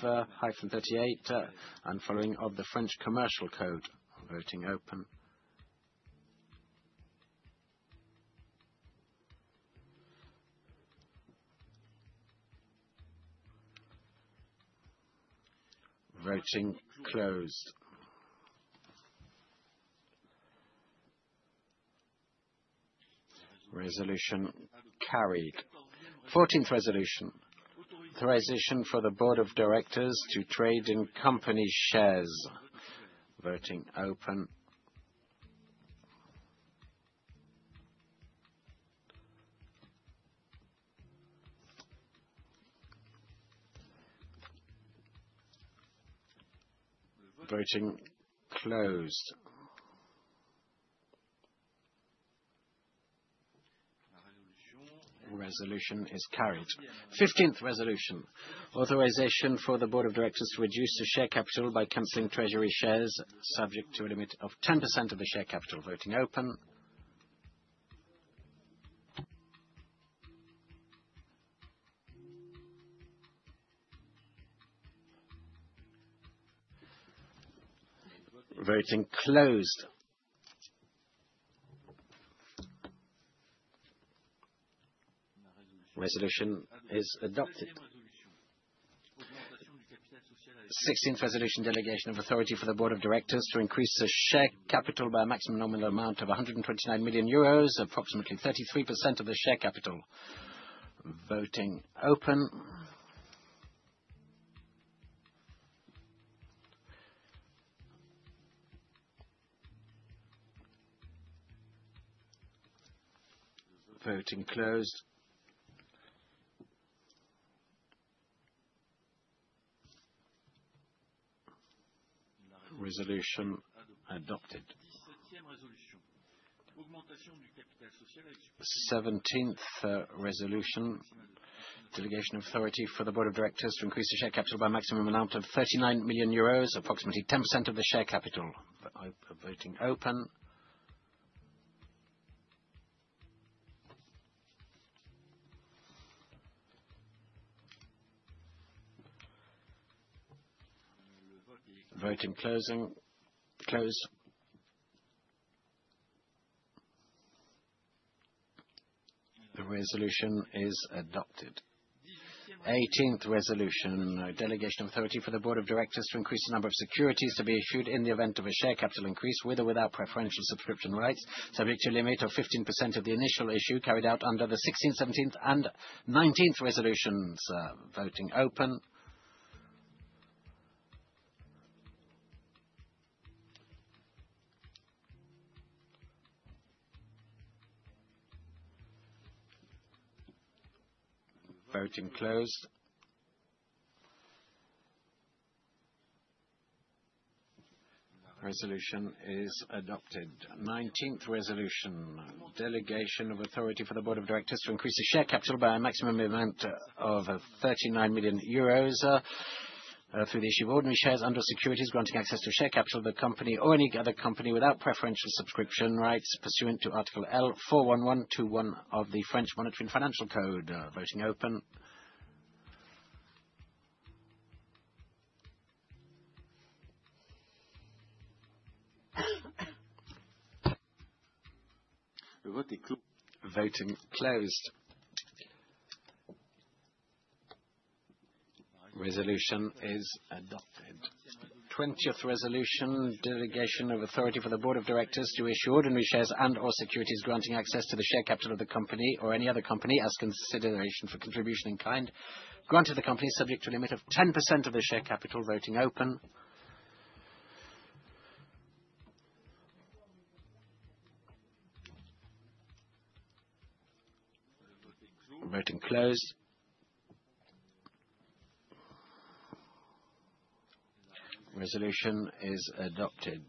225-38 and following of the French Commercial Code. Voting open. Voting closed. Resolution carried. 14th resolution: authorization for the Board of Directors to trade in company shares. Voting open. Voting closed. Resolution is carried. 15th resolution: authorization for the Board of Directors to reduce the share capital by cancelling treasury shares, subject to a limit of 10% of the share capital. Voting open. Voting closed. Resolution is adopted. 16th resolution: delegation of authority for the board of directors to increase the share capital by a maximum nominal amount of 129 million euros, approximately 33% of the share capital. Voting open. Voting closed. Resolution adopted. 17th resolution: delegation of authority for the board of directors to increase the share capital by a maximum amount of 39 million euros, approximately 10% of the share capital. Voting open. Voting closed. Resolution is adopted. 18th resolution: delegation of authority for the board of directors to increase the number of securities to be issued in the event of a share capital increase with or without preferential subscription rights, subject to a limit of 15% of the initial issue carried out under the 16th, 17th, and 19th resolutions. Voting open. Voting closed. Resolution is adopted. 19th resolution: delegation of authority for the board of directors to increase the share capital by a maximum amount of 39 million euros through the issue of ordinary shares under securities granting access to share capital of the company or any other company without preferential subscription rights, pursuant to Article L. 411-2-1 of the French Monetary and Financial Code. Voting open. Voting closed. Resolution is adopted. 20th resolution: delegation of authority for the board of directors to issue ordinary shares and/or securities granting access to the share capital of the company or any other company as consideration for contribution in kind granted to the company, subject to a limit of 10% of the share capital. Voting open. Voting closed. Resolution is adopted.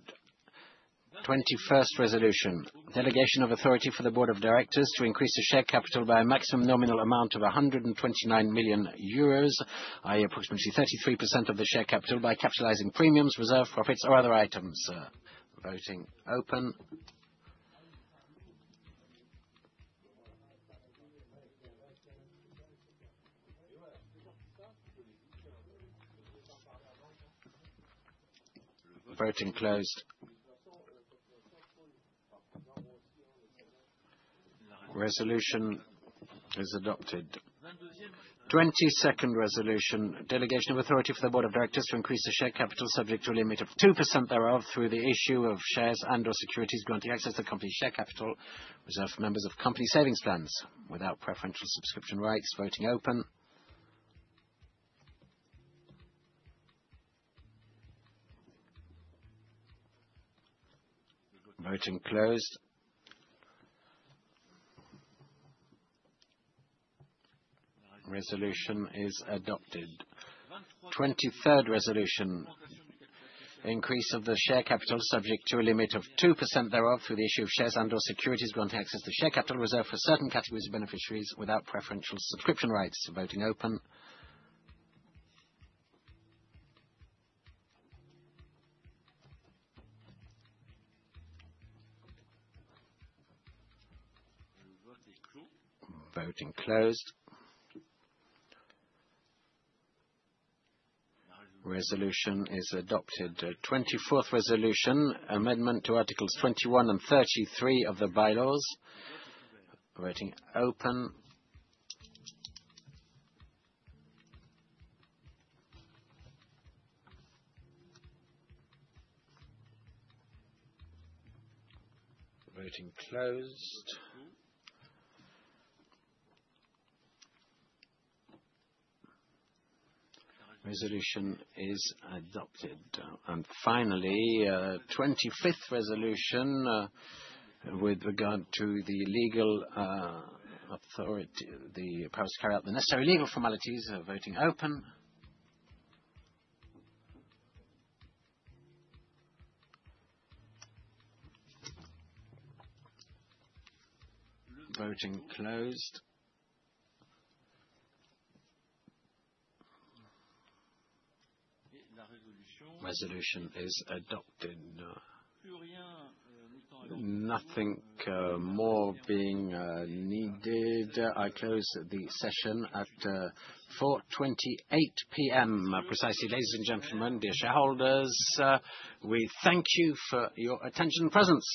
21st resolution: delegation of authority for the board of directors to increase the share capital by a maximum nominal amount of 129 million euros, i.e., approximately 33% of the share capital, by capitalizing premiums, reserve profits, or other items. Voting open. Voting closed. Resolution is adopted. 22nd resolution: delegation of authority for the board of directors to increase the share capital, subject to a limit of 2% thereof, through the issue of shares and/or securities granting access to the company's share capital, reserve members of company savings plans, without preferential subscription rights. Voting open. Voting closed. Resolution is adopted. 23rd resolution: increase of the share capital, subject to a limit of 2% thereof, through the issue of shares and/or securities granting access to the share capital, reserve for certain categories of beneficiaries, without preferential subscription rights. Voting open. Voting closed. Resolution is adopted. 24th resolution: amendment to Articles 21 and 33 of the bylaws. Voting open. Voting closed. Resolution is adopted. Finally, 25th resolution with regard to the legal authority to carry out the necessary legal formalities. Voting open. Voting closed. Resolution is adopted. Nothing more being needed, I close the session at 4:28 p.m. Precisely, ladies and gentlemen, dear shareholders, we thank you for your attention and presence.